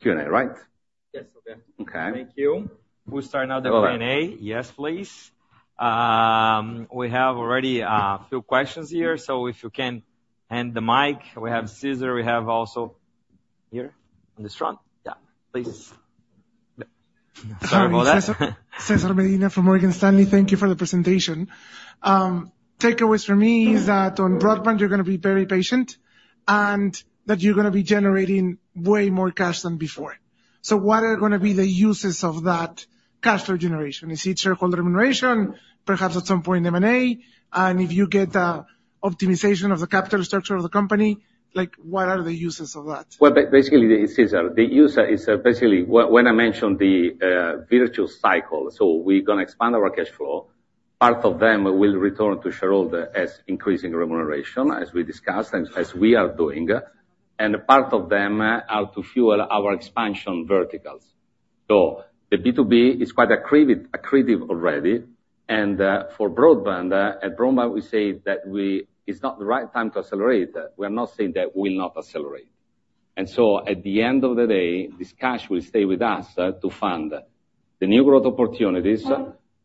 Q&A, right? Yes, okay. Okay. Thank you. We start now the Q&A. All right. Yes, please. We have already a few questions here, so if you can hand the mic. We have Cesar; we have also here in this front. Yeah, please. Sorry about that. Cesar Medina from Morgan Stanley. Thank you for the presentation. Takeaways for me is that on broadband, you're gonna be very patient, and that you're gonna be generating way more cash than before. So what are gonna be the uses of that cash flow generation? Is it shareholder remuneration, perhaps at some point in M&A? And if you get the optimization of the capital structure of the company, like, what are the uses of that? Well, basically, Cesar, the user is basically. When I mentioned the virtual cycle, so we're gonna expand our cash flow. Part of them will return to shareholder as increasing remuneration, as we discussed, and as we are doing, and part of them are to fuel our expansion verticals. So the B2B is quite accretive, accretive already, and for broadband, at broadband, we say that it's not the right time to accelerate. We are not saying that we'll not accelerate. And so at the end of the day, this cash will stay with us to fund the new growth opportunities,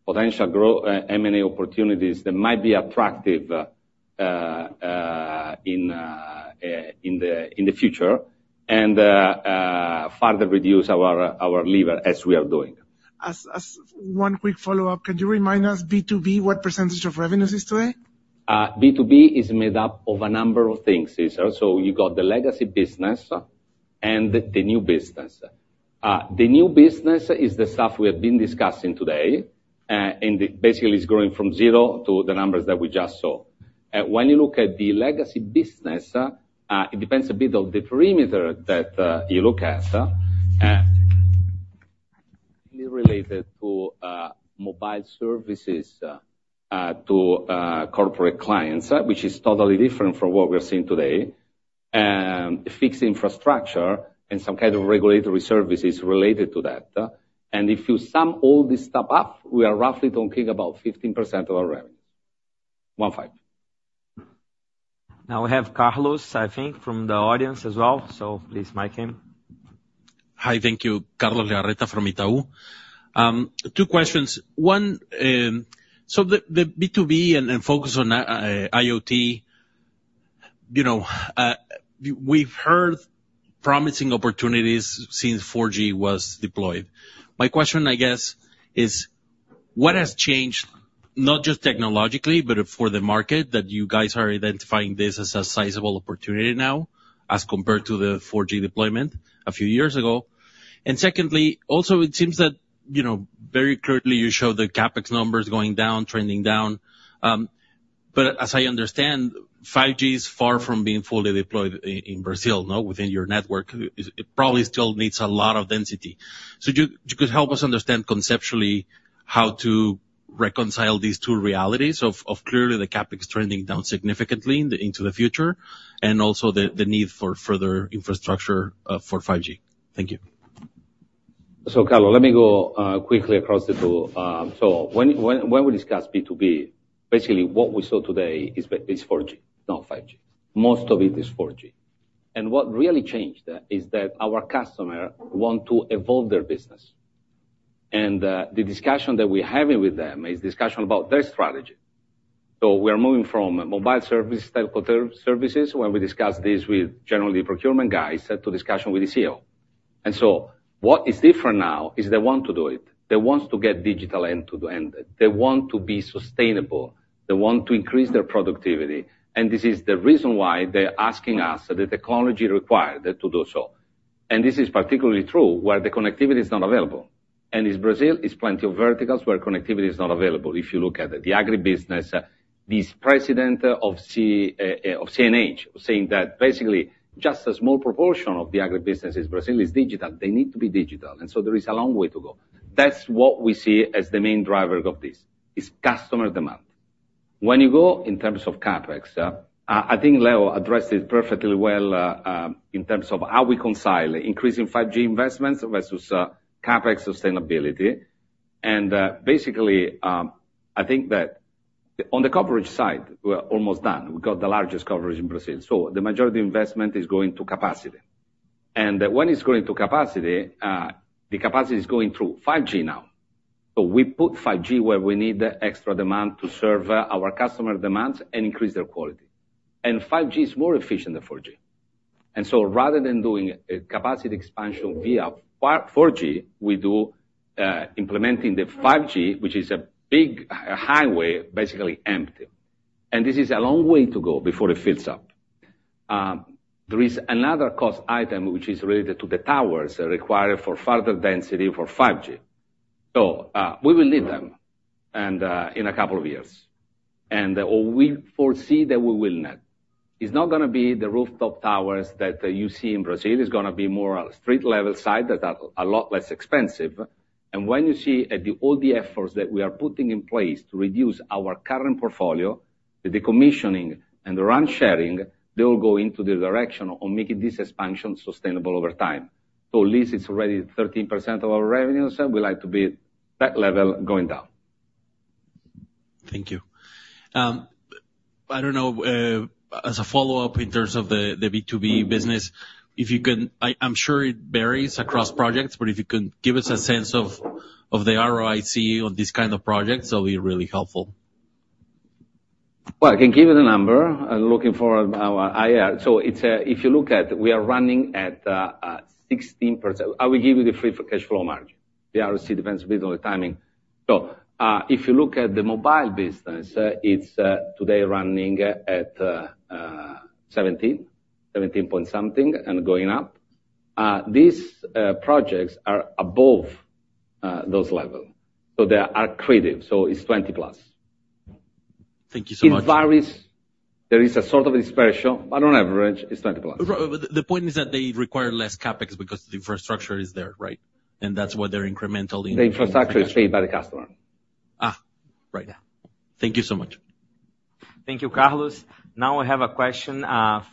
potential growth, M&A opportunities that might be attractive in the future, and further reduce our lever, as we are doing. As one quick follow-up, could you remind us, B2B, what percentage of revenues is today? B2B is made up of a number of things, Cesar. So you got the legacy business and the new business. The new business is the stuff we have been discussing today, and it basically is growing from zero to the numbers that we just saw. When you look at the legacy business, it depends a bit on the perimeter that you look at related to mobile services to corporate clients, which is totally different from what we're seeing today. Fixed infrastructure and some kind of regulatory services related to that. And if you sum all this stuff up, we are roughly talking about 15% of our revenues. One, five. Now, we have Carlos, I think, from the audience as well. So please mic him. Hi, thank you. Carlos Legarreta from Itaú. Two questions. One, so the, the B2B and, and focus on, IoT, you know, we, we've heard promising opportunities since 4G was deployed. My question, I guess, is what has changed, not just technologically, but for the market, that you guys are identifying this as a sizable opportunity now, as compared to the 4G deployment a few years ago? And secondly, also it seems that, you know, very clearly you show the CapEx numbers going down, trending down, but as I understand, 5G is far from being fully deployed in Brazil, no, within your network. It, it probably still needs a lot of density. So could you help us understand conceptually how to reconcile these two realities of clearly the CapEx trending down significantly into the future, and also the need for further infrastructure for 5G? Thank you. So, Carlos, let me go quickly across the two. So when we discuss B2B, basically what we saw today is 4G, not 5G. Most of it is 4G. And what really changed is that our customer want to evolve their business. And the discussion that we're having with them is discussion about their strategy. So we are moving from mobile service type of services, when we discuss this with generally procurement guys, to discussion with the CEO. And so what is different now is they want to do it. They want to get digital end-to-end. They want to be sustainable. They want to increase their productivity. And this is the reason why they're asking us, the technology required to do so. And this is particularly true where the connectivity is not available. In Brazil, is plenty of verticals where connectivity is not available, if you look at it. The agribusiness, this president of CNH, saying that basically just a small proportion of the agribusiness in Brazil is digital. They need to be digital, and so there is a long way to go. That's what we see as the main driver of this, is customer demand. When you go in terms of CapEx, I think Leo addressed it perfectly well, in terms of how we reconcile increasing 5G investments versus CapEx sustainability. Basically, I think that on the coverage side, we are almost done. We got the largest coverage in Brazil, so the majority investment is going to capacity. And when it's going to capacity, the capacity is going through 5G now. So we put 5G where we need the extra demand to serve our customer demands and increase their quality. 5G is more efficient than 4G. Rather than doing a capacity expansion via 4G, we do implementing the 5G, which is a big highway, basically empty. This is a long way to go before it fills up. There is another cost item, which is related to the towers required for further density for 5G. So we will need them, and in a couple of years, and we foresee that we will not. It's not gonna be the rooftop towers that you see in Brazil. It's gonna be more a street-level site that are a lot less expensive. When you see all the efforts that we are putting in place to reduce our current portfolio, the decommissioning and the run sharing, they will go into the direction of making this expansion sustainable over time. So lease is already 13% of our revenues, and we like to be that level going down. Thank you. I don't know, as a follow-up in terms of the B2B business, if you can, I'm sure it varies across projects, but if you can give us a sense of the ROIC on this kind of projects, that'll be really helpful. Well, I can give you the number. I'm looking for our IR. So it's, if you look at, we are running at, at 16%. I will give you the free cash flow margin. The ROIC depends a bit on the timing. So, if you look at the mobile business, it's, today running, at, 17, 17 point something and going up. These projects are above, those level. So they are accretive, so it's 20+. Thank you so much. It varies. There is a sort of inspiration, but on average, it's 20+. But the point is that they require less CapEx because the infrastructure is there, right? And that's why they're incremental in- The infrastructure is paid by the customer. Ah, right. Yeah. Thank you so much. Thank you, Carlos. Now I have a question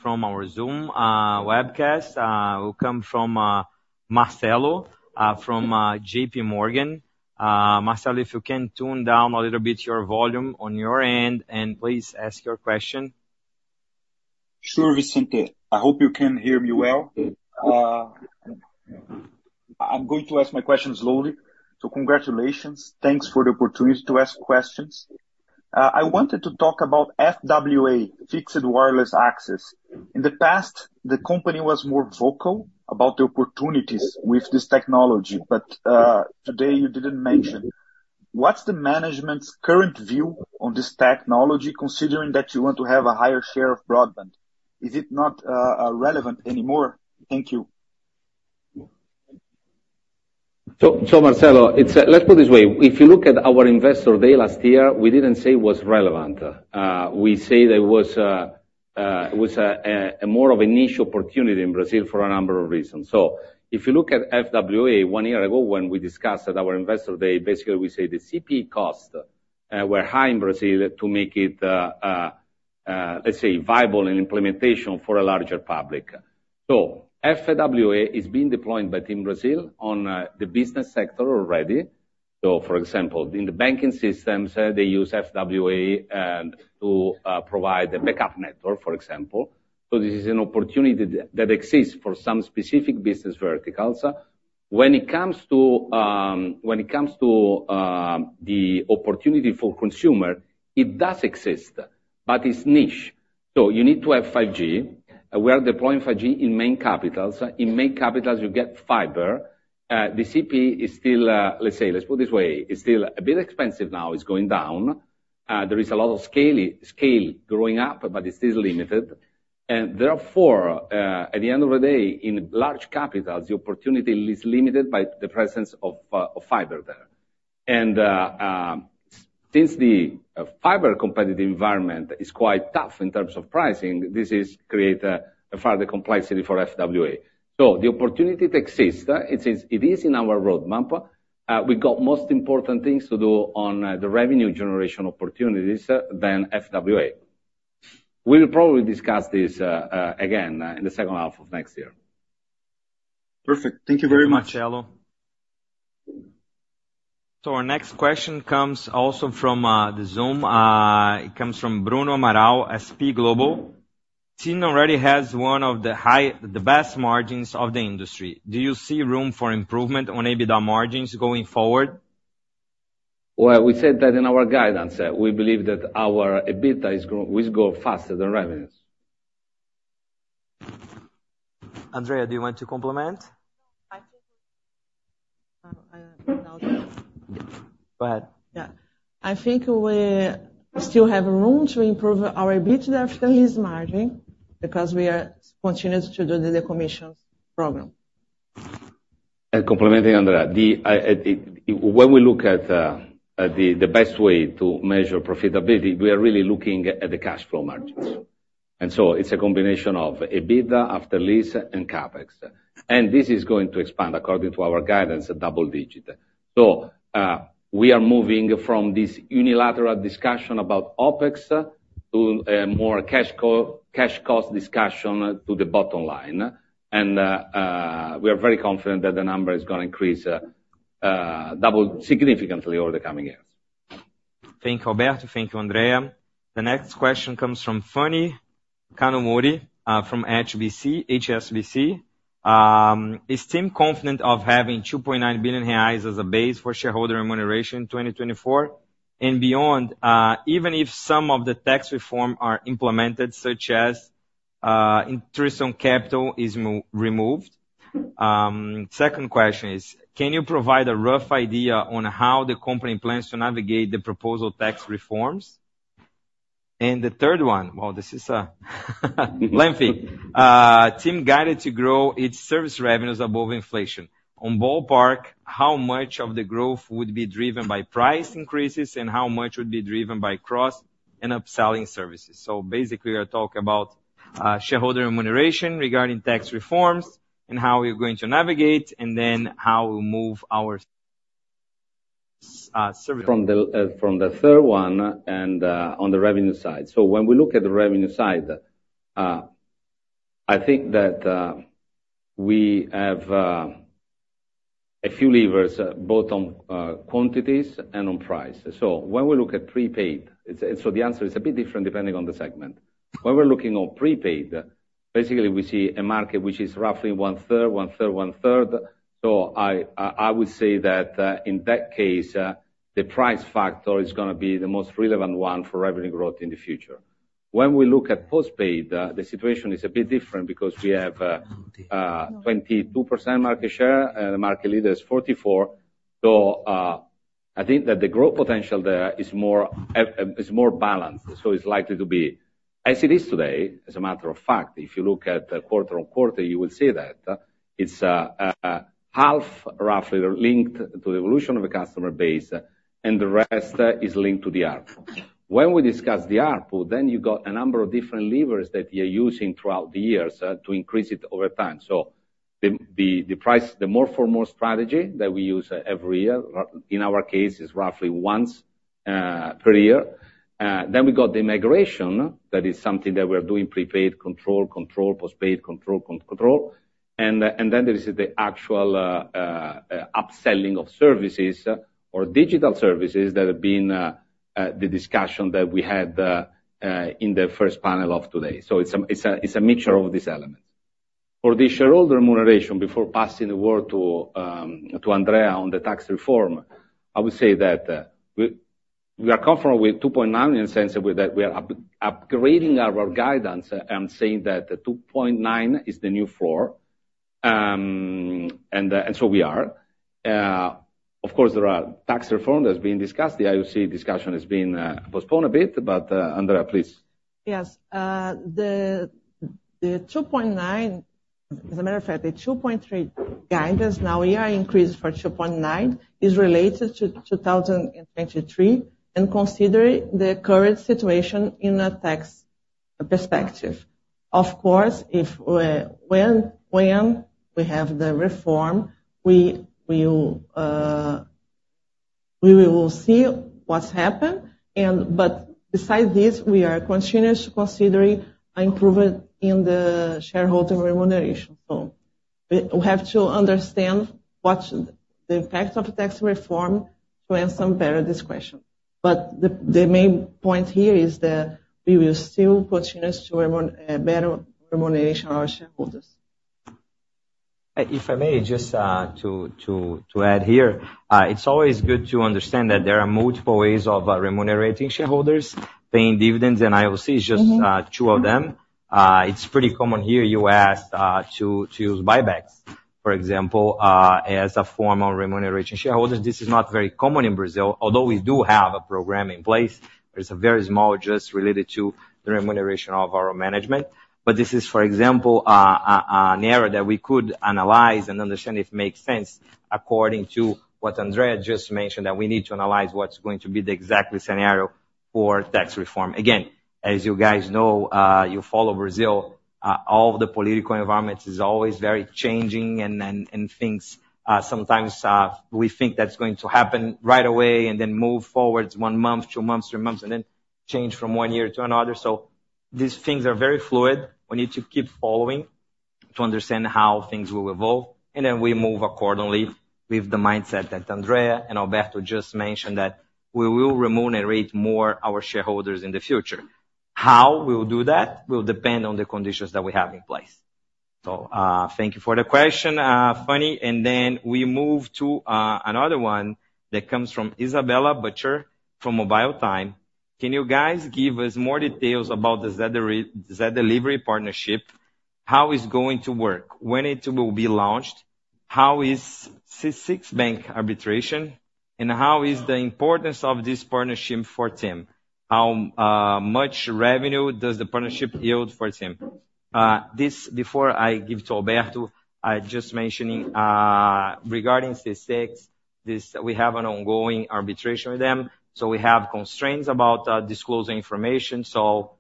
from our Zoom webcast. It will come from Marcelo from JP Morgan. Marcelo, if you can tone down a little bit your volume on your end, and please ask your question. Sure, Vicente. I hope you can hear me well. I'm going to ask my question slowly. So congratulations. Thanks for the opportunity to ask questions. I wanted to talk about FWA, Fixed Wireless Access. In the past, the company was more vocal about the opportunities with this technology, but today, you didn't mention. What's the management's current view on this technology, considering that you want to have a higher share of broadband? Is it not relevant anymore? Thank you. So, Marcelo, it's a - let's put it this way. If you look at our investor day last year, we didn't say it was relevant. We say there was, it was a more of a niche opportunity in Brazil for a number of reasons. So if you look at FWA, one year ago, when we discussed at our investor day, basically, we say the CapEx costs were high in Brazil to make it, let's say, viable in implementation for a larger public. So FWA is being deployed, but in Brazil, on the business sector already. So, for example, in the banking systems, they use FWA to provide a backup network, for example. So this is an opportunity that exists for some specific business verticals. When it comes to the opportunity for consumer, it does exist, but it's niche. So you need to have 5G. We are deploying 5G in main capitals. In main capitals, you get fiber. The CPE is still, let's say, let's put it this way, it's still a bit expensive now, it's going down. There is a lot of scalability growing up, but it's still limited. And therefore, at the end of the day, in large capitals, the opportunity is limited by the presence of fiber there. And since the fiber competitive environment is quite tough in terms of pricing, this creates a further complexity for FWA. So the opportunity exists, it is in our roadmap. We got most important things to do on the revenue generation opportunities than FWA. We'll probably discuss this again in the second half of next year. Perfect. Thank you very much. Thank you, Marcelo. Our next question comes also from the Zoom. It comes from Bruno Amaral, S&P Global. TIM already has one of the highest, the best margins of the industry. Do you see room for improvement on EBITDA margins going forward? Well, we said that in our guidance. We believe that our EBITDA will grow faster than revenues. Andrea, do you want to comment? I think now that- Go ahead. Yeah. I think we still have room to improve our EBITDA after lease margin, because we are continuing to do the decommissioning program. Complementing Andrea, when we look at the best way to measure profitability, we are really looking at the cash flow margins. So it's a combination of EBITDA, after lease and CapEx, and this is going to expand according to our guidance, a double digit. So, we are moving from this unilateral discussion about OpEx to a more cash cost discussion to the bottom line. We are very confident that the number is gonna increase, double significantly over the coming years. Thank you, Alberto. Thank you, Andrea. The next question comes from Phani Kanumuri from HSBC. Is TIM confident of having 2.9 billion reais as a base for shareholder remuneration in 2024 and beyond, even if some of the tax reform are implemented, such as interest on capital is removed? Second question is, can you provide a rough idea on how the company plans to navigate the proposed tax reforms? And the third one, well, this is lengthy. TIM guided to grow its service revenues above inflation. On ballpark, how much of the growth would be driven by price increases, and how much would be driven by cross and upselling services? So basically, we are talking about shareholder remuneration regarding tax reforms and how we're going to navigate, and then how we'll move our - from the third one and on the revenue side. So when we look at the revenue side, I think that we have a few levers, both on quantities and on price. So when we look at prepaid, it's, and so the answer is a bit different depending on the segment. When we're looking on prepaid, basically we see a market which is roughly one third, one third, one third. So I would say that in that case the price factor is gonna be the most relevant one for revenue growth in the future. When we look at postpaid, the situation is a bit different because we have 22% market share, and the market leader is 44. So, I think that the growth potential there is more, is more balanced, so it's likely to be as it is today, as a matter of fact, if you look at quarter-on-quarter, you will see that. It's half roughly linked to the evolution of the customer base, and the rest is linked to the ARPU. When we discuss the ARPU, then you got a number of different levers that you're using throughout the years to increase it over time. So the price, the more for more strategy that we use every year, in our case, is roughly once per year. Then we got the migration. That is something that we're doing, prepaid, control, control, postpaid, control, con-control. Then there is the actual upselling of services or digital services that have been the discussion that we had in the first panel of today. So it's a mixture of these elements. For the shareholder remuneration, before passing the word to Andrea on the tax reform, I would say that we are comfortable with 2.9 in the sense that we are upgrading our guidance and saying that the 2.9 is the new floor. And so we are. Of course, there are tax reform that's being discussed. The IOC discussion is being postponed a bit, but, Andrea, please. Yes. The 2.9. As a matter of fact, the 2.3 guidance, now we are increased for 2.9, is related to 2023, and considering the current situation in a tax perspective. Of course, if when we have the reform, we will see what's happened, and but besides this, we are continuous to considering improving in the shareholder remuneration. So we have to understand what's the effect of tax reform to answer better this question. But the main point here is that we will still continue to better remuneration our shareholders. If I may, just to add here, it's always good to understand that there are multiple ways of remunerating shareholders. Paying dividends and IOC - Mm-hmm. It is just two of them. It's pretty common here, U.S., to use buybacks, for example, as a form of remunerating shareholders. This is not very common in Brazil, although we do have a program in place. It's very small, just related to the remuneration of our management. But this is, for example, an area that we could analyze and understand if it makes sense according to what Andrea just mentioned, that we need to analyze what's going to be the exact scenario for tax reform. Again, as you guys know, you follow Brazil, all the political environments is always very changing and things, sometimes, we think that's going to happen right away and then move forwards one month, two months, three months, and then change from one year to another. So these things are very fluid. We need to keep following to understand how things will evolve, and then we move accordingly with the mindset that Andrea and Alberto just mentioned, that we will remunerate more our shareholders in the future. How we will do that will depend on the conditions that we have in place. So, thank you for the question, Phani. And then we move to another one that comes from Isabel Butcher from Mobile Time: Can you guys give us more details about the Zé Delivery partnership? How it's going to work, when it will be launched, how is C6 Bank arbitration, and how is the importance of this partnership for TIM? How much revenue does the partnership yield for TIM? Before I give to Alberto, I'm just mentioning, regarding C6, we have an ongoing arbitration with them, so we have constraints about disclosing information. So,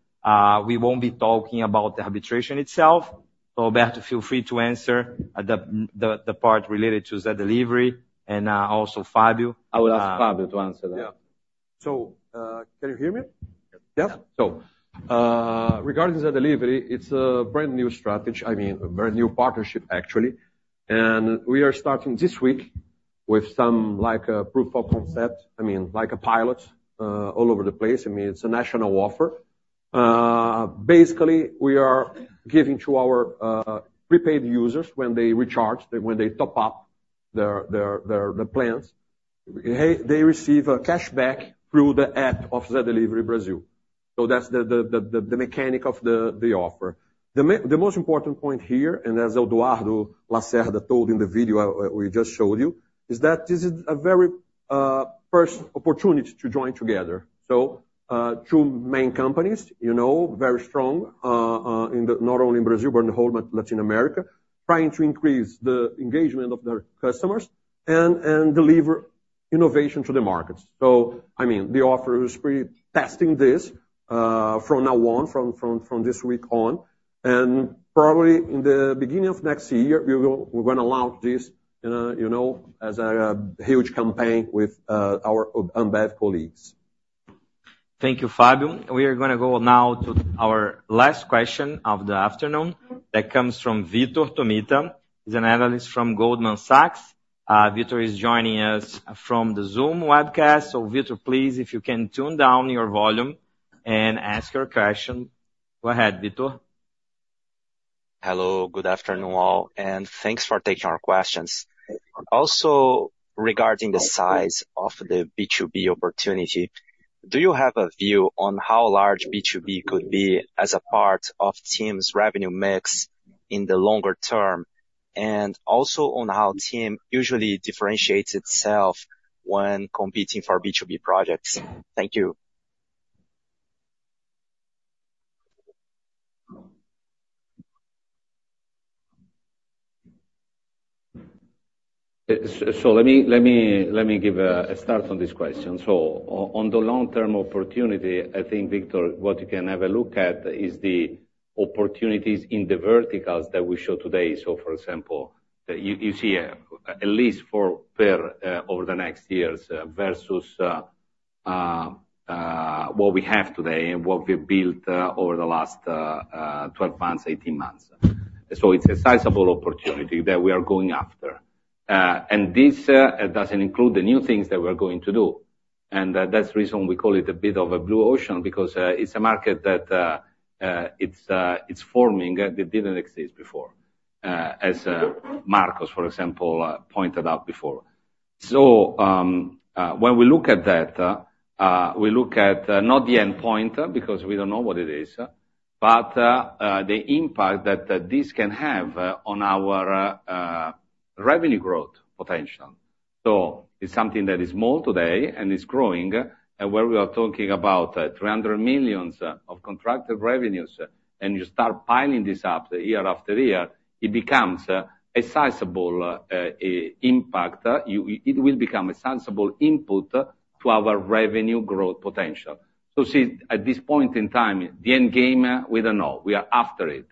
we won't be talking about the arbitration itself. So Alberto, feel free to answer the part related to Zé Delivery and also Fábio I will ask Fábio to answer that. Yeah. So, can you hear me? Yeah? Yeah. So, regarding the Delivery, it's a brand-new strategy. I mean, a brand-new partnership, actually. And we are starting this week with some like, proof of concept, I mean, like a pilot, all over the place. I mean, it's a national offer. Basically, we are giving to our prepaid users, when they recharge, when they top up their plans, they receive a cashback through the app of Zé Delivery Brazil. So that's the mechanic of the offer. The most important point here, and as Eduardo Lacerda told in the video we just showed you, is that this is a very first opportunity to join together. So, two main companies, you know, very strong in the not only in Brazil, but in the whole Latin America, trying to increase the engagement of their customers and deliver innovation to the market. So, I mean, the offer is pre-testing this from now on, from this week on, and probably in the beginning of next year, we will, we're gonna launch this in a, you know, as a huge campaign with our Ambev colleagues. Thank you, Fábio. We are gonna go now to our last question of the afternoon, that comes from Vitor Tomita. He's an analyst from Goldman Sachs. Vitor is joining us from the Zoom webcast. So Vitor, please, if you can tune down your volume and ask your question. Go ahead, Vitor. Hello, good afternoon, all, and thanks for taking our questions. Also, regarding the size of the B2B opportunity, do you have a view on how large B2B could be as a part of TIM's revenue mix in the longer term, and also on how TIM usually differentiates itself when competing for B2B projects? Thank you. So let me give a start on this question. So on the long-term opportunity, I think, Vitor, what you can have a look at is the opportunities in the verticals that we show today. So for example, you see at least four pair over the next years versus what we have today and what we've built over the last 12 months, 18 months. So it's a sizable opportunity that we are going after. And this doesn't include the new things that we're going to do. And that's the reason we call it a bit of a blue ocean, because it's a market that it's forming that didn't exist before, as Marcos, for example, pointed out before. So, when we look at that, we look at not the endpoint, because we don't know what it is, but the impact that this can have on our revenue growth potential. So it's something that is small today, and is growing, and where we are talking about 300 million of contracted revenues, and you start piling this up year after year, it becomes a sizable impact. It will become a sensible input to our revenue growth potential. So see, at this point in time, the end game, we don't know. We are after it.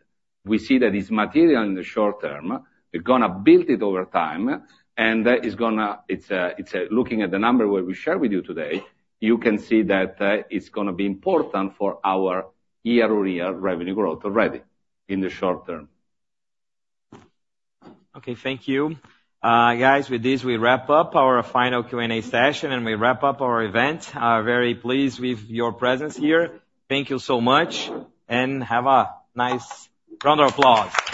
We see that it's material in the short term. We're gonna build it over time, and it's gonna - it's, it's, looking at the number where we share with you today, you can see that, it's gonna be important for our year-over-year revenue growth already in the short term. Okay, thank you. Guys, with this, we wrap up our final Q&A session, and we wrap up our event. Very pleased with your presence here. Thank you so much, and have a nice round of applause.